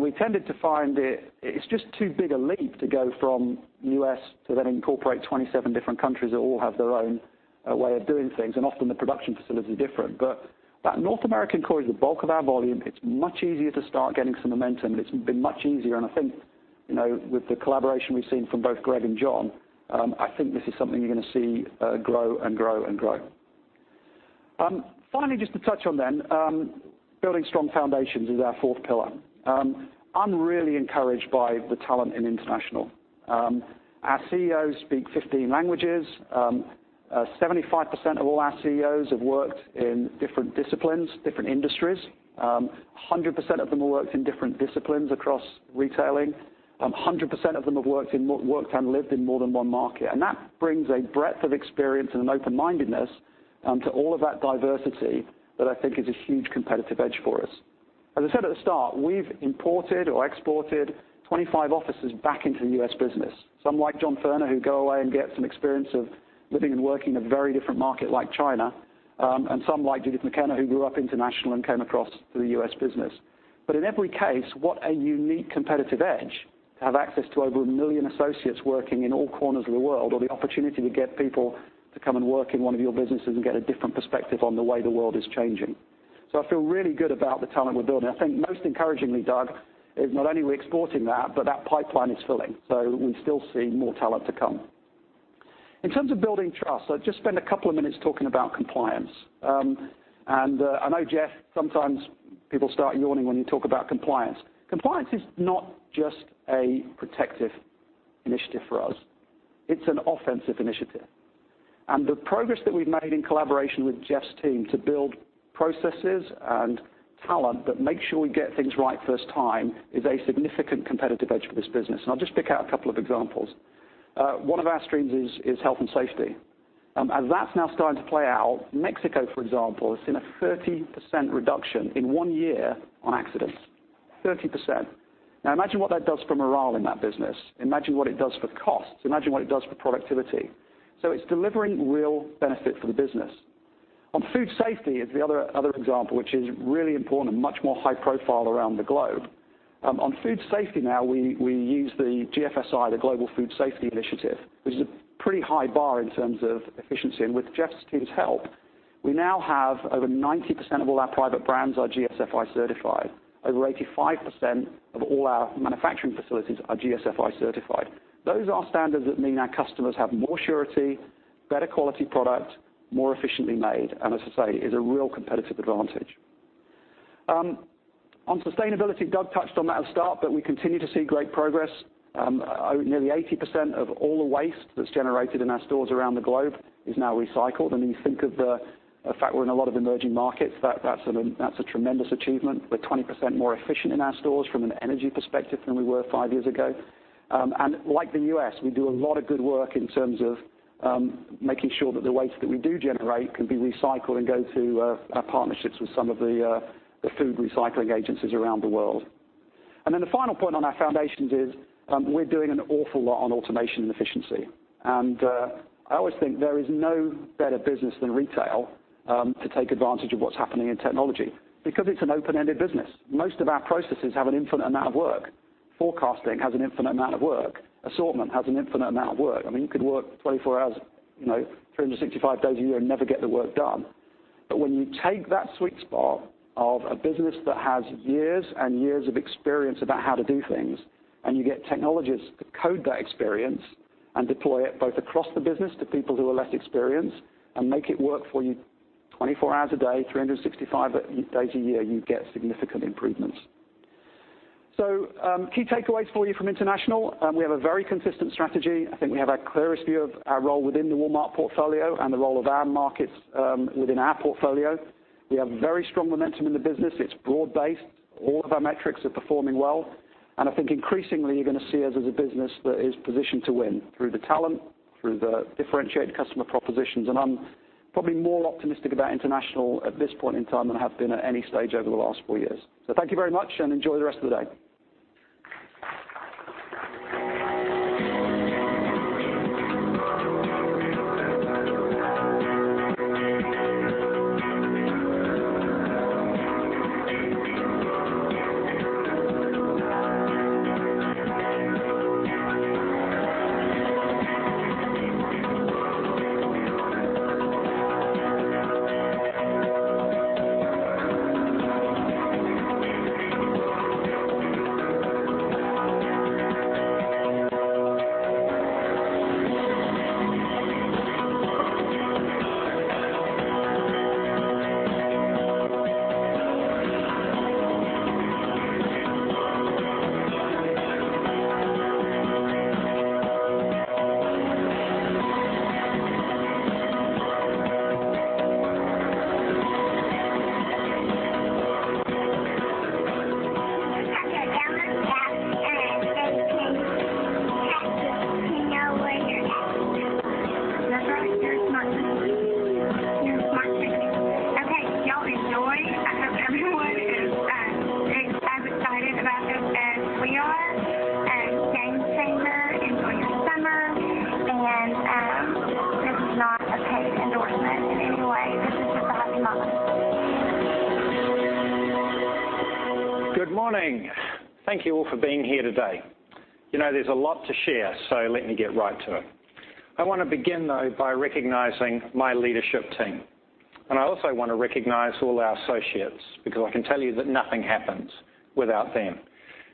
We tended to find that it's just too big a leap to go from U.S. to then incorporate 27 different countries that all have their own way of doing things, and often the production facilities are different. That North American core is the bulk of our volume. It's much easier to start getting some momentum, and it's been much easier. I think with the collaboration we've seen from both Greg and John, I think this is something you're going to see grow and grow and grow. Finally, just to touch on then building strong foundations is our fourth pillar. I'm really encouraged by the talent in international. Our CEOs speak 15 languages. 75% of all our CEOs have worked in different disciplines, different industries. 100% of them have worked in different disciplines across retailing. 100% of them have worked and lived in more than one market. That brings a breadth of experience and an open-mindedness to all of that diversity that I think is a huge competitive edge for us. As I said at the start, we've imported or exported 25 offices back into the U.S. business. Some like John Furner, who go away and get some experience of living and working in a very different market like China. Some like Judith McKenna, who grew up international and came across to the U.S. business. In every case, what a unique competitive edge to have access to over 1 million associates working in all corners of the world, or the opportunity to get people to come and work in one of your businesses and get a different perspective on the way the world is changing. I feel really good about the talent we're building. I think most encouragingly, Doug, is not only are we exporting that, but that pipeline is filling. We still see more talent to come. In terms of building trust, I'll just spend a couple of minutes talking about compliance. I know, Jeff, sometimes people start yawning when you talk about compliance. Compliance is not just a protective initiative for us. It's an offensive initiative. The progress that we've made in collaboration with Jeff's team to build processes and talent that make sure we get things right first time is a significant competitive edge for this business. I'll just pick out a couple of examples. One of our streams is health and safety. That's now starting to play out. Mexico, for example, has seen a 30% reduction in one year on accidents, 30%. Imagine what that does for morale in that business. Imagine what it does for costs. Imagine what it does for productivity. It's delivering real benefit for the business. On food safety is the other example, which is really important and much more high profile around the globe. Food safety now, we use the GFSI, the Global Food Safety Initiative, which is a pretty high bar in terms of efficiency. With Jeff's team's help, we now have over 90% of all our private brands are GFSI certified. Over 85% of all our manufacturing facilities are GFSI certified. Those are standards that mean our customers have more surety, better quality product, more efficiently made, and as I say, is a real competitive advantage. Sustainability, Doug touched on that at the start, but we continue to see great progress. Nearly 80% of all the waste that's generated in our stores around the globe is now recycled. When you think of the fact we're in a lot of emerging markets, that's a tremendous achievement. We're 20% more efficient in our stores from an energy perspective than we were five years ago. Like the U.S., we do a lot of good work in terms of making sure that the waste that we do generate can be recycled and go to our partnerships with some of the food recycling agencies around the world. The final point on our foundations is we're doing an awful lot on automation and efficiency. I always think there is no better business than retail to take advantage of what's happening in technology because it's an open-ended business. Most of our processes have an infinite amount of work. Forecasting has an infinite amount of work. Assortment has an infinite amount of work. You could work 24 hours, 365 days a year and never get the work done. When you take that sweet spot of a business that has years and years of experience about how to do things, and you get technologists to code that experience and deploy it both across the business to people who are less experienced and make it work for you 24 hours a day, 365 days a year, you get significant improvements. Key takeaways for you from international. We have a very consistent strategy. I think we have our clearest view of our role within the Walmart portfolio and the role of our markets within our portfolio. We have very strong momentum in the business. It's broad-based. All of our metrics are performing well. I think increasingly, you're going to see us as a business that is positioned to win through the talent, through the differentiated customer propositions. I'm probably more optimistic about international at this point in time than I have been at any stage over the last four years. Thank you very much, and enjoy the rest of the day. You have to download the app and then they can text you to know where you're at. Is that right? They're a smart city? They're a smart city. Okay. Y'all enjoy. I hope everyone is excited about this. Good morning. Thank you all for being here today. There's a lot to share, so let me get right to it. I want to begin, though, by recognizing my leadership team. I also want to recognize all our associates, because I can tell you that nothing happens without them.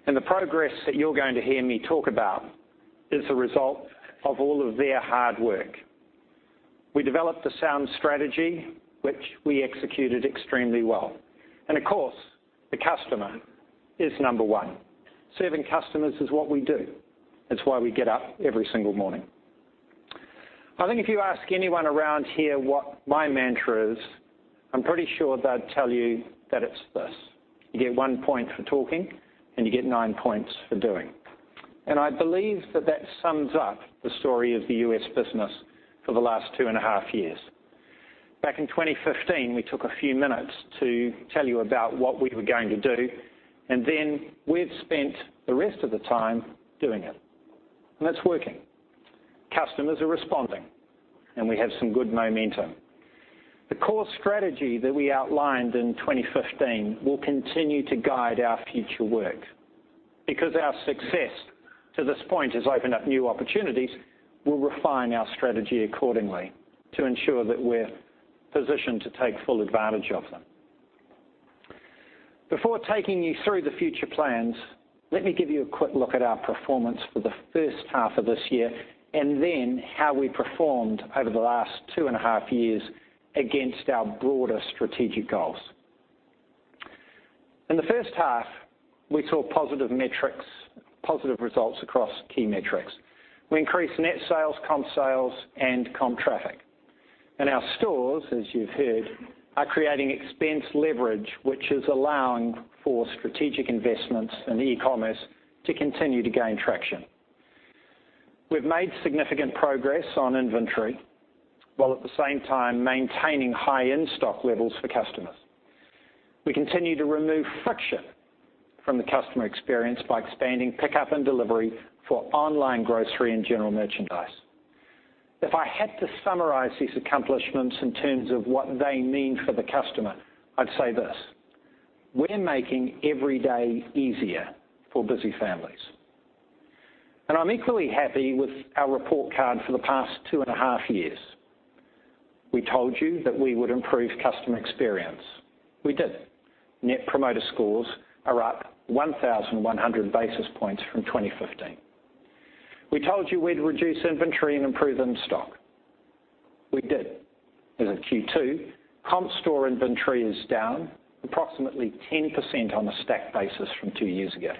The progress that you're going to hear me talk about is the result of all of their hard work. We developed a sound strategy, which we executed extremely well. Of course, the customer is number one. Serving customers is what we do. It's why we get up every single morning. I think if you ask anyone around here what my mantra is, I'm pretty sure they'd tell you that it's this: You get one point for talking and you get nine points for doing. I believe that that sums up the story of the U.S. business for the last two and a half years. Back in 2015, we took a few minutes to tell you about what we were going to do, and then we've spent the rest of the time doing it. It's working. Customers are responding, and we have some good momentum. The core strategy that we outlined in 2015 will continue to guide our future work. Because our success to this point has opened up new opportunities, we'll refine our strategy accordingly to ensure that we're positioned to take full advantage of them. Before taking you through the future plans, let me give you a quick look at our performance for the first half of this year, and then how we performed over the last two and a half years against our broader strategic goals. In the first half, we saw positive results across key metrics. We increased net sales, comp sales, and comp traffic. Our stores, as you've heard, are creating expense leverage, which is allowing for strategic investments and e-commerce to continue to gain traction. We've made significant progress on inventory, while at the same time maintaining high in-stock levels for customers. We continue to remove friction from the customer experience by expanding pickup and delivery for online grocery and general merchandise. If I had to summarize these accomplishments in terms of what they mean for the customer, I'd say this: We're making every day easier for busy families. I'm equally happy with our report card for the past two and a half years. We told you that we would improve customer experience. We did. Net promoter scores are up 1,100 basis points from 2015. We told you we'd reduce inventory and improve in-stock. We did. As of Q2, comp store inventory is down approximately 10% on a stacked basis from two years ago.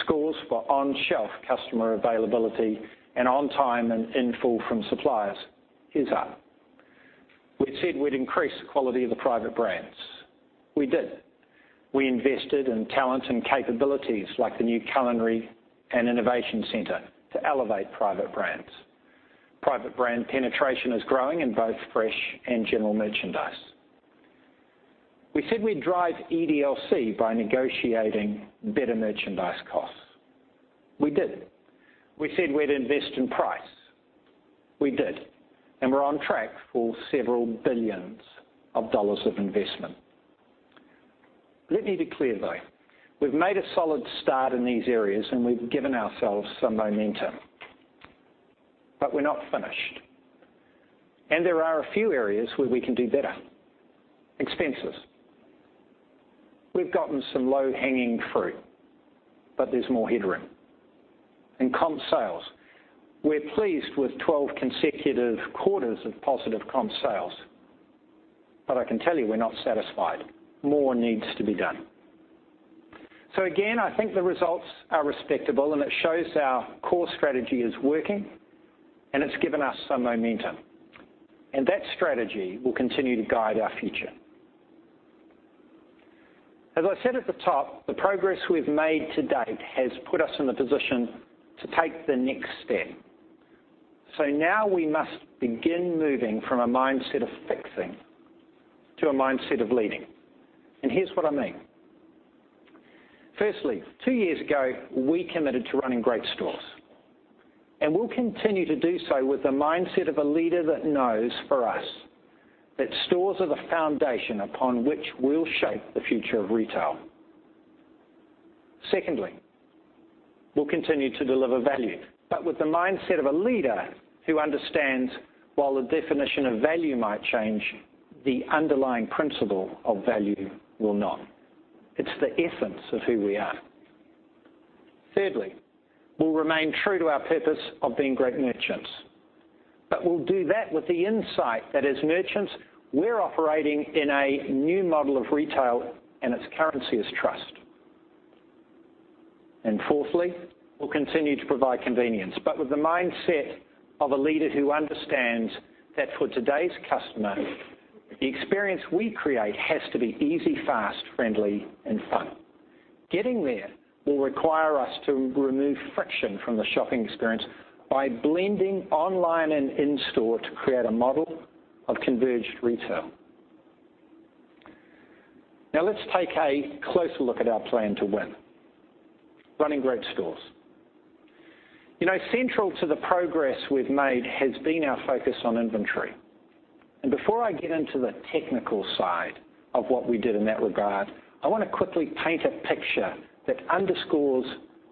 Scores for on-shelf customer availability and on time and in full from suppliers is up. We said we'd increase the quality of the private brands. We did. We invested in talents and capabilities like the new Culinary and Innovation Center to elevate private brands. Private brand penetration is growing in both fresh and general merchandise. We said we'd drive EDLC by negotiating better merchandise costs. We did. We said we'd invest in price. We did. We're on track for several billions of dollars of investment. Let me be clear, though. We've made a solid start in these areas, and we've given ourselves some momentum. We're not finished. There are a few areas where we can do better. Expenses. We've gotten some low-hanging fruit, but there's more headroom. Comp sales. We're pleased with 12 consecutive quarters of positive comp sales. I can tell you we're not satisfied. More needs to be done. Again, I think the results are respectable and it shows our core strategy is working and it's given us some momentum. That strategy will continue to guide our future. As I said at the top, the progress we've made to date has put us in the position to take the next step. Now we must begin moving from a mindset of fixing to a mindset of leading. Here's what I mean. Firstly, two years ago, we committed to running great stores. We'll continue to do so with the mindset of a leader that knows for us that stores are the foundation upon which we'll shape the future of retail. Secondly, we'll continue to deliver value, with the mindset of a leader who understands while the definition of value might change, the underlying principle of value will not. It's the essence of who we are. Thirdly, we'll remain true to our purpose of being great merchants. We'll do that with the insight that as merchants, we're operating in a new model of retail and its currency is trust. Fourthly, we'll continue to provide convenience, with the mindset of a leader who understands that for today's customer, the experience we create has to be easy, fast, friendly, and fun. Getting there will require us to remove friction from the shopping experience by blending online and in-store to create a model of converged retail. Now let's take a closer look at our plan to win. Running great stores. Central to the progress we've made has been our focus on inventory. Before I get into the technical side of what we did in that regard, I want to quickly paint a picture that underscores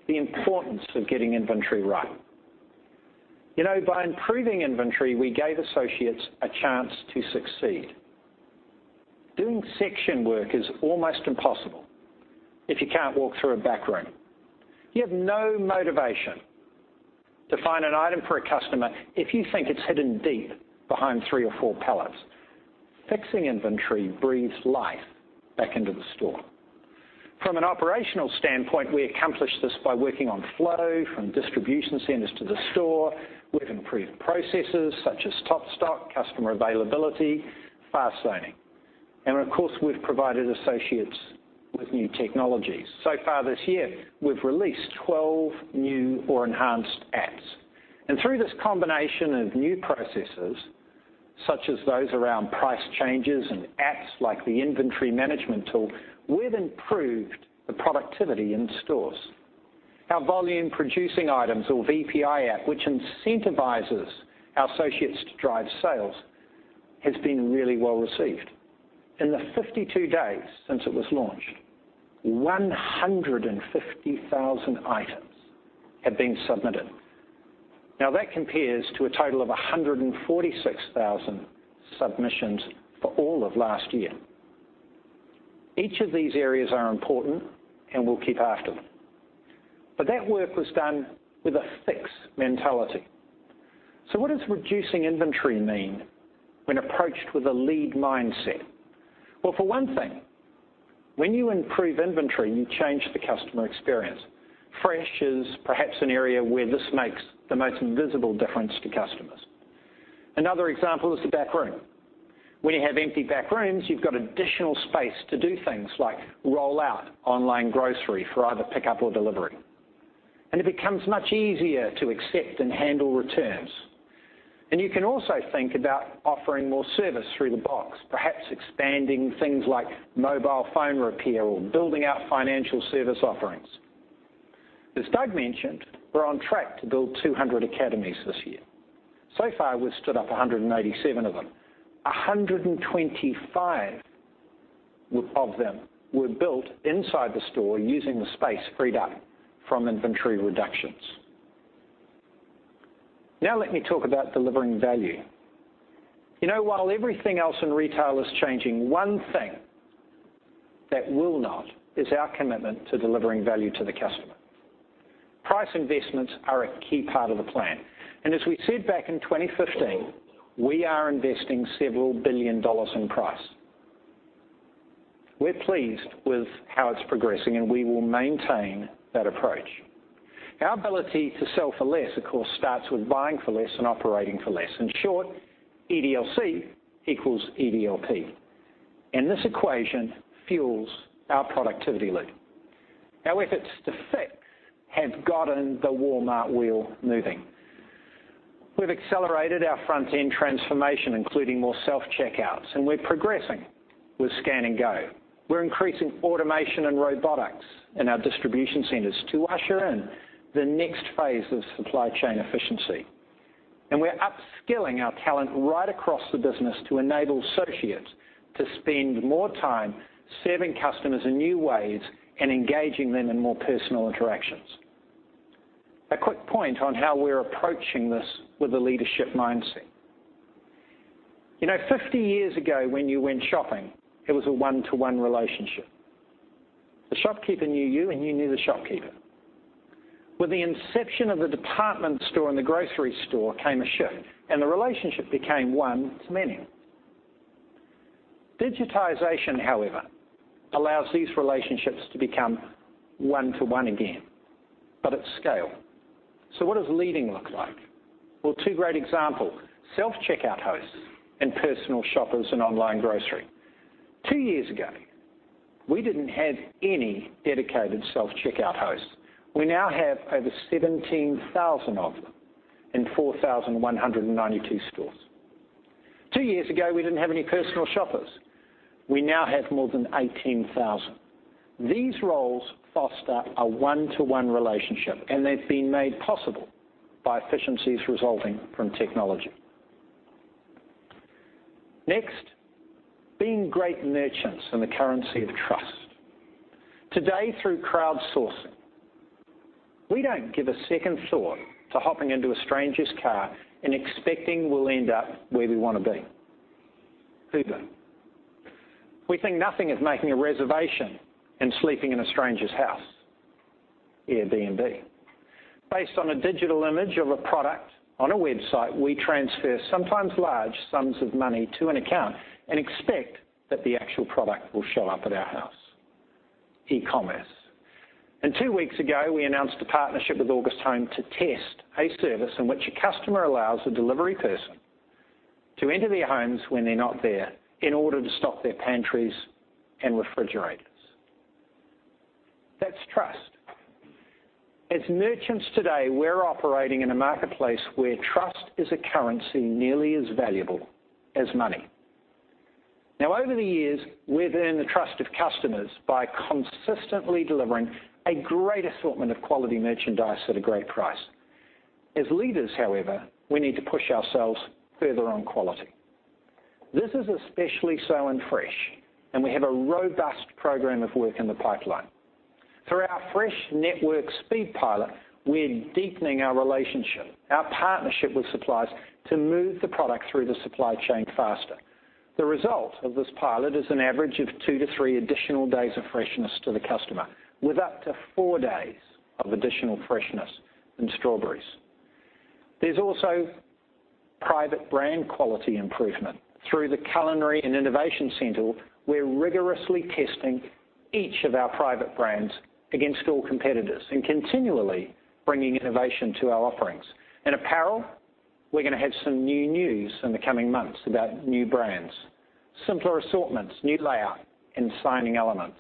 the importance of getting inventory right. By improving inventory, we gave associates a chance to succeed. Doing section work is almost impossible if you can't walk through a back room. You have no motivation to find an item for a customer if you think it's hidden deep behind three or four pallets. Fixing inventory breathes life back into the store. From an operational standpoint, we accomplished this by working on flow from distribution centers to the store. We've improved processes such as top stock, customer availability, fast zoning. Of course, we've provided associates with new technologies. So far this year, we've released 12 new or enhanced apps. Through this combination of new processes, such as those around price changes and apps like the inventory management tool, we've improved the productivity in stores. Our volume producing items or VPI app, which incentivizes our associates to drive sales, has been really well received. In the 52 days since it was launched, 150,000 items have been submitted. Now that compares to a total of 146,000 submissions for all of last year. Each of these areas are important and we'll keep after them. That work was done with a fix mentality. What does reducing inventory mean when approached with a lead mindset? Well, for one thing, when you improve inventory, you change the customer experience. Fresh is perhaps an area where this makes the most visible difference to customers. Another example is the back room. When you have empty back rooms, you've got additional space to do things like roll out online grocery for either pickup or delivery. It becomes much easier to accept and handle returns. You can also think about offering more service through the box, perhaps expanding things like mobile phone repair or building out financial service offerings. As Doug mentioned, we're on track to build 200 academies this year. So far, we've stood up 187 of them. 125 of them were built inside the store using the space freed up from inventory reductions. Now let me talk about delivering value. While everything else in retail is changing, one thing that will not is our commitment to delivering value to the customer. Price investments are a key part of the plan, and as we said back in 2015, we are investing several billion dollars in price. We're pleased with how it's progressing, and we will maintain that approach. Our ability to sell for less, of course, starts with buying for less and operating for less. In short, EDLC equals EDLP. This equation fuels our productivity loop. Our efforts to fix have gotten the Walmart wheel moving. We've accelerated our front-end transformation, including more self-checkouts, and we're progressing with Scan & Go. We're increasing automation and robotics in our distribution centers to usher in the next phase of supply chain efficiency. We're upskilling our talent right across the business to enable associates to spend more time serving customers in new ways and engaging them in more personal interactions. A quick point on how we're approaching this with a leadership mindset. 50 years ago, when you went shopping, it was a one-to-one relationship. The shopkeeper knew you, and you knew the shopkeeper. With the inception of the department store and the grocery store came a shift, the relationship became one to many. Digitization, however, allows these relationships to become one-to-one again, but at scale. What does leading look like? Well, two great examples, self-checkout hosts and personal shoppers in online grocery. Two years ago, we didn't have any dedicated self-checkout hosts. We now have over 17,000 of them in 4,192 stores. Two years ago, we didn't have any personal shoppers. We now have more than 18,000. These roles foster a one-to-one relationship, and they've been made possible by efficiencies resulting from technology. Next, being great merchants in the currency of trust. Today, through crowdsourcing, we don't give a second thought to hopping into a stranger's car and expecting we'll end up where we want to be. Uber. We think nothing of making a reservation and sleeping in a stranger's house. Airbnb. Based on a digital image of a product on a website, we transfer sometimes large sums of money to an account and expect that the actual product will show up at our house. e-commerce. Two weeks ago, we announced a partnership with August Home to test a service in which a customer allows a delivery person to enter their homes when they're not there in order to stock their pantries and refrigerator. It's trust. As merchants today, we're operating in a marketplace where trust is a currency nearly as valuable as money. Now over the years, we've earned the trust of customers by consistently delivering a great assortment of quality merchandise at a great price. As leaders, however, we need to push ourselves further on quality. This is especially so in fresh. We have a robust program of work in the pipeline. Through our fresh network speed pilot, we're deepening our relationship, our partnership with suppliers to move the product through the supply chain faster. The result of this pilot is an average of 2 to 3 additional days of freshness to the customer, with up to 4 days of additional freshness in strawberries. There's also private brand quality improvement. Through the Walmart Culinary & Innovation Center, we're rigorously testing each of our private brands against all competitors and continually bringing innovation to our offerings. In apparel, we're going to have some new news in the coming months about new brands, simpler assortments, new layout, and signing elements.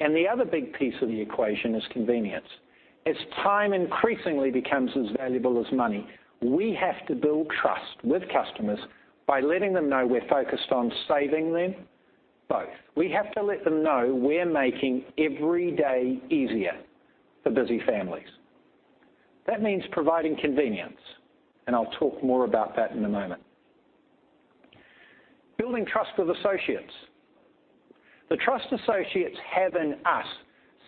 The other big piece of the equation is convenience. As time increasingly becomes as valuable as money, we have to build trust with customers by letting them know we're focused on saving them both. We have to let them know we're making every day easier for busy families. That means providing convenience. I'll talk more about that in a moment. Building trust with associates. The trust associates have in us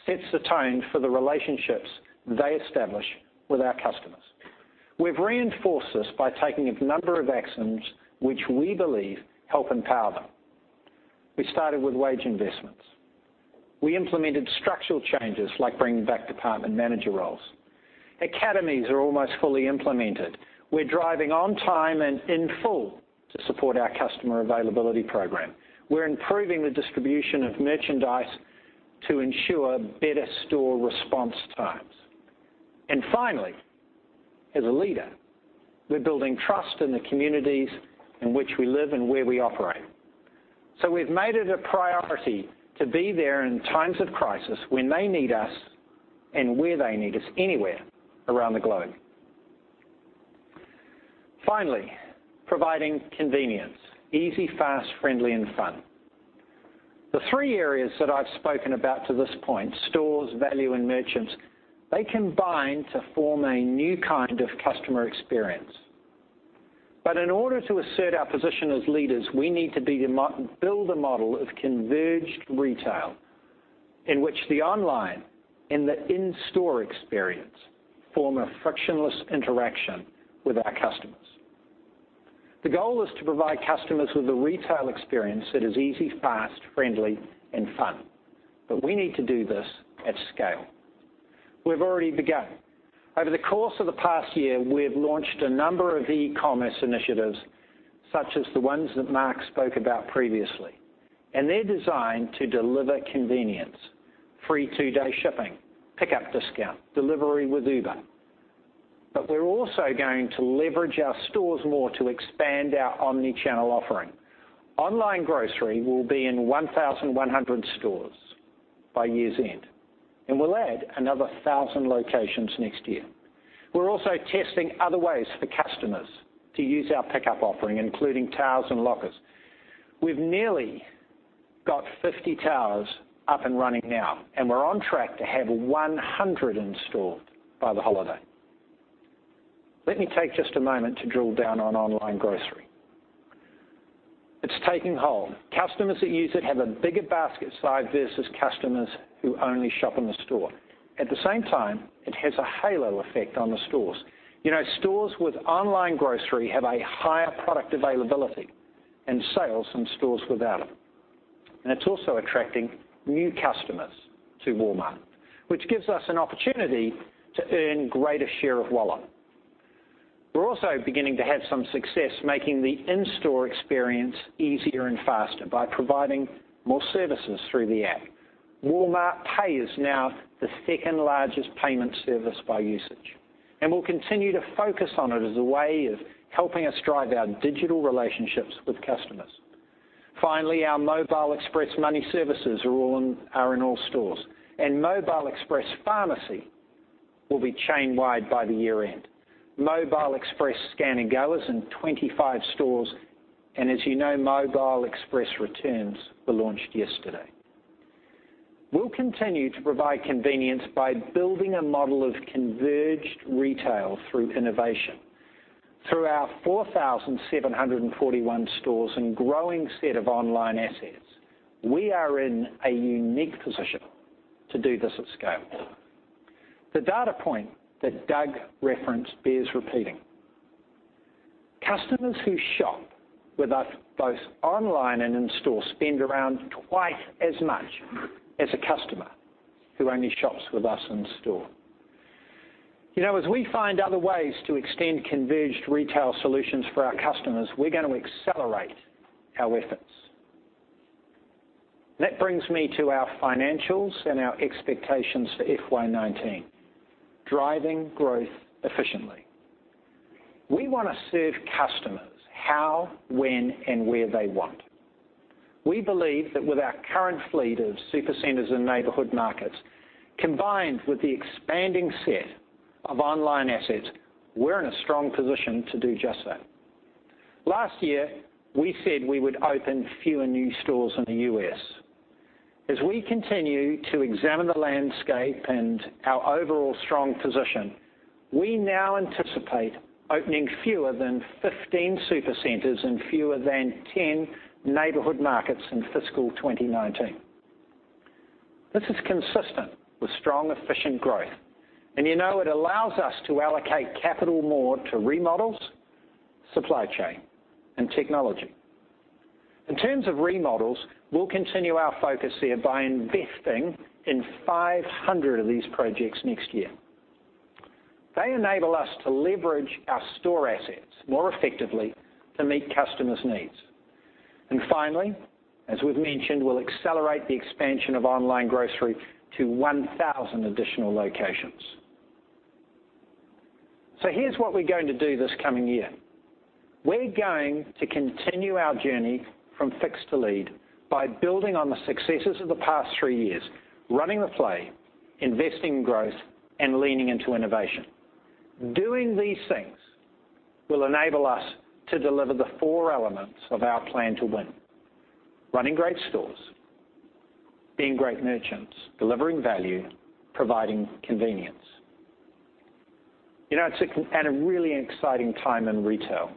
sets the tone for the relationships they establish with our customers. We've reinforced this by taking a number of actions which we believe help empower them. We started with wage investments. We implemented structural changes like bringing back department manager roles. Academies are almost fully implemented. We're driving on time and in full to support our customer availability program. We're improving the distribution of merchandise to ensure better store response times. Finally, as a leader, we're building trust in the communities in which we live and where we operate. We've made it a priority to be there in times of crisis when they need us and where they need us, anywhere around the globe. Finally, providing convenience, easy, fast, friendly, and fun. The 3 areas that I've spoken about to this point, stores, value, and merchants, they combine to form a new kind of customer experience. In order to assert our position as leaders, we need to build a model of converged retail in which the online and the in-store experience form a frictionless interaction with our customers. The goal is to provide customers with a retail experience that is easy, fast, friendly, and fun. We need to do this at scale. We've already begun. Over the course of the past year, we have launched a number of e-commerce initiatives, such as the ones that Marc spoke about previously. They're designed to deliver convenience, free 2-day shipping, pickup discount, delivery with Uber. We're also going to leverage our stores more to expand our omni-channel offering. Online grocery will be in 1,100 stores by year's end, and we'll add another 1,000 locations next year. We're also testing other ways for customers to use our pickup offering, including towers and lockers. We've nearly got 50 towers up and running now, and we're on track to have 100 in store by the holiday. Let me take just a moment to drill down on online grocery. It's taking hold. Customers that use it have a bigger basket size versus customers who only shop in the store. At the same time, it has a halo effect on the stores. Stores with online grocery have a higher product availability and sales than stores without it. It is also attracting new customers to Walmart, which gives us an opportunity to earn greater share of wallet. We are also beginning to have some success making the in-store experience easier and faster by providing more services through the app. Walmart Pay is now the second-largest payment service by usage, we will continue to focus on it as a way of helping us drive our digital relationships with customers. Finally, our Mobile Express Money Services are in all stores, Mobile Express Pharmacy will be chain-wide by the year-end. Mobile Express Scan & Go is in 25 stores, as you know, Mobile Express Returns were launched yesterday. We will continue to provide convenience by building a model of converged retail through innovation. Through our 4,741 stores and growing set of online assets, we are in a unique position to do this at scale. The data point that Doug referenced bears repeating. Customers who shop with us both online and in-store spend around twice as much as a customer who only shops with us in store. As we find other ways to extend converged retail solutions for our customers, we are going to accelerate our efforts. That brings me to our financials and our expectations for FY 2019. Driving growth efficiently. We want to serve customers how, when, and where they want. We believe that with our current fleet of Supercenters and Neighborhood Markets, combined with the expanding set of online assets, we are in a strong position to do just that. Last year, we said we would open fewer new stores in the U.S. As we continue to examine the landscape and our overall strong position, we now anticipate opening fewer than 15 Supercenters and fewer than 10 Neighborhood Markets in fiscal 2019. This is consistent with strong, efficient growth. It allows us to allocate capital more to remodels, supply chain, and technology. In terms of remodels, we will continue our focus there by investing in 500 of these projects next year. They enable us to leverage our store assets more effectively to meet customers' needs. Finally, as we have mentioned, we will accelerate the expansion of online grocery to 1,000 additional locations. Here is what we are going to do this coming year. We are going to continue our journey from fixed to lead by building on the successes of the past three years, running the play, investing in growth, and leaning into innovation. Doing these things will enable us to deliver the four elements of our plan to win: running great stores, being great merchants, delivering value, providing convenience. It is at a really exciting time in retail.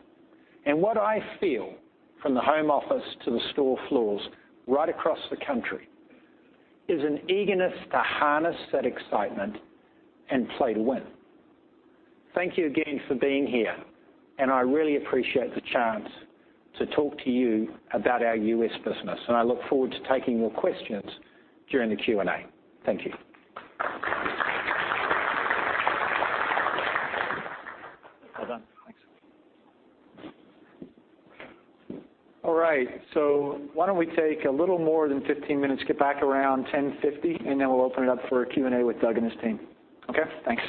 What I feel from the home office to the store floors right across the country is an eagerness to harness that excitement and play to win. Thank you again for being here, I really appreciate the chance to talk to you about our U.S. business. I look forward to taking your questions during the Q&A. Thank you. Well done. Thanks. All right. Why don't we take a little more than 15 minutes, get back around 10:50, we'll open it up for a Q&A with Doug and his team. Okay, thanks.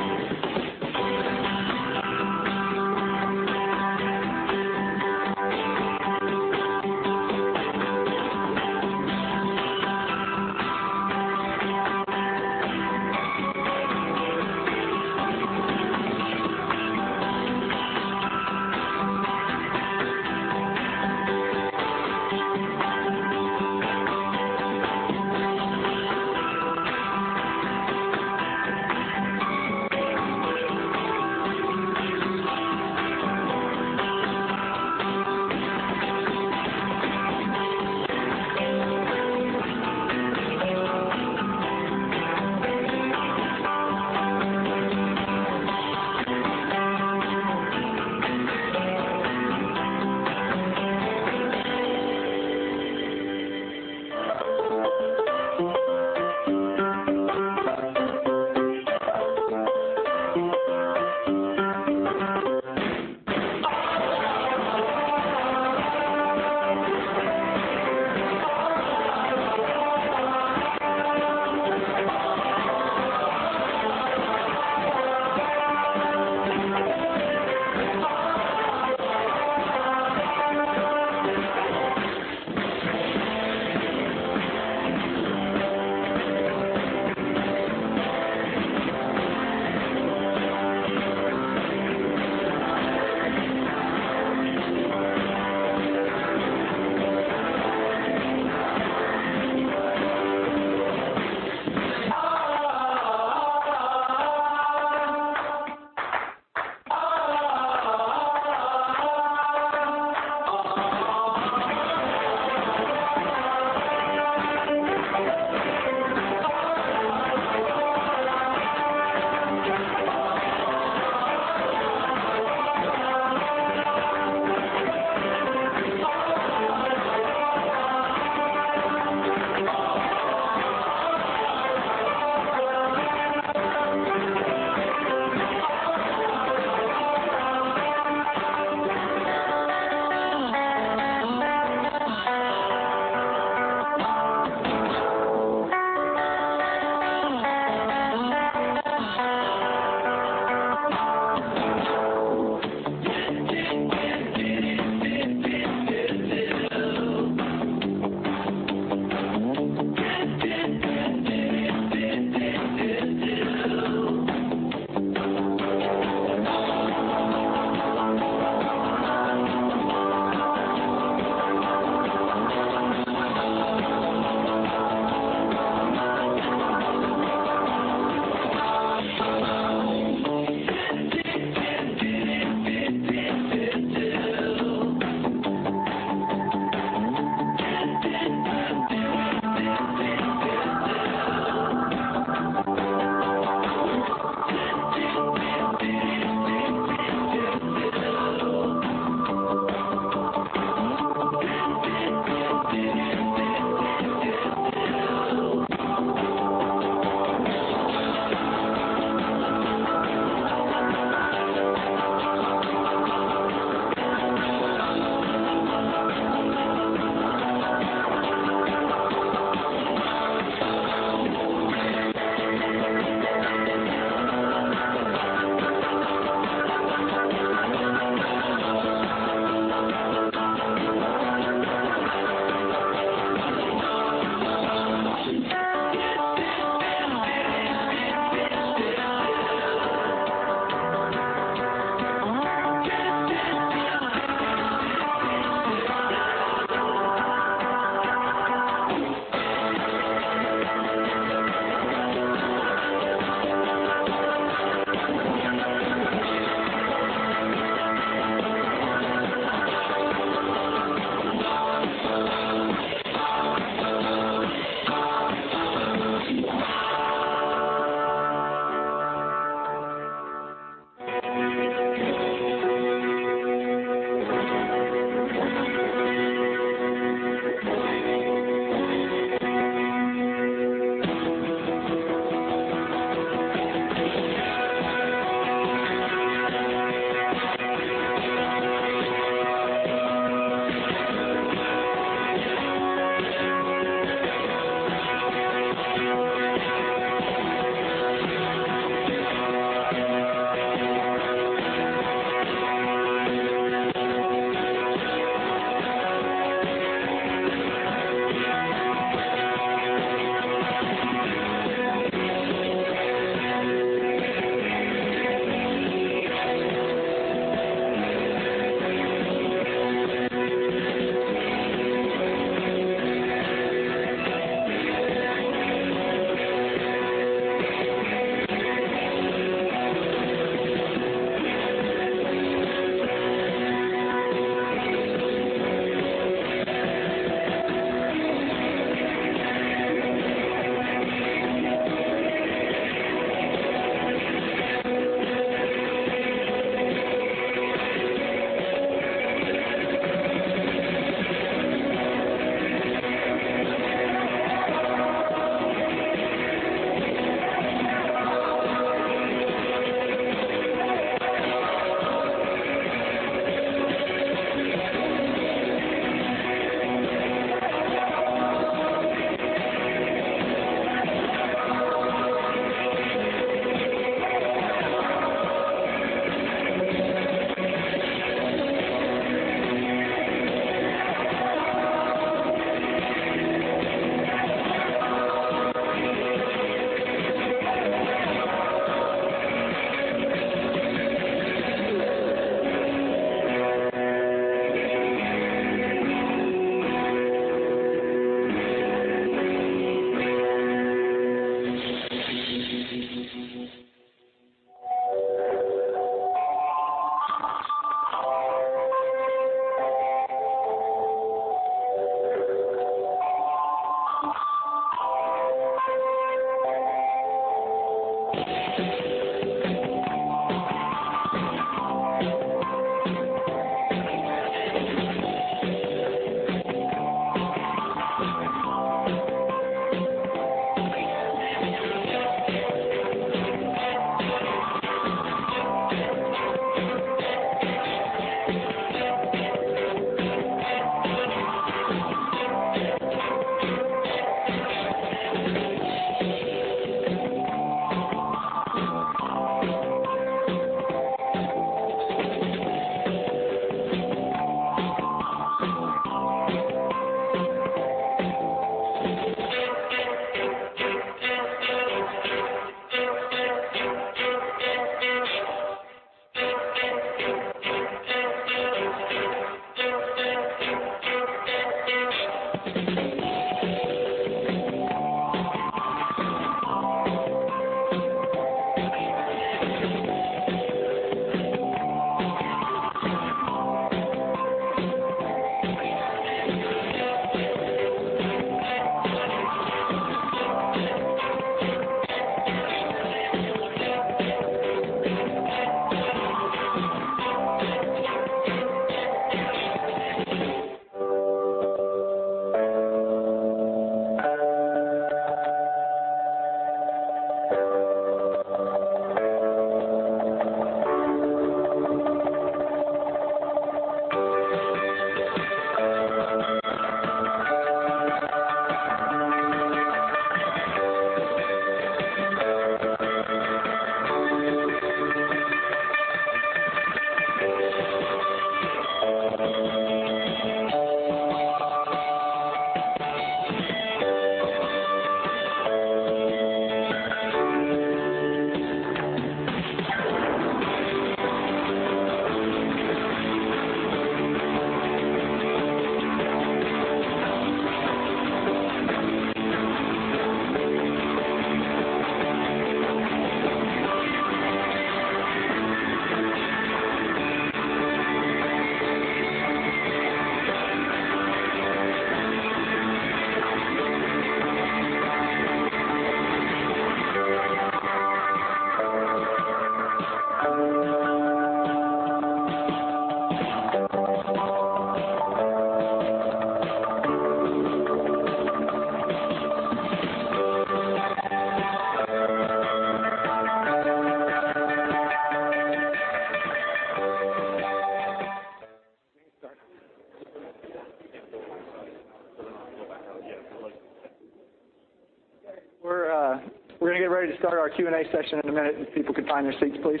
We're going to get ready to start our Q&A session in a minute if people could find their seats, please.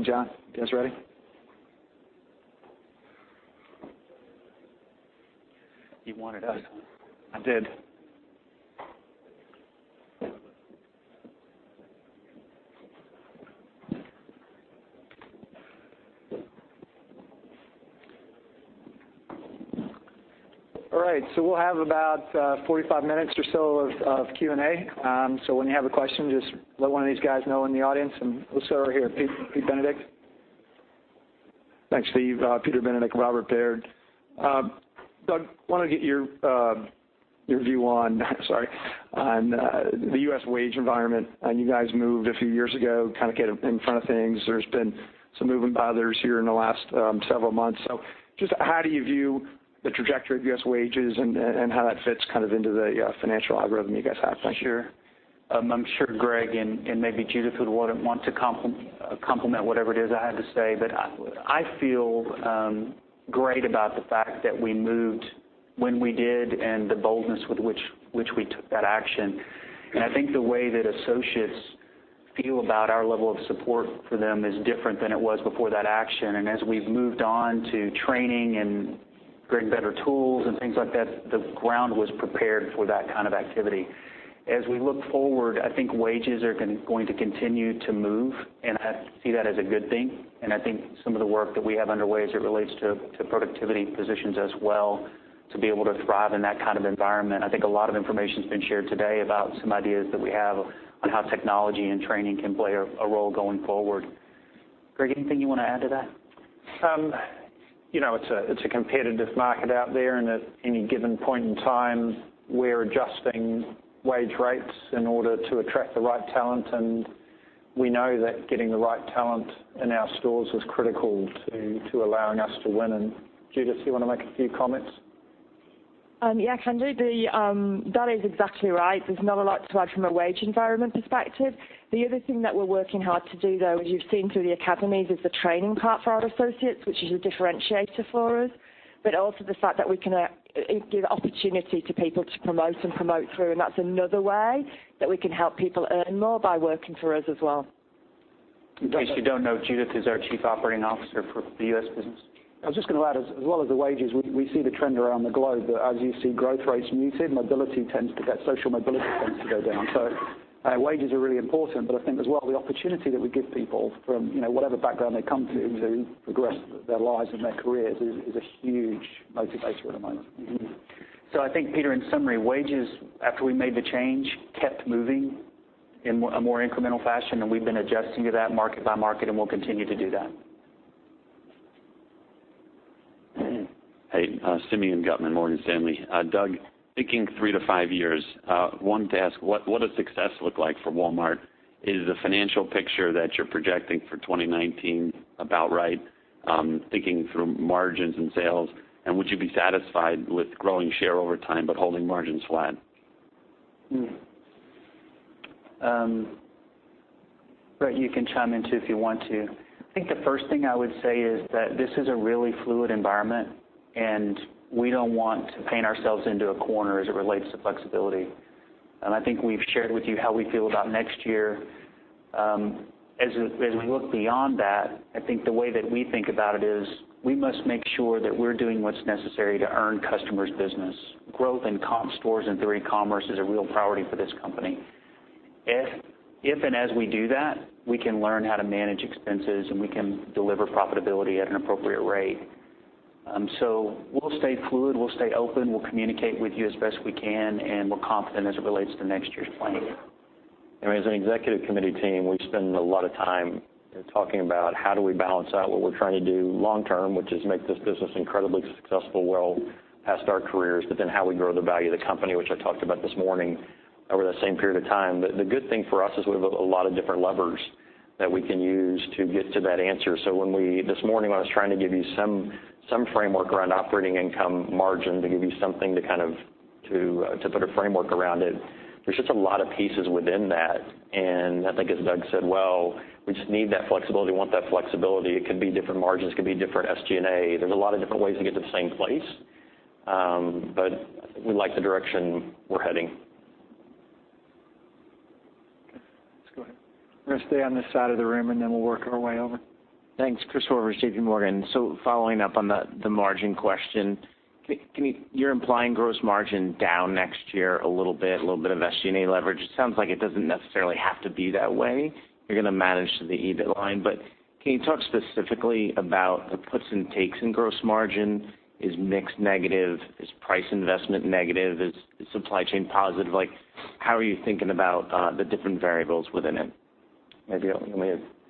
Hey. Yeah. Ready? Dave and John, you guys ready? You wanted us. I did. All right. We'll have about 45 minutes or so of Q&A. When you have a question, just let one of these guys know in the audience, and we'll start right here. Pete Benedict. Thanks, Steve. Peter Benedict, Robert W. Baird. Doug, I want to get your view on, sorry, on the U.S. wage environment. You guys moved a few years ago, kind of get in front of things. There's been some movement by others here in the last several months. Just how do you view the trajectory of U.S. wages and how that fits kind of into the financial algorithm you guys have? Thanks. Sure. I'm sure Greg and maybe Judith would want to complement whatever it is I have to say. I feel great about the fact that we moved when we did and the boldness with which we took that action. I think the way that associates feel about our level of support for them is different than it was before that action. As we've moved on to training and creating better tools and things like that, the ground was prepared for that kind of activity. As we look forward, I think wages are going to continue to move, and I see that as a good thing. I think some of the work that we have underway as it relates to productivity positions as well, to be able to thrive in that kind of environment. I think a lot of information's been shared today about some ideas that we have on how technology and training can play a role going forward. Greg, anything you want to add to that? It's a competitive market out there, at any given point in time, we're adjusting wage rates in order to attract the right talent. We know that getting the right talent in our stores is critical to allowing us to win. Judith, do you want to make a few comments? Yeah, can do. That is exactly right. There's not a lot to add from a wage environment perspective. The other thing that we're working hard to do, though, as you've seen through the academies, is the training part for our associates, which is a differentiator for us. Also the fact that we can give opportunity to people to promote and promote through. That's another way that we can help people earn more by working for us as well. In case you don't know, Judith is our Chief Operating Officer for the U.S. business. I was just going to add, as well as the wages, we see the trend around the globe that as you see growth rates muted, social mobility tends to go down. Wages are really important, but I think as well, the opportunity that we give people from whatever background they come to progress their lives and their careers is a huge motivator at the moment. I think, Peter, in summary, wages, after we made the change, kept moving in a more incremental fashion, and we've been adjusting to that market by market, and we'll continue to do that. Hey, Simeon Gutman, Morgan Stanley. Doug, thinking three to five years, wanted to ask, what does success look like for Walmart? Is the financial picture that you're projecting for 2019 about right, thinking through margins and sales? Would you be satisfied with growing share over time but holding margins flat? Greg, you can chime in too if you want to. I think the first thing I would say is that this is a really fluid environment, and we don't want to paint ourselves into a corner as it relates to flexibility. I think we've shared with you how we feel about next year. As we look beyond that, I think the way that we think about it is we must make sure that we're doing what's necessary to earn customers' business. Growth in comp stores and through e-commerce is a real priority for this company. If and as we do that, we can learn how to manage expenses, and we can deliver profitability at an appropriate rate. We'll stay fluid, we'll stay open, we'll communicate with you as best we can, and we're confident as it relates to next year's plan. As an executive committee team, we spend a lot of time talking about how do we balance out what we're trying to do long term, which is make this business incredibly successful well past our careers, how we grow the value of the company, which I talked about this morning, over that same period of time. The good thing for us is we have a lot of different levers that we can use to get to that answer. This morning, when I was trying to give you some framework around operating income margin to give you something to put a framework around it, there's just a lot of pieces within that. I think as Doug said, well, we just need that flexibility. We want that flexibility. It could be different margins, could be different SG&A. There's a lot of different ways to get to the same place. I think we like the direction we're heading. We're going to stay on this side of the room and then we'll work our way over. Thanks. Chris Hoover, J.P. Morgan. Following up on the margin question, you're implying gross margin down next year a little bit, a little bit of SG&A leverage. It sounds like it doesn't necessarily have to be that way. You're going to manage to the EBIT line. Can you talk specifically about the puts and takes in gross margin? Is mix negative? Is price investment negative? Is supply chain positive? How are you thinking about the different variables within it?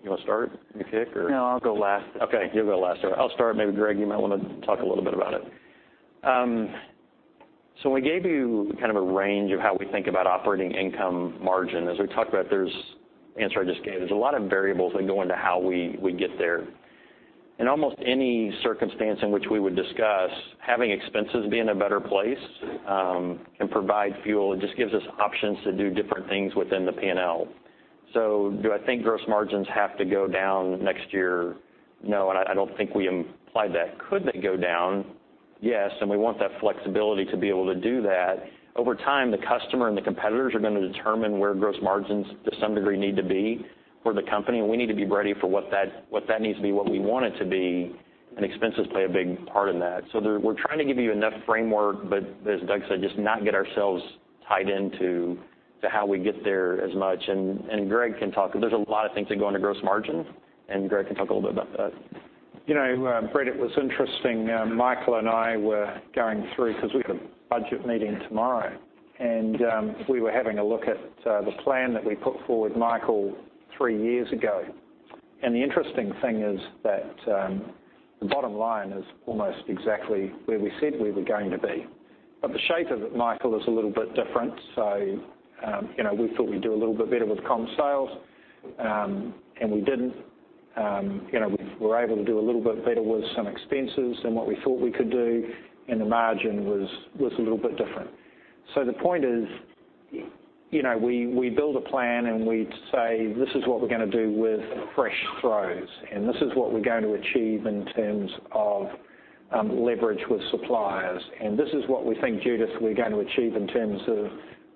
You want to start, maybe kick? No, I'll go last. You'll go last. All right, I'll start. Maybe Greg, you might want to talk a little bit about it. We gave you kind of a range of how we think about operating income margin. As we talked about, the answer I just gave, there's a lot of variables that go into how we get there. In almost any circumstance in which we would discuss, having expenses be in a better place can provide fuel. It just gives us options to do different things within the P&L. Do I think gross margins have to go down next year? No, I don't think we implied that. Could they go down? Yes, we want that flexibility to be able to do that. Over time, the customer, the competitors are going to determine where gross margins, to some degree, need to be for the company, we need to be ready for what that needs to be, what we want it to be, expenses play a big part in that. We're trying to give you enough framework, as Doug said, just not get ourselves tied into how we get there as much. Greg can talk, there's a lot of things that go into gross margin, Greg can talk a little bit about that. Brett, it was interesting. Michael, I were going through, because we've got budget meeting tomorrow, we were having a look at the plan that we put forward, Michael, three years ago. The interesting thing is that the bottom line is almost exactly where we said we were going to be. The shape of it, Michael, is a little bit different. We thought we'd do a little bit better with comp sales, we didn't. We were able to do a little bit better with some expenses than what we thought we could do, the margin was a little bit different. The point is, we build a plan, we say, "This is what we're going to do with fresh throws, this is what we're going to achieve in terms of leverage with suppliers. This is what we think, Judith, we're going to achieve in terms of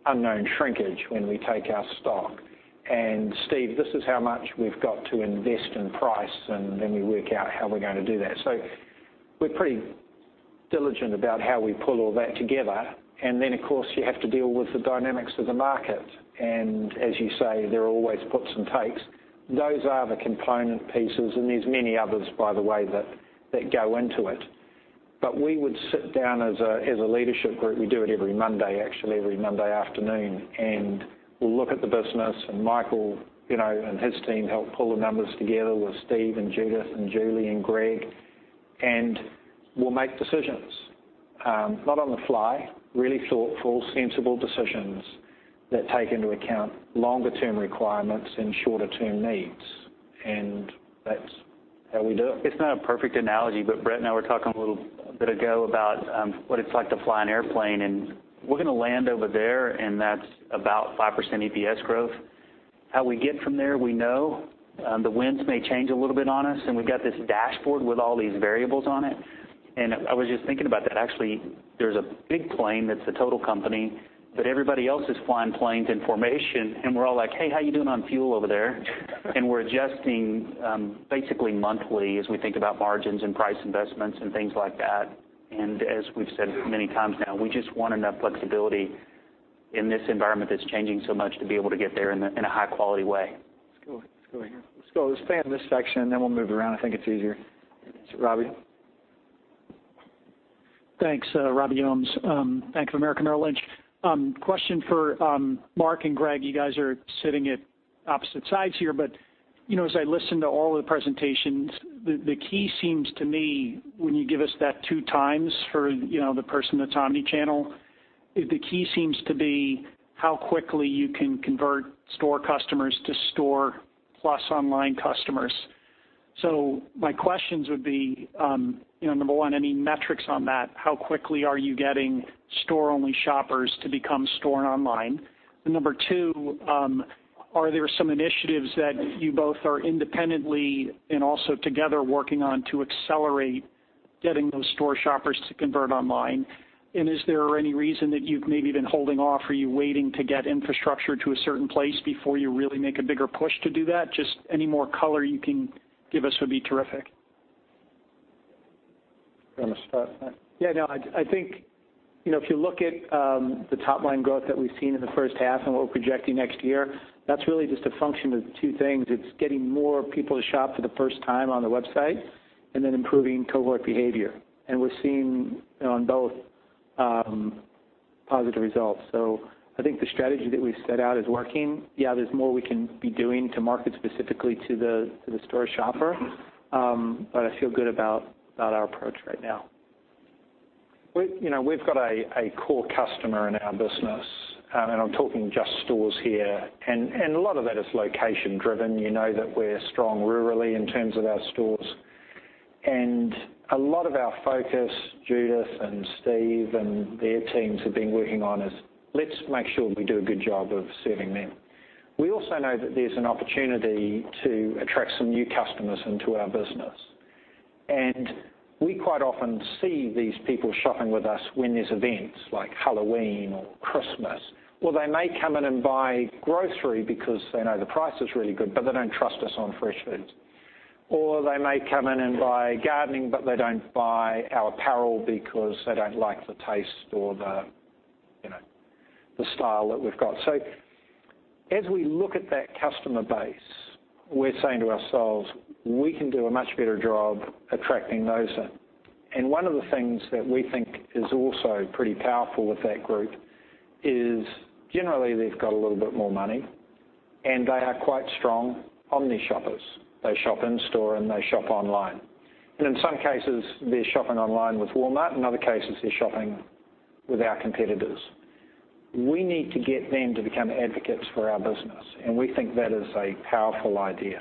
unknown shrinkage when we take our stock. Steve, this is how much we've got to invest in price," we work out how we're going to do that. We're pretty diligent about how we pull all that together. Then, of course, you have to deal with the dynamics of the market. As you say, there are always puts and takes. Those are the component pieces, there's many others, by the way, that go into it. We would sit down as a leadership group. We do it every Monday, actually, every Monday afternoon. We'll look at the business, Michael, his team help pull the numbers together with Steve, Judith, Julie, Greg. We'll make decisions. Not on the fly, really thoughtful, sensible decisions that take into account longer term requirements and shorter term needs. That's how we do it. It's not a perfect analogy, but Brett and I were talking a little bit ago about what it's like to fly an airplane, and we're going to land over there, and that's about 5% EPS growth. How we get from there, we know. The winds may change a little bit on us, and we've got this dashboard with all these variables on it. I was just thinking about that. Actually, there's a big plane that's the total company, but everybody else is flying planes in formation, and we're all like, "Hey, how are you doing on fuel over there?" We're adjusting basically monthly as we think about margins and price investments and things like that. As we've said many times now, we just want enough flexibility in this environment that's changing so much to be able to get there in a high quality way. Let's go over here. Let's stay in this section, we'll move around. I think it's easier. Robbie. Thanks. Robert Ohmes, Bank of America Merrill Lynch. Question for Marc and Greg. You guys are sitting at opposite sides here, as I listen to all of the presentations, the key seems to me, when you give us that two times for the person that's omni-channel, the key seems to be how quickly you can convert store customers to store plus online customers. My questions would be, number 1, any metrics on that? How quickly are you getting store-only shoppers to become store and online? Number 2, are there some initiatives that you both are independently and also together working on to accelerate getting those store shoppers to convert online? Is there any reason that you've maybe been holding off? Are you waiting to get infrastructure to a certain place before you really make a bigger push to do that? Just any more color you can give us would be terrific. Do you want me to start, Marc? Yeah, no. I think, if you look at the top-line growth that we've seen in the first half and what we're projecting next year, that's really just a function of two things. It's getting more people to shop for the first time on the website and then improving cohort behavior. We're seeing on both positive results. I think the strategy that we've set out is working. Yeah, there's more we can be doing to market specifically to the store shopper. I feel good about our approach right now. We've got a core customer in our business, and I'm talking just stores here, and a lot of that is location driven. You know that we're strong rurally in terms of our stores. A lot of our focus, Judith and Steve and their teams have been working on is let's make sure we do a good job of serving them. We also know that there's an opportunity to attract some new customers into our business. We quite often see these people shopping with us when there's events like Halloween or Christmas. They may come in and buy grocery because they know the price is really good, but they don't trust us on fresh foods. They may come in and buy gardening, but they don't buy our apparel because they don't like the taste or the style that we've got. As we look at that customer base, we're saying to ourselves, we can do a much better job attracting those in. One of the things that we think is also pretty powerful with that group is generally they've got a little bit more money, and they are quite strong omni-shoppers. They shop in store, and they shop online. In some cases, they're shopping online with Walmart. In other cases, they're shopping with our competitors. We need to get them to become advocates for our business, and we think that is a powerful idea.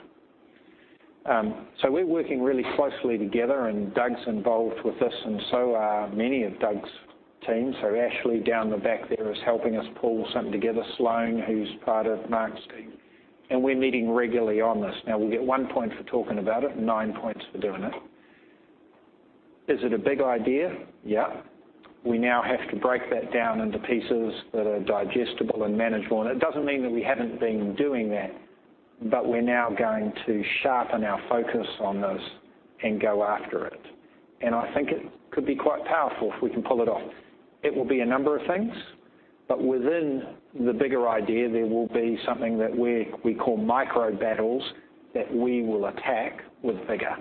We're working really closely together, and Doug's involved with this, and so are many of Doug's team. Ashley down the back there is helping us pull something together. Sloane, who's part of Marc's team. We're meeting regularly on this. Now we get one point for talking about it, nine points for doing it. Is it a big idea? Yeah. We now have to break that down into pieces that are digestible and manageable. It doesn't mean that we haven't been doing that, but we're now going to sharpen our focus on those and go after it. I think it could be quite powerful if we can pull it off. It will be a number of things, but within the bigger idea, there will be something that we call micro battles that we will attack with vigor.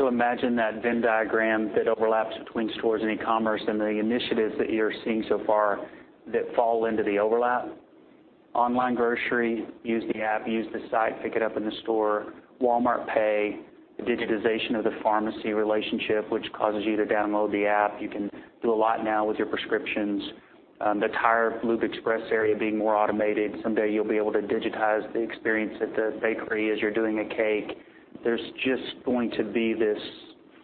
Imagine that Venn diagram that overlaps between stores and e-commerce and the initiatives that you're seeing so far that fall into the overlap. Online grocery, use the app, use the site, pick it up in the store, Walmart Pay, the digitization of the pharmacy relationship, which causes you to download the app. You can do a lot now with your prescriptions. The Tire & Lube Express area being more automated. Someday you'll be able to digitize the experience at the bakery as you're doing a cake. There's just going to be this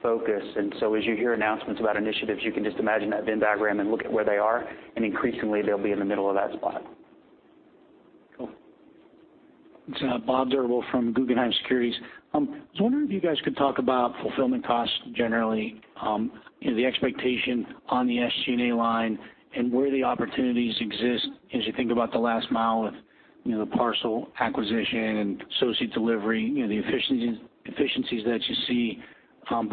focus. As you hear announcements about initiatives, you can just imagine that Venn diagram and look at where they are. Increasingly, they'll be in the middle of that spot. Cool. It's Bob Drbul from Guggenheim Securities. I was wondering if you guys could talk about fulfillment costs generally. The expectation on the SG&A line and where the opportunities exist as you think about the last mile with the Parcel acquisition and associate delivery, the efficiencies that you see.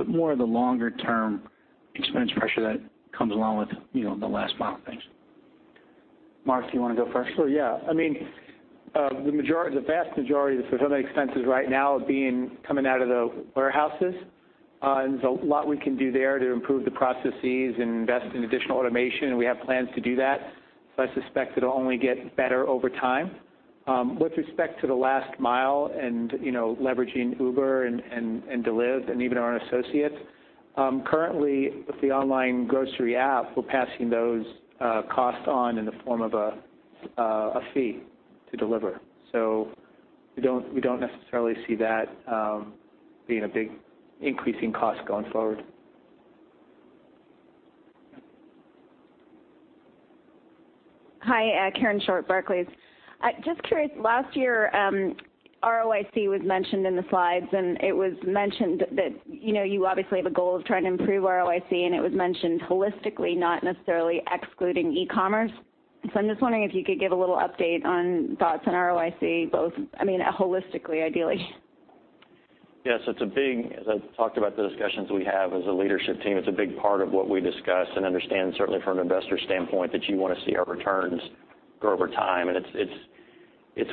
More of the longer-term expense pressure that comes along with the last mile things. Marc, do you want to go first? Sure, yeah. The vast majority of the fulfillment expenses right now are coming out of the warehouses. There's a lot we can do there to improve the processes and invest in additional automation, and we have plans to do that. I suspect it'll only get better over time. With respect to the last mile and leveraging Uber and Deliv and even our associates, currently with the online grocery app, we're passing those costs on in the form of a fee to deliver. We don't necessarily see that being a big increase in cost going forward. Hi, Karen Short, Barclays. Just curious, last year, ROIC was mentioned in the slides. It was mentioned that you obviously have a goal of trying to improve ROIC, and it was mentioned holistically, not necessarily excluding e-commerce. I'm just wondering if you could give a little update on thoughts on ROIC, holistically, ideally. Yes, as I've talked about the discussions we have as a leadership team, it's a big part of what we discuss and understand, certainly from an investor standpoint, that you want to see our returns grow over time. It's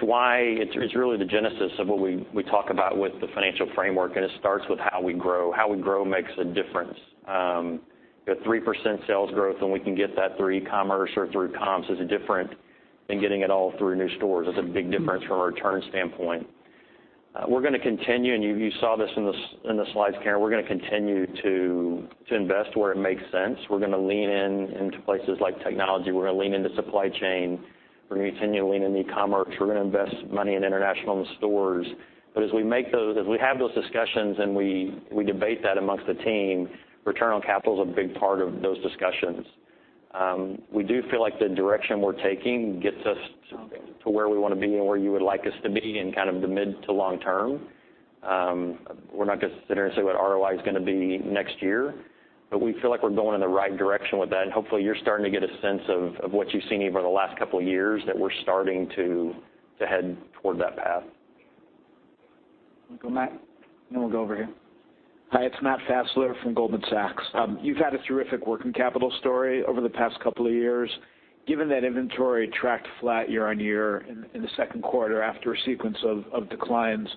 really the genesis of what we talk about with the financial framework, and it starts with how we grow. How we grow makes a difference. The 3% sales growth, and we can get that through e-commerce or through comps, is different than getting it all through new stores. That's a big difference from a return standpoint. We're going to continue, and you saw this in the slides, Karen, we're going to continue to invest where it makes sense. We're going to lean into places like technology. We're going to lean into supply chain. We're going to continue to lean into e-commerce. We're going to invest money in international and the stores. As we have those discussions and we debate that amongst the team, return on capital is a big part of those discussions. We do feel like the direction we're taking gets us to where we want to be and where you would like us to be in kind of the mid to long term. We're not going to sit here and say what ROI is going to be next year, but we feel like we're going in the right direction with that. Hopefully you're starting to get a sense of what you've seen over the last couple of years, that we're starting to head toward that path. We'll go Matt, then we'll go over here. Hi, it's Matt Fassler from Goldman Sachs. You've had a terrific working capital story over the past couple of years. Given that inventory tracked flat year-on-year in the second quarter after a sequence of declines,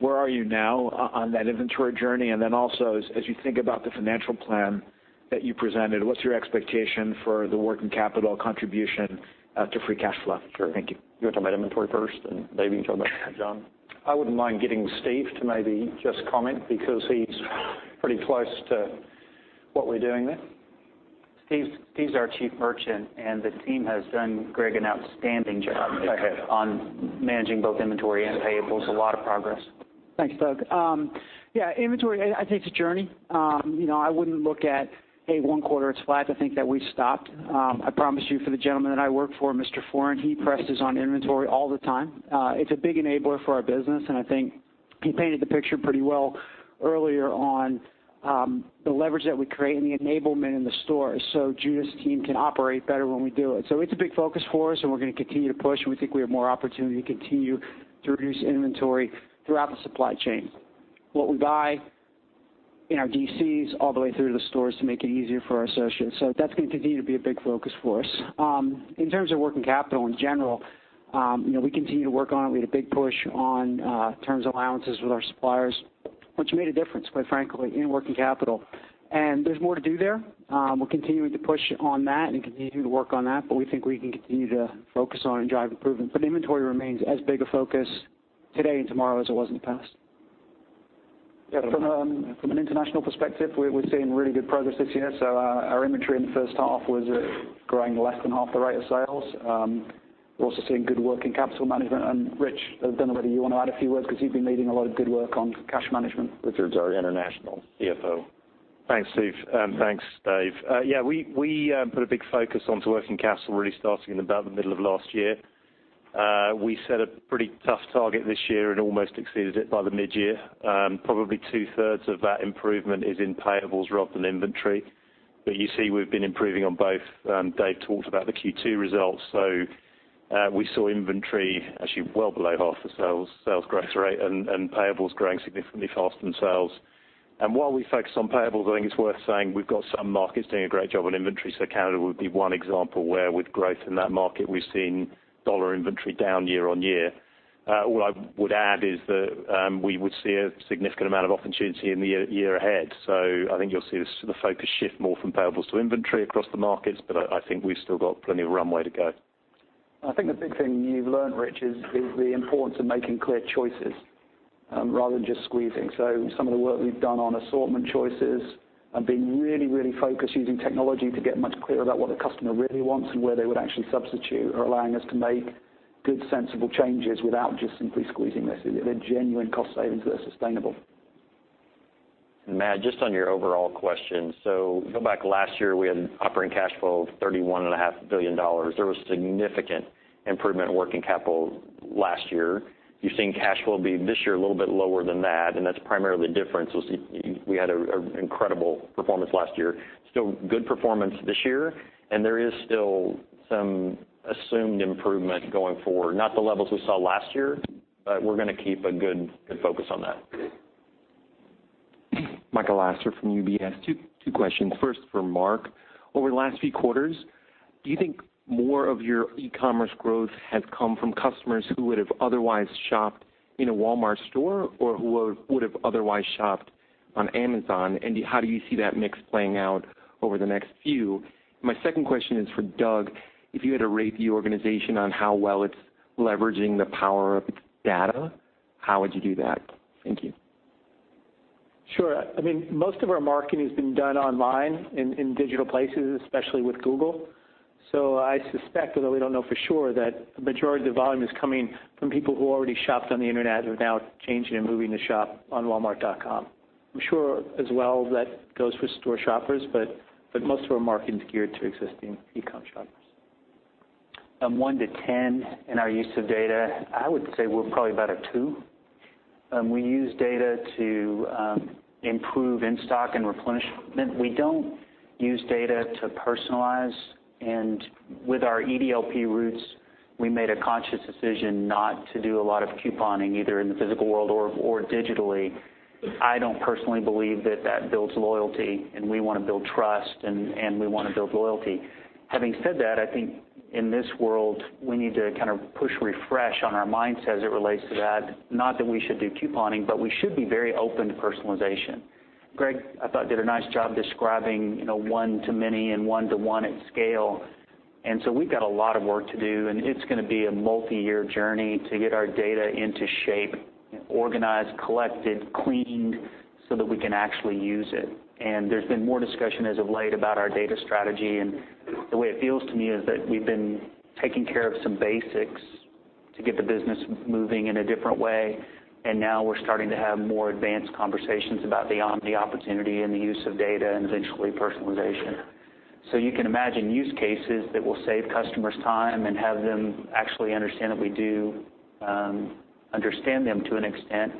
where are you now on that inventory journey? Then also, as you think about the financial plan that you presented, what's your expectation for the working capital contribution to free cash flow? Thank you. You want to talk about inventory first, Dave, you can talk about John. I wouldn't mind getting Steve to maybe just comment because he's pretty close to what we're doing there. Steve's our Chief Merchant, the team has done, Greg, an outstanding job. Okay on managing both inventory and payables. A lot of progress. Thanks, Doug. Yeah, inventory, I think it's a journey. I wouldn't look at, hey, one quarter it's flat to think that we've stopped. I promise you for the gentleman that I work for, Mr. Foran, he presses on inventory all the time. It's a big enabler for our business, I think he painted the picture pretty well earlier on the leverage that we create and the enablement in the stores. Judith's team can operate better when we do it. It's a big focus for us, we're going to continue to push, and we think we have more opportunity to continue to reduce inventory throughout the supply chain, what we buy in our DCs all the way through the stores to make it easier for our associates. That's going to continue to be a big focus for us. In terms of working capital in general, we continue to work on it. We had a big push on terms allowances with our suppliers, which made a difference, quite frankly, in working capital. There's more to do there. We're continuing to push on that and continue to work on that, but we think we can continue to focus on and drive improvement. Inventory remains as big a focus today and tomorrow as it was in the past. From an international perspective, we're seeing really good progress this year. Our inventory in the first half was growing less than half the rate of sales. We're also seeing good working capital management. Rich, I don't know whether you want to add a few words because you've been leading a lot of good work on cash management. Richard's our international CFO. Thanks, Steve. Thanks, Dave. We put a big focus onto working capital, really starting in about the middle of last year. We set a pretty tough target this year and almost exceeded it by the mid-year. Probably two-thirds of that improvement is in payables rather than inventory. You see we've been improving on both. Dave talked about the Q2 results. We saw inventory actually well below half the sales growth rate and payables growing significantly faster than sales. While we focus on payables, I think it's worth saying we've got some markets doing a great job on inventory. Canada would be one example where with growth in that market, we've seen dollar inventory down year-on-year. All I would add is that we would see a significant amount of opportunity in the year ahead. I think you'll see the focus shift more from payables to inventory across the markets, I think we've still got plenty of runway to go. I think the big thing you've learned, Rich, is the importance of making clear choices rather than just squeezing. Some of the work we've done on assortment choices and being really, really focused using technology to get much clearer about what the customer really wants and where they would actually substitute are allowing us to make good, sensible changes without just simply squeezing this. They're genuine cost savings that are sustainable. Matt, just on your overall question. If you go back last year, we had operating cash flow of $31.5 billion. There was significant improvement in working capital last year. You're seeing cash flow be this year a little bit lower than that, and that's primarily the difference. We had an incredible performance last year. Still good performance this year, and there is still some assumed improvement going forward. Not the levels we saw last year, but we're going to keep a good focus on that. Michael Lasser from UBS. Two questions. First for Marc. Over the last few quarters, do you think more of your e-commerce growth has come from customers who would have otherwise shopped in a Walmart store or who would have otherwise shopped on Amazon? How do you see that mix playing out over the next few? My second question is for Doug. If you had to rate the organization on how well it's leveraging the power of its data, how would you do that? Thank you. Sure. Most of our marketing has been done online in digital places, especially with Google. I suspect, although we don't know for sure, that the majority of the volume is coming from people who already shopped on the internet, who are now changing and moving to shop on walmart.com. I'm sure as well that goes for store shoppers, but most of our marketing is geared to existing e-com shoppers. On 1 to 10 in our use of data, I would say we're probably about a 2. We use data to improve in-stock and replenishment. We don't use data to personalize, and with our EDLP roots, we made a conscious decision not to do a lot of couponing, either in the physical world or digitally. I don't personally believe that that builds loyalty, and we want to build trust, and we want to build loyalty. Having said that, I think in this world, we need to kind of push refresh on our mindset as it relates to that. Not that we should do couponing, but we should be very open to personalization. Greg, I thought, did a nice job describing one to many and one to one at scale. We've got a lot of work to do, and it's going to be a multi-year journey to get our data into shape, organized, collected, cleaned so that we can actually use it. There's been more discussion as of late about our data strategy, and the way it feels to me is that we've been taking care of some basics to get the business moving in a different way, and now we're starting to have more advanced conversations about the omni opportunity and the use of data and eventually personalization. You can imagine use cases that will save customers time and have them actually understand that we do understand them to an extent.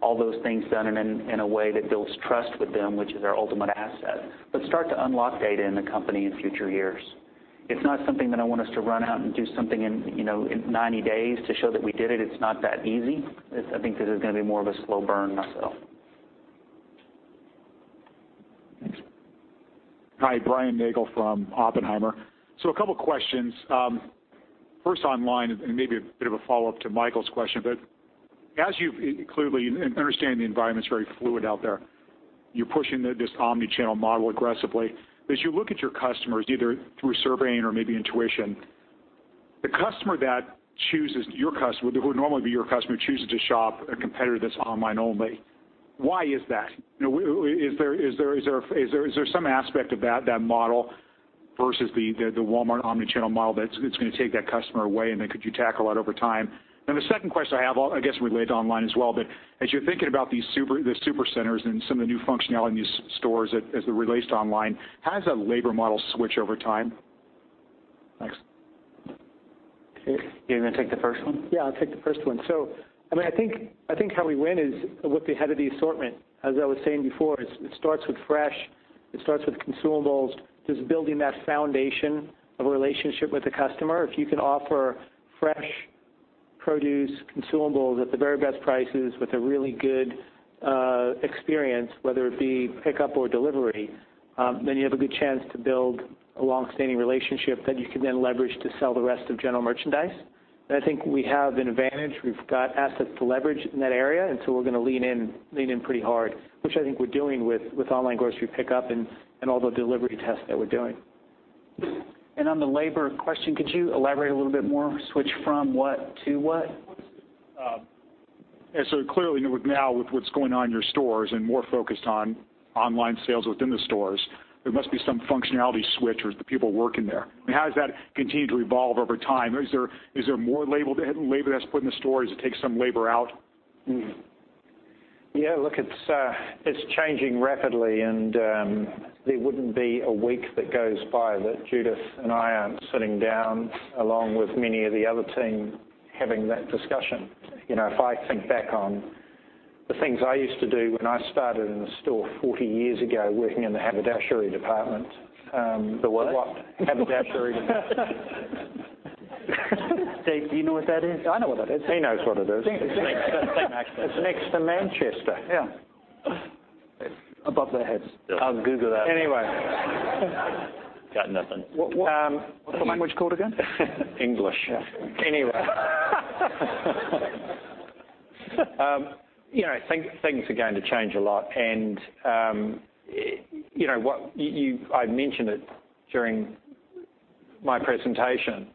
All those things done and in a way that builds trust with them, which is our ultimate asset. Start to unlock data in the company in future years. It's not something that I want us to run out and do something in 90 days to show that we did it. It's not that easy. I think this is going to be more of a slow burn myself. Thanks. Hi, Brian Nagel from Oppenheimer. A couple of questions. First online, and maybe a bit of a follow-up to Michael's question, but as you clearly understand, the environment's very fluid out there. You're pushing this omni-channel model aggressively. As you look at your customers, either through surveying or maybe intuition, the customer that would normally be your customer, chooses to shop a competitor that's online only. Why is that? Is there some aspect of that model versus the Walmart omni-channel model that's going to take that customer away, and then could you tackle that over time? The second question I have, I guess related to online as well, but as you're thinking about the supercenters and some of the new functionality in these stores as they relate to online, has that labor model switched over time? Thanks. You're going to take the first one? Yeah, I'll take the first one. I think how we win is with the head of the assortment. As I was saying before, it starts with fresh, it starts with consumables, just building that foundation of a relationship with the customer. If you can offer fresh produce, consumables at the very best prices with a really good experience, whether it be pickup or delivery, then you have a good chance to build a long-standing relationship that you can then leverage to sell the rest of general merchandise. I think we have an advantage. We've got assets to leverage in that area, we're going to lean in pretty hard, which I think we're doing with online grocery pickup and all the delivery tests that we're doing. On the labor question, could you elaborate a little bit more? Switch from what to what? Yeah. Clearly now with what's going on in your stores and more focused on online sales within the stores, there must be some functionality switch with the people working there. How does that continue to evolve over time? Is there more labor that's put in the store? Does it take some labor out? Yeah, look, it's changing rapidly. There wouldn't be a week that goes by that Judith and I aren't sitting down, along with many of the other team, having that discussion. If I think back on the things I used to do when I started in the store 40 years ago, working in the haberdashery department. The what? Haberdashery department. Steve, do you know what that is? I know what that is. He knows what it is. Same accent. It's next to Manchester. Yeah. Above their heads. I'll Google that. Anyway. Got nothing. What's the language called again? English. Yeah. Things are going to change a lot. I mentioned it during my presentation,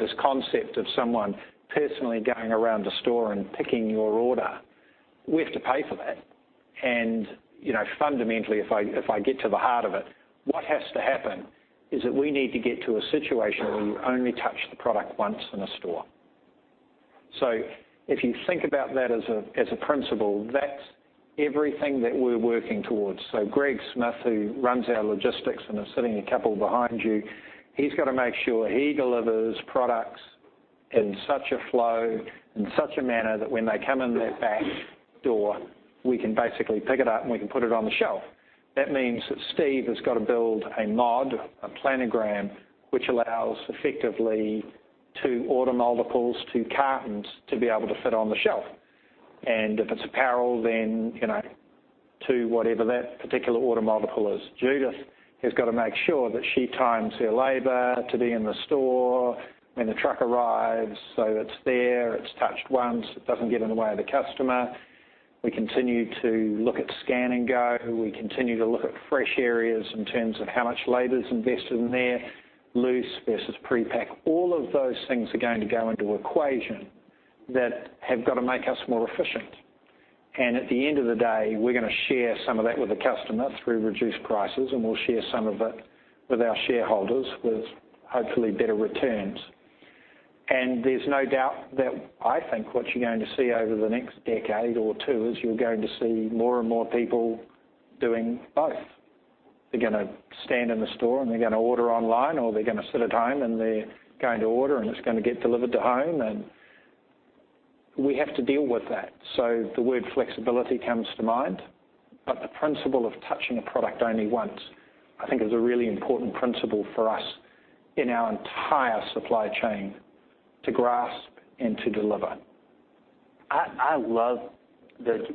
this concept of someone personally going around the store and picking your order. We have to pay for that. Fundamentally, if I get to the heart of it, what has to happen is that we need to get to a situation where you only touch the product once in a store. If you think about that as a principle, that's everything that we're working towards. Greg Smith, who runs our logistics and is sitting a couple behind you, he's got to make sure he delivers products in such a flow, in such a manner that when they come in that back door, we can basically pick it up and we can put it on the shelf. That means that Steve has got to build a mod, a planogram, which allows effectively two order multiples, two cartons, to be able to fit on the shelf. If it's apparel, then two whatever that particular order multiple is. Judith has got to make sure that she times her labor to be in the store when the truck arrives, so it's there, it's touched once, it doesn't get in the way of the customer. We continue to look at Scan & Go. We continue to look at fresh areas in terms of how much labor's invested in there, loose versus pre-pack. All of those things are going to go into equation that have got to make us more efficient. At the end of the day, we're going to share some of that with the customer through reduced prices, and we'll share some of it with our shareholders, with hopefully better returns. There's no doubt that I think what you're going to see over the next decade or two is you're going to see more and more people doing both. They're going to stand in the store and they're going to order online, or they're going to sit at home and they're going to order, and it's going to get delivered to home, and we have to deal with that. The word flexibility comes to mind. The principle of touching a product only once, I think, is a really important principle for us in our entire supply chain to grasp and to deliver. I love the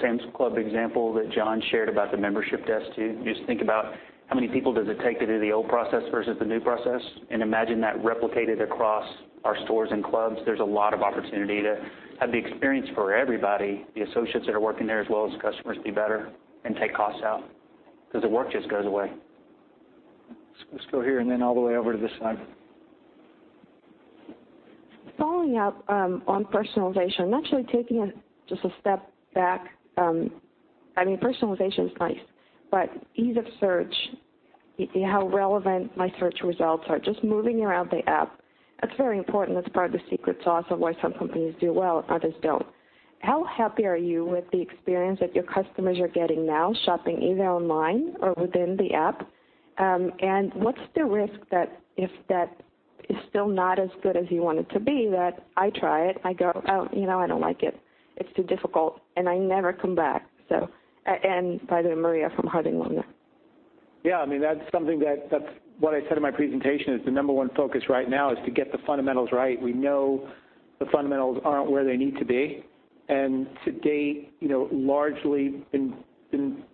Sam's Club example that John shared about the membership desk, too. Just think about how many people does it take to do the old process versus the new process, and imagine that replicated across our stores and clubs. There's a lot of opportunity to have the experience for everybody, the associates that are working there as well as customers, be better and take costs out because the work just goes away. Let's go here and then all the way over to this side. Following up on personalization, actually taking just a step back. Personalization is nice, ease of search, how relevant my search results are, just moving around the app, that's very important. That's part of the secret sauce of why some companies do well and others don't. How happy are you with the experience that your customers are getting now, shopping either online or within the app? What's the risk that if that is still not as good as you want it to be, that I try it, I go, "Oh, I don't like it. It's too difficult," and I never come back? By the way, Maria from Harding Loevner. Yeah, that's what I said in my presentation, is the number 1 focus right now is to get the fundamentals right. We know the fundamentals aren't where they need to be, to date, largely been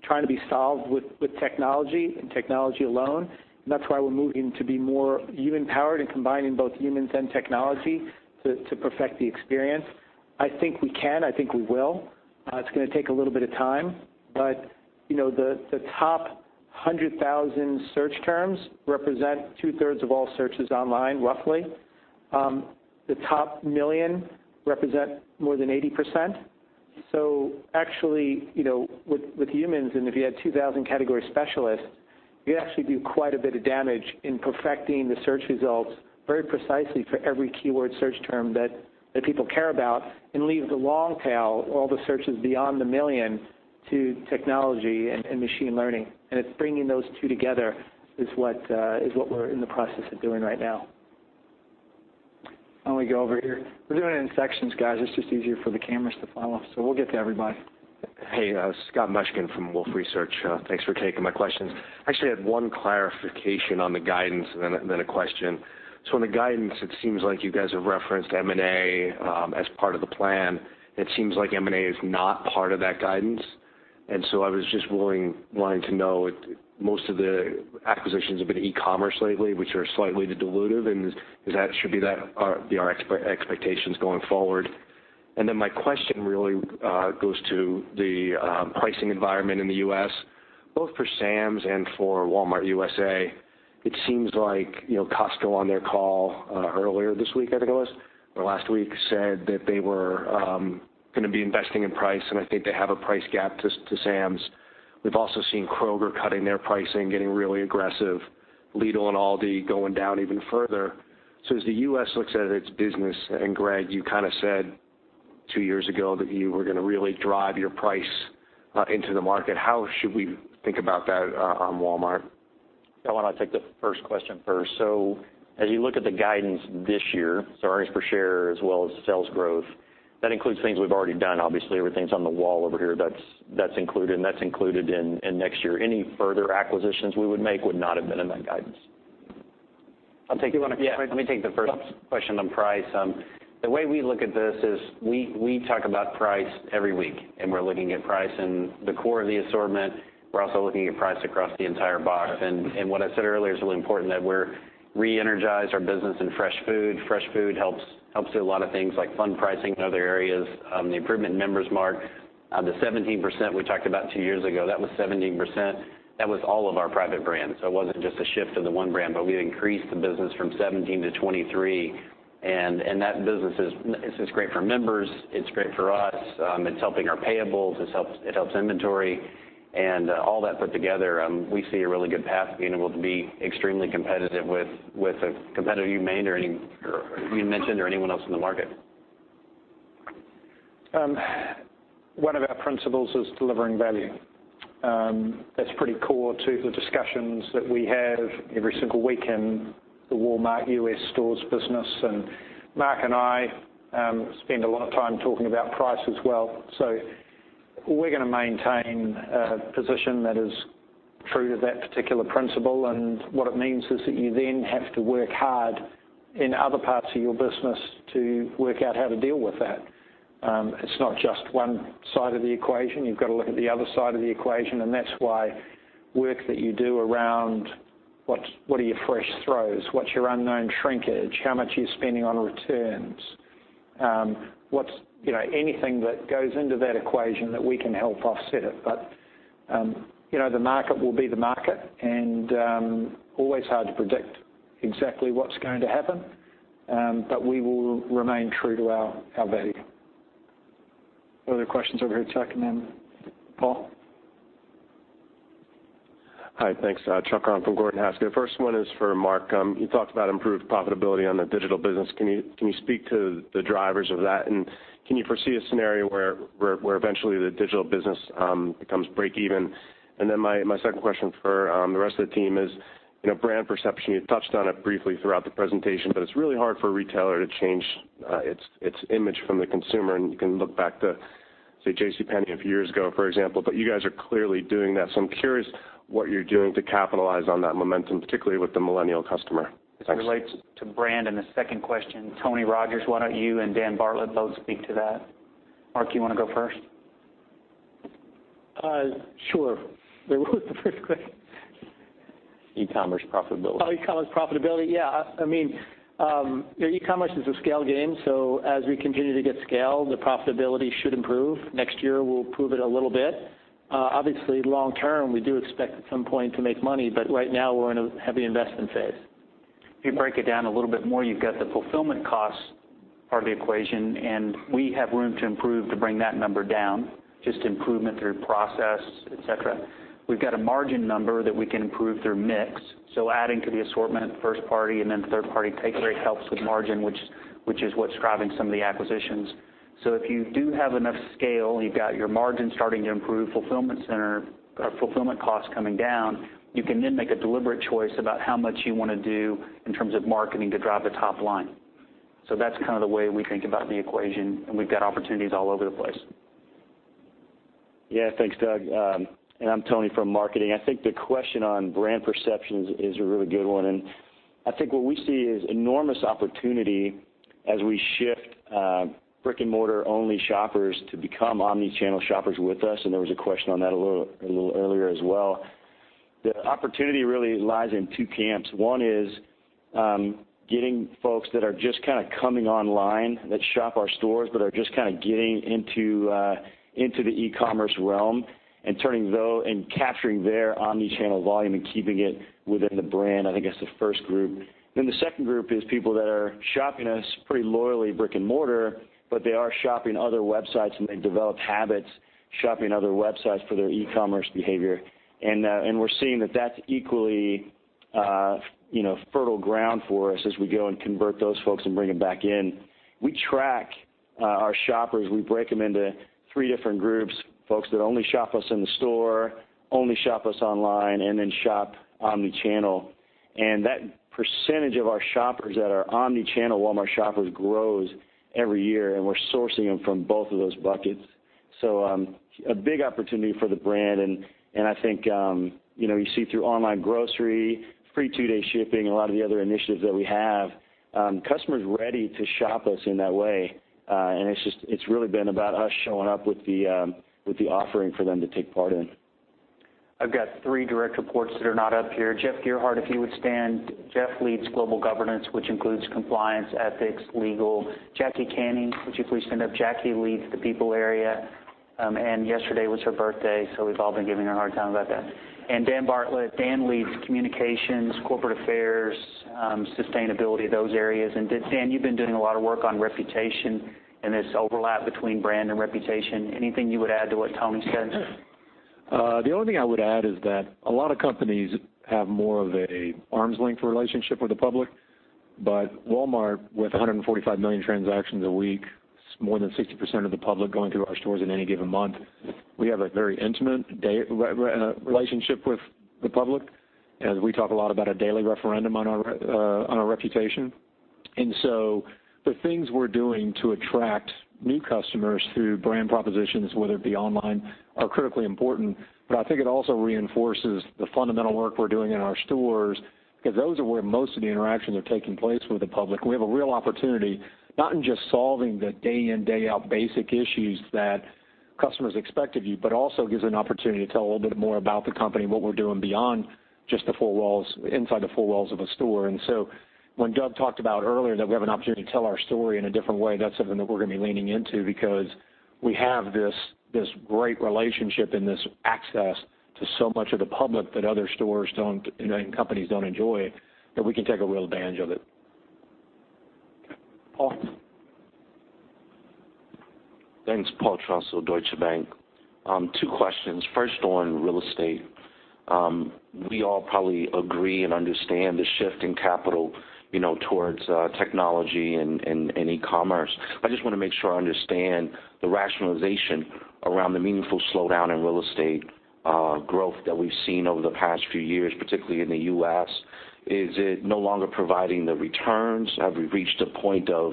trying to be solved with technology and technology alone. That's why we're moving to be more human-powered and combining both humans and technology to perfect the experience. I think we can. I think we will. It's going to take a little bit of time, the top 100,000 search terms represent two-thirds of all searches online, roughly. The top million represent more than 80%. Actually, with humans, and if you had 2,000 category specialists, you could actually do quite a bit of damage in perfecting the search results very precisely for every keyword search term that people care about and leave the long tail, all the searches beyond the million To technology and machine learning. It's bringing those two together is what we're in the process of doing right now. Why don't we go over here? We're doing it in sections, guys. It's just easier for the cameras to follow. We'll get to everybody. Hey, Scott Mushkin from Wolfe Research. Thanks for taking my questions. I actually had one clarification on the guidance and then a question. In the guidance, it seems like you guys have referenced M&A as part of the plan. It seems like M&A is not part of that guidance. I was just wanting to know if most of the acquisitions have been e-commerce lately, which are slightly dilutive, and should be that our expectations going forward? My question really goes to the pricing environment in the U.S., both for Sam's and for Walmart U.S.A. It seems like Costco on their call earlier this week, I think it was, or last week, said that they were going to be investing in price, and I think they have a price gap to Sam's. We've also seen Kroger cutting their pricing, getting really aggressive, Lidl and Aldi going down even further. As the U.S. looks at its business, and Greg, you kind of said 2 years ago that you were going to really drive your price into the market, how should we think about that on Walmart? I want to take the first question first. As you look at the guidance this year, so earnings per share as well as sales growth, that includes things we've already done. Obviously, everything's on the wall over here. That's included, and that's included in next year. Any further acquisitions we would make would not have been in that guidance. I'll take the first question on price. The way we look at this is we talk about price every week, we're looking at price in the core of the assortment. We're also looking at price across the entire box. What I said earlier is really important, that we're re-energized our business in fresh food. Fresh food helps do a lot of things like fund pricing in other areas. The improvement in Member's Mark, the 17% we talked about 2 years ago, that was 17%. That was all of our private brands. It wasn't just a shift of the one brand, but we increased the business from 17 to 23. That business is great for members. It's great for us. It's helping our payables. It helps inventory. All that put together, we see a really good path to being able to be extremely competitive with a competitor you mentioned or anyone else in the market. One of our principles is delivering value. That's pretty core to the discussions that we have every single week in the Walmart U.S. stores business. Marc and I spend a lot of time talking about price as well. We're going to maintain a position that is true to that particular principle. What it means is that you then have to work hard in other parts of your business to work out how to deal with that. It's not just one side of the equation. You've got to look at the other side of the equation. That's why work that you do around what are your fresh throws, what's your unknown shrinkage, how much are you spending on returns, anything that goes into that equation that we can help offset it. The market will be the market and always hard to predict exactly what's going to happen. We will remain true to our value. Other questions over here, Chuck, and then Paul. Hi, thanks. Chuck Grom from Gordon Haskett. First one is for Marc. You talked about improved profitability on the digital business. Can you speak to the drivers of that? Can you foresee a scenario where eventually the digital business becomes break even? My second question for the rest of the team is brand perception. You touched on it briefly throughout the presentation, but it's really hard for a retailer to change its image from the consumer. You can look back to, say, JCPenney a few years ago, for example, but you guys are clearly doing that. I'm curious what you're doing to capitalize on that momentum, particularly with the millennial customer. Thanks. It relates to brand. The second question, Tony Rogers, why don't you and Dan Bartlett both speak to that? Marc, you want to go first? Sure. The first question. E-commerce profitability. Oh, e-commerce profitability. Yeah. E-commerce is a scale game. As we continue to get scale, the profitability should improve. Next year, we'll improve it a little bit. Obviously, long term, we do expect at some point to make money, right now we're in a heavy investment phase. If you break it down a little bit more, you've got the fulfillment cost part of the equation, we have room to improve to bring that number down, just improvement through process, et cetera. We've got a margin number that we can improve through mix. Adding to the assortment at first party and then third party take rate helps with margin, which is what's driving some of the acquisitions. If you do have enough scale, you've got your margin starting to improve, fulfillment costs coming down, you can then make a deliberate choice about how much you want to do in terms of marketing to drive the top line. That's kind of the way we think about the equation, and we've got opportunities all over the place. Yeah. Thanks, Doug. I'm Tony from marketing. I think the question on brand perception is a really good one. I think what we see is enormous opportunity as we shift brick-and-mortar only shoppers to become omni-channel shoppers with us. There was a question on that a little earlier as well. The opportunity really lies in two camps. One is getting folks that are just kind of coming online, that shop our stores, but are just kind of getting into the e-commerce realm and capturing their omni-channel volume and keeping it within the brand. I think that's the first group. The second group is people that are shopping us pretty loyally brick and mortar, but they are shopping other websites, and they've developed habits shopping other websites for their e-commerce behavior. We're seeing that that's equally fertile ground for us as we go and convert those folks and bring them back in. We track our shoppers. We break them into three different groups, folks that only shop us in the store, only shop us online, and then shop omni-channel. That percentage of our shoppers that are omni-channel Walmart shoppers grows every year, and we're sourcing them from both of those buckets. A big opportunity for the brand. I think you see through online grocery, free two-day shipping, a lot of the other initiatives that we have, customers are ready to shop us in that way. It's really been about us showing up with the offering for them to take part in. I've got three direct reports that are not up here. Jeff Gearhart, if he would stand. Jeff leads Global Governance, which includes compliance, ethics, legal. Jacqui Canney, would you please stand up? Jacqui leads the people area. Yesterday was her birthday, so we've all been giving her a hard time about that. Dan Bartlett. Dan leads Communications, Corporate Affairs, Sustainability, those areas. Dan, you've been doing a lot of work on reputation and this overlap between brand and reputation. Anything you would add to what Tony said? The only thing I would add is that a lot of companies have more of an arm's length relationship with the public. Walmart, with 145 million transactions a week, more than 60% of the public going through our stores in any given month, we have a very intimate relationship with the public, as we talk a lot about a daily referendum on our reputation. The things we're doing to attract new customers through brand propositions, whether it be online, are critically important. I think it also reinforces the fundamental work we're doing in our stores, because those are where most of the interactions are taking place with the public. We have a real opportunity, not in just solving the day-in, day-out basic issues that customers expect of you, but also gives an opportunity to tell a little bit more about the company and what we're doing beyond just inside the four walls of a store. When Doug talked about earlier that we have an opportunity to tell our story in a different way, that's something that we're going to be leaning into because we have this great relationship and this access to so much of the public that other stores and companies don't enjoy, that we can take a real advantage of it. Paul. Thanks, Paul Trussell, Deutsche Bank. Two questions. First, on real estate. We all probably agree and understand the shift in capital towards technology and e-commerce. I just want to make sure I understand the rationalization around the meaningful slowdown in real estate growth that we've seen over the past few years, particularly in the U.S. Is it no longer providing the returns? Have we reached a point of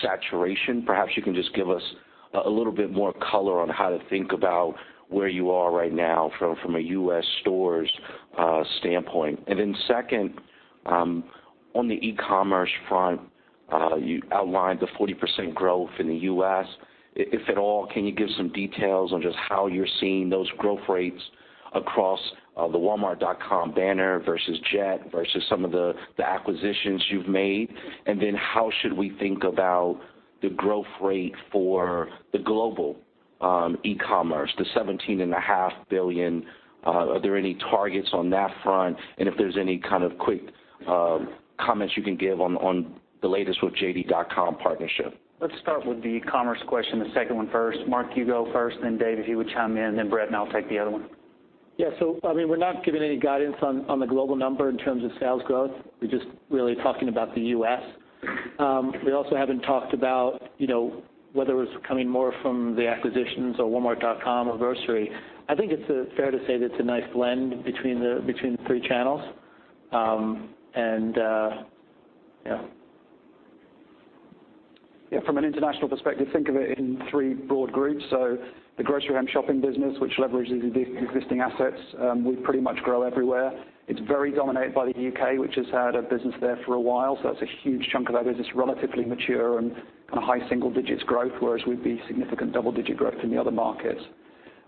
saturation? Perhaps you can just give us a little bit more color on how to think about where you are right now from a U.S. stores standpoint. Then second, on the e-commerce front, you outlined the 40% growth in the U.S. If at all, can you give some details on just how you're seeing those growth rates across the walmart.com banner versus Jet, versus some of the acquisitions you've made? How should we think about the growth rate for the global e-commerce, the $17.5 billion? Are there any targets on that front? If there's any kind of quick comments you can give on the latest with JD.com partnership. Let's start with the e-commerce question, the second one first. Marc, you go first, then Dave, if you would chime in, then Brett and I will take the other one. Yeah. We're not giving any guidance on the global number in terms of sales growth. We're just really talking about the U.S. We also haven't talked about whether it's coming more from the acquisitions or walmart.com or grocery. I think it's fair to say that it's a nice blend between the three channels. Yeah. From an international perspective, think of it in three broad groups. The Click & Collect business, which leverages existing assets, we pretty much grow everywhere. It's very dominated by the U.K., which has had a business there for a while. That's a huge chunk of that business, relatively mature and kind of high single-digit growth, whereas we'd be significant double-digit growth in the other markets.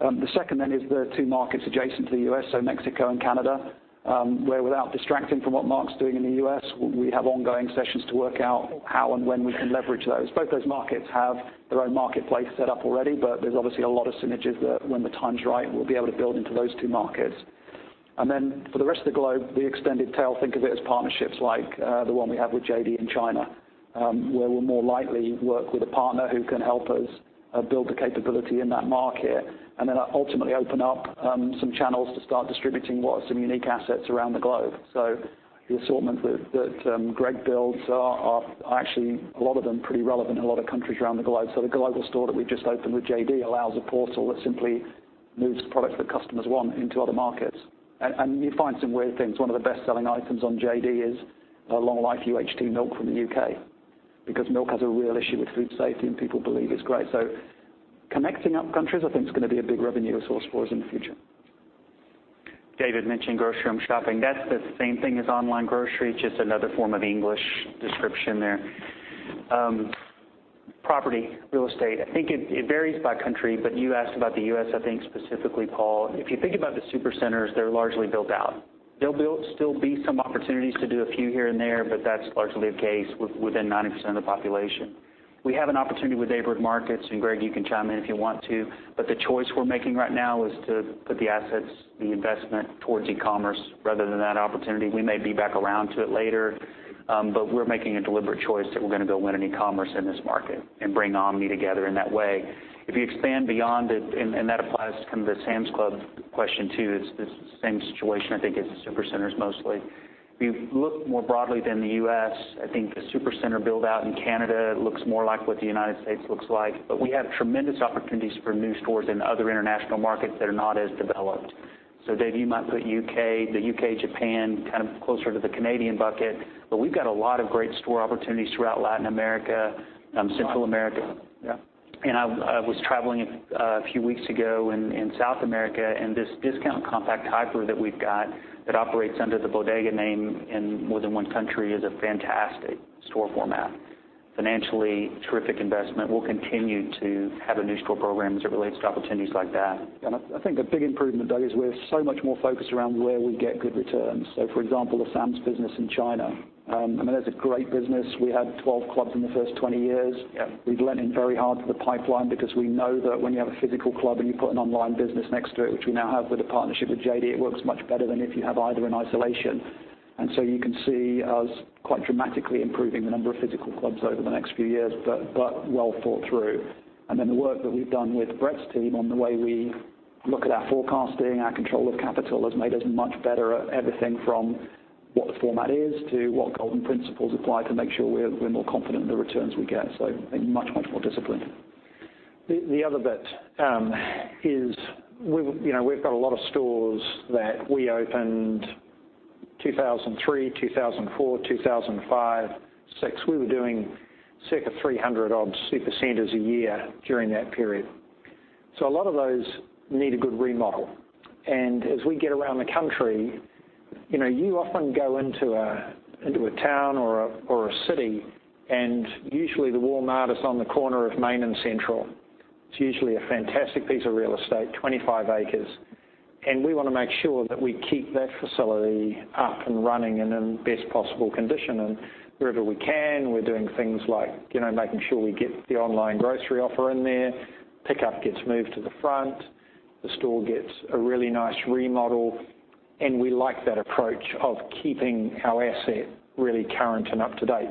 The second then is the two markets adjacent to the U.S., Mexico and Canada, where without distracting from what Marc's doing in the U.S., we have ongoing sessions to work out how and when we can leverage those. Both those markets have their own marketplace set up already, there's obviously a lot of synergies that when the time's right, we'll be able to build into those two markets. For the rest of the globe, the extended tail, think of it as partnerships like the one we have with JD in China, where we'll more likely work with a partner who can help us build the capability in that market. Ultimately open up some channels to start distributing what are some unique assets around the globe. The assortment that Greg builds are actually, a lot of them, pretty relevant in a lot of countries around the globe. The global store that we've just opened with JD allows a portal that simply moves the products that customers want into other markets. You find some weird things. One of the best-selling items on JD is a long-life UHT milk from the U.K. because milk has a real issue with food safety, and people believe it's great. Connecting up countries, I think, is going to be a big revenue source for us in the future. David mentioned Click & Collect. That's the same thing as online grocery, just another form of English description there. Property, real estate, I think it varies by country, but you asked about the U.S. I think specifically, Paul. If you think about the Supercenters, they're largely built out. There'll still be some opportunities to do a few here and there, but that's largely the case within 90% of the population. We have an opportunity with Neighborhood Markets, and Greg, you can chime in if you want to. The choice we're making right now is to put the assets, the investment towards e-commerce rather than that opportunity. We may be back around to it later, but we're making a deliberate choice that we're going to go win in e-commerce in this market and bring omni together in that way. If you expand beyond it, that applies to kind of the Sam's Club question, too, it's the same situation I think as the Supercenters mostly. We've looked more broadly than the U.S. I think the Supercenter build-out in Canada looks more like what the United States looks like. We have tremendous opportunities for new stores in other international markets that are not as developed. Dave, you might put the U.K., Japan, kind of closer to the Canadian bucket, but we've got a lot of great store opportunities throughout Latin America, Central America. Yeah. I was traveling a few weeks ago in South America, and this discount compact hyper that we've got that operates under the Bodega name in more than one country is a fantastic store format. Financially terrific investment. We'll continue to have a new store program as it relates to opportunities like that. I think a big improvement, Doug, is we're so much more focused around where we get good returns. For example, the Sam's business in China. I mean, there's a great business. We had 12 clubs in the first 20 years. Yeah. We've leaned in very hard to the pipeline because we know that when you have a physical club and you put an online business next to it, which we now have with a partnership with JD, it works much better than if you have either in isolation. You can see us quite dramatically improving the number of physical clubs over the next few years, but well thought through. The work that we've done with Brett's team on the way we look at our forecasting, our control of capital, has made us much better at everything from what the format is to what golden principles apply to make sure we're more confident in the returns we get. I think much more disciplined. The other bit is we've got a lot of stores that we opened 2003, 2004, 2005, 2006. We were doing circa 300 odd supercenters a year during that period. A lot of those need a good remodel. As we get around the country, you often go into a town or a city, and usually the Walmart is on the corner of Main and Central. It's usually a fantastic piece of real estate, 25 acres. We want to make sure that we keep that facility up and running and in the best possible condition. Wherever we can, we're doing things like making sure we get the online grocery offer in there, pickup gets moved to the front, the store gets a really nice remodel. We like that approach of keeping our asset really current and up to date.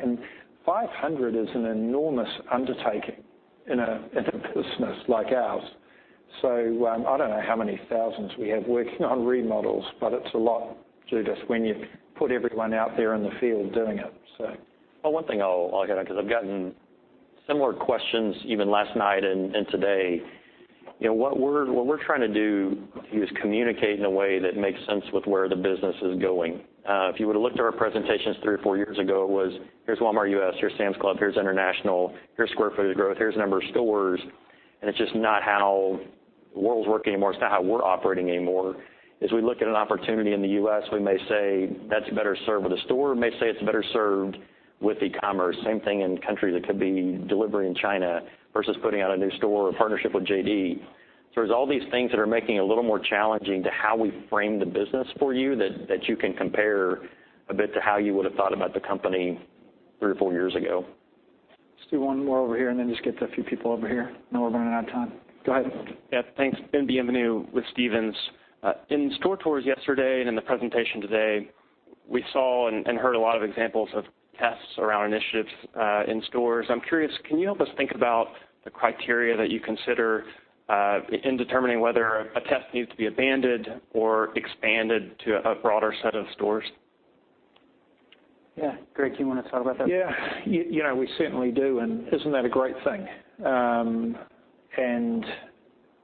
500 is an enormous undertaking in a business like ours. I don't know how many thousands we have working on remodels, but it's a lot, Judith, when you put everyone out there in the field doing it. Well, one thing I'll add, because I've gotten similar questions even last night and today. What we're trying to do is communicate in a way that makes sense with where the business is going. If you would've looked at our presentations three or four years ago, it was, "Here's Walmart U.S., here's Sam's Club, here's international, here's square footage growth, here's the number of stores." It's just not how the world's working anymore. It's not how we're operating anymore. As we look at an opportunity in the U.S., we may say, "That's better served with a store." We may say, "It's better served with e-commerce." Same thing in countries. It could be delivery in China versus putting out a new store or partnership with JD. There's all these things that are making it a little more challenging to how we frame the business for you that you can compare a bit to how you would've thought about the company three or four years ago. Let's do one more over here, just get to a few people over here. I know we're running out of time. Go ahead. Yeah. Thanks. Ben Bienvenu with Stephens. In store tours yesterday and in the presentation today, we saw and heard a lot of examples of tests around initiatives in stores. I'm curious, can you help us think about the criteria that you consider in determining whether a test needs to be abandoned or expanded to a broader set of stores? Yeah. Greg, you want to talk about that? Yeah. We certainly do, and isn't that a great thing?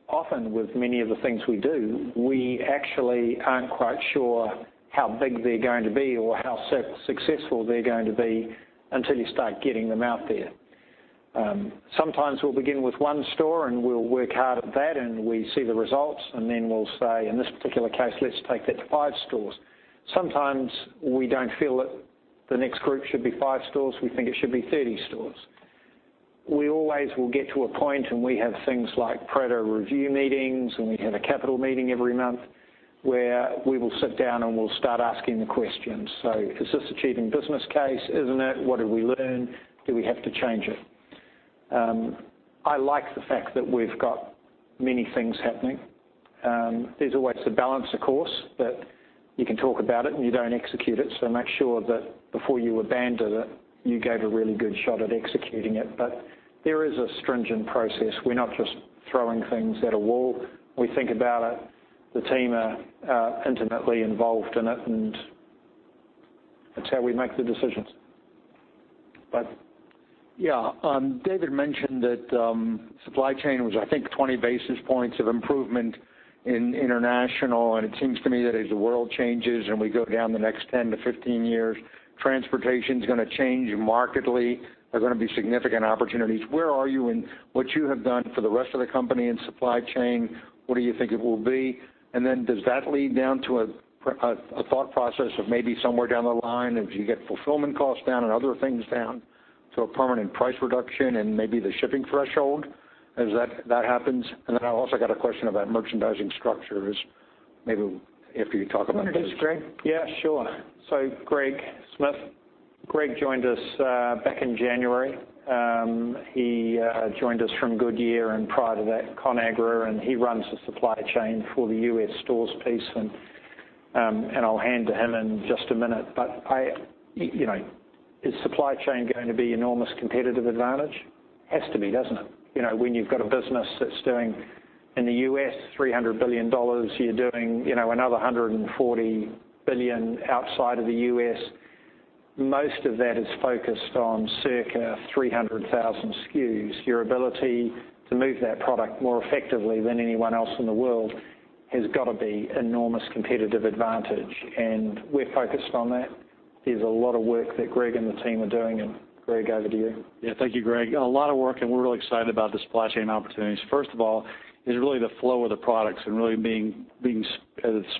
Often with many of the things we do, we actually aren't quite sure how big they're going to be or how successful they're going to be until you start getting them out there. Sometimes we'll begin with one store, and we'll work hard at that, and we see the results. Then we'll say, in this particular case, "Let's take that to five stores." Sometimes we don't feel that the next group should be five stores. We think it should be 30 stores. We always will get to a point, we have things like proto review meetings, and we have a capital meeting every month where we will sit down, and we'll start asking the questions. Is this achieving business case? Isn't it? What did we learn? Do we have to change it? I like the fact that we've got many things happening. There's always the balance, of course, that you can talk about it and you don't execute it. Make sure that before you abandon it, you gave a really good shot at executing it. There is a stringent process. We're not just throwing things at a wall. We think about it. The team are intimately involved in it, and that's how we make the decisions. Bud. Yeah. David mentioned that supply chain was, I think, 20 basis points of improvement in Walmart International, and it seems to me that as the world changes and we go down the next 10 to 15 years, transportation's going to change markedly. There are going to be significant opportunities. Where are you in what you have done for the rest of the company in supply chain? What do you think it will be? Does that lead down to a thought process of maybe somewhere down the line, as you get fulfillment costs down and other things down, to a permanent price reduction and maybe the shipping threshold as that happens? I've also got a question about merchandising structures maybe after you talk about this. You want to take this, Greg? Yeah, sure. Greg Smith. Greg joined us back in January. He joined us from Goodyear, and prior to that Conagra, he runs the supply chain for the U.S. stores piece. I'll hand to him in just a minute. Is supply chain going to be enormous competitive advantage? Has to be, doesn't it? When you've got a business that's doing, in the U.S., $300 billion, you're doing another $140 billion outside of the U.S., most of that is focused on circa 300,000 SKUs. Your ability to move that product more effectively than anyone else in the world has got to be enormous competitive advantage, we're focused on that. There's a lot of work that Greg and the team are doing. Greg, over to you. Thank you, Greg. A lot of work, and we're really excited about the supply chain opportunities. First of all, is really the flow of the products and really being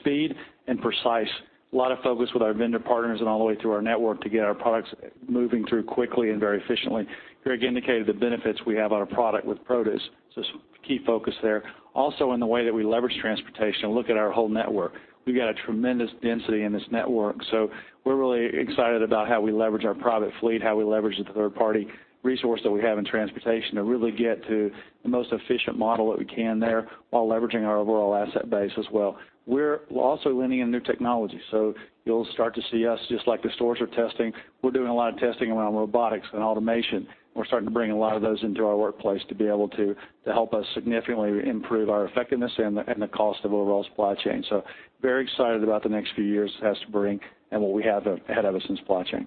speed and precise. A lot of focus with our vendor partners and all the way through our network to get our products moving through quickly and very efficiently. Greg indicated the benefits we have on our product with produce. Some key focus there. Also, on the way that we leverage transportation and look at our whole network. We've got a tremendous density in this network, so we're really excited about how we leverage our private fleet, how we leverage the third-party resource that we have in transportation to really get to the most efficient model that we can there, while leveraging our overall asset base as well. We're also leaning into new technology. You'll start to see us, just like the stores are testing, we're doing a lot of testing around robotics and automation. We're starting to bring a lot of those into our workplace to be able to help us significantly improve our effectiveness and the cost of overall supply chain. Very excited about the next few years has to bring and what we have ahead of us in supply chain.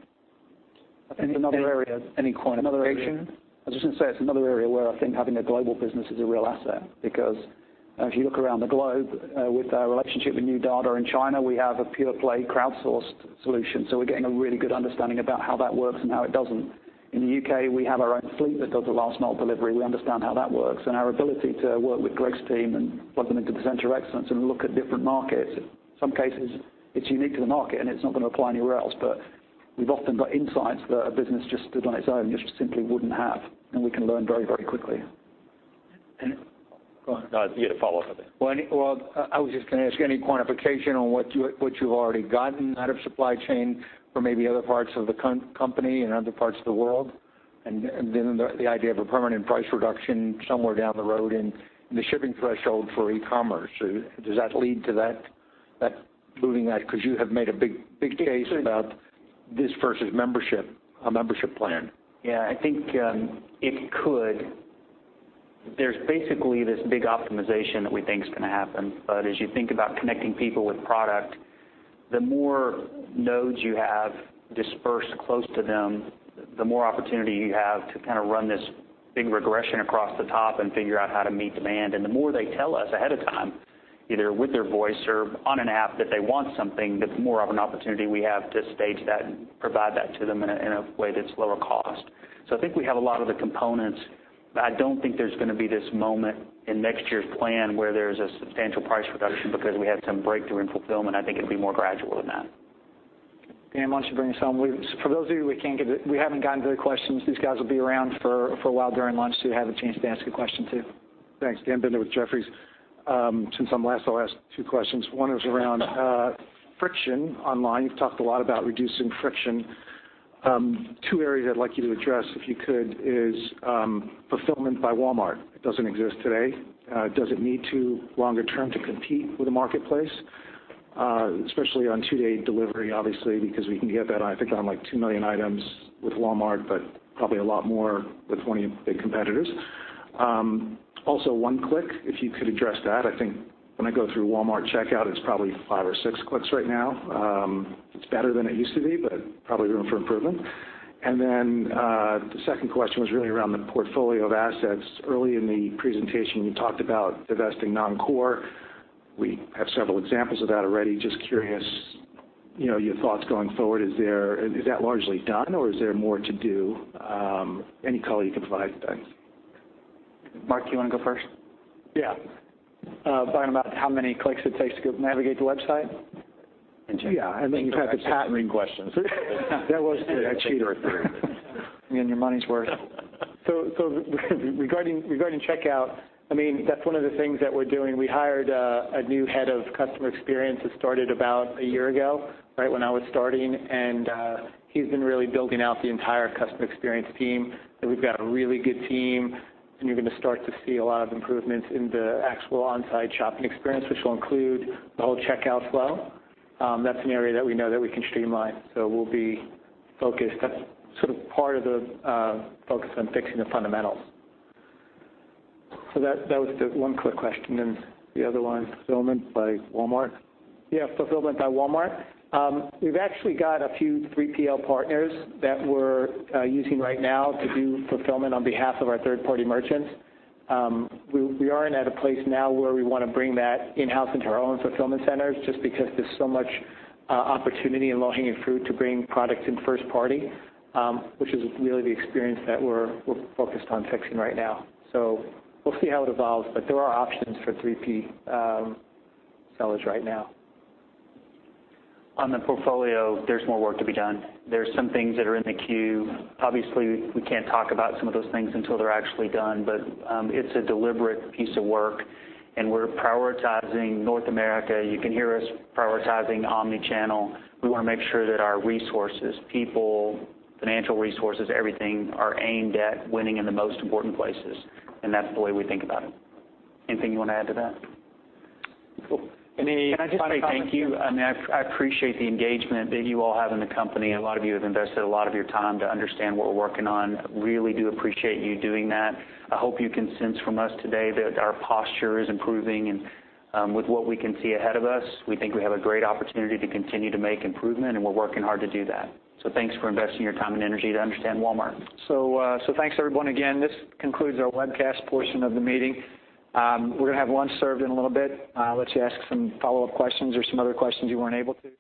Any other areas, any quantification? I was just going to say, it's another area where I think having a global business is a real asset because if you look around the globe, with our relationship with New Dada in China, we have a pure-play crowdsourced solution. We're getting a really good understanding about how that works and how it doesn't. In the U.K., we have our own fleet that does the last-mile delivery. We understand how that works. Our ability to work with Greg's team and plug them into the center of excellence and look at different markets, in some cases, it's unique to the market, and it's not going to apply anywhere else. We've often got insights that a business just stood on its own just simply wouldn't have, and we can learn very quickly. Go on. No, you had a follow-up I think. Well, I was just going to ask you any quantification on what you've already gotten out of supply chain from maybe other parts of the company and other parts of the world, and then the idea of a permanent price reduction somewhere down the road in the shipping threshold for e-commerce. Does that lead to that, moving that, because you have made a big case about this versus a membership plan? Yeah, I think it could. There's basically this big optimization that we think is going to happen. As you think about connecting people with product, the more nodes you have dispersed close to them, the more opportunity you have to kind of run this big regression across the top and figure out how to meet demand. The more they tell us ahead of time, either with their voice or on an app, that they want something, that's more of an opportunity we have to stage that and provide that to them in a way that's lower cost. I think we have a lot of the components, but I don't think there's going to be this moment in next year's plan where there's a substantial price reduction because we had some breakthrough in fulfillment. I think it'd be more gradual than that. Dan, why don't you bring us home? For those of you we haven't gotten to the questions, these guys will be around for a while during lunch so you have a chance to ask a question, too. Thanks. Daniel Binder with Jefferies. Since I'm last, I'll ask two questions. One is around friction online. You've talked a lot about reducing friction. Two areas I'd like you to address, if you could, is fulfillment by Walmart. It doesn't exist today. Does it need to longer term to compete with the marketplace? Especially on two-day delivery, obviously, because we can get that, I think, on like two million items with Walmart, but probably a lot more with one of your big competitors. Also, One Click, if you could address that. I think when I go through Walmart checkout, it's probably five or six clicks right now. It's better than it used to be, but probably room for improvement. The second question was really around the portfolio of assets. Early in the presentation, you talked about divesting non-core. We have several examples of that already. Just curious your thoughts going forward. Is that largely done, or is there more to do? Any color you can provide there. Marc, you want to go first? Yeah. Talking about how many clicks it takes to navigate the website? You have the patent ring questions. That was to cheat. Get your money's worth. Regarding checkout, that's one of the things that we're doing. We hired a new head of customer experience that started about a year ago, right when I was starting, and he's been really building out the entire customer experience team. We've got a really good team, and you're going to start to see a lot of improvements in the actual on-site shopping experience, which will include the whole checkout flow. That's an area that we know that we can streamline, so we'll be focused. That's sort of part of the focus on fixing the fundamentals. That was the One Click question and the other one, fulfillment by Walmart? fulfillment by Walmart. We've actually got a few 3PL partners that we're using right now to do fulfillment on behalf of our third-party merchants. We aren't at a place now where we want to bring that in-house into our own fulfillment centers just because there's so much opportunity and low-hanging fruit to bring products in first party, which is really the experience that we're focused on fixing right now. We'll see how it evolves, but there are options for 3P sellers right now. On the portfolio, there's more work to be done. There's some things that are in the queue. Obviously, we can't talk about some of those things until they're actually done. It's a deliberate piece of work, and we're prioritizing North America. You can hear us prioritizing omni-channel. We want to make sure that our resources, people, financial resources, everything, are aimed at winning in the most important places. That's the way we think about it. Anything you want to add to that? Cool. Can I just say thank you? I appreciate the engagement that you all have in the company, and a lot of you have invested a lot of your time to understand what we're working on. Really do appreciate you doing that. I hope you can sense from us today that our posture is improving, and with what we can see ahead of us, we think we have a great opportunity to continue to make improvement, and we're working hard to do that. Thanks for investing your time and energy to understand Walmart. Thanks everyone again. This concludes our webcast portion of the meeting. We're going to have lunch served in a little bit. I'll let you ask some follow-up questions or some other questions you weren't able to.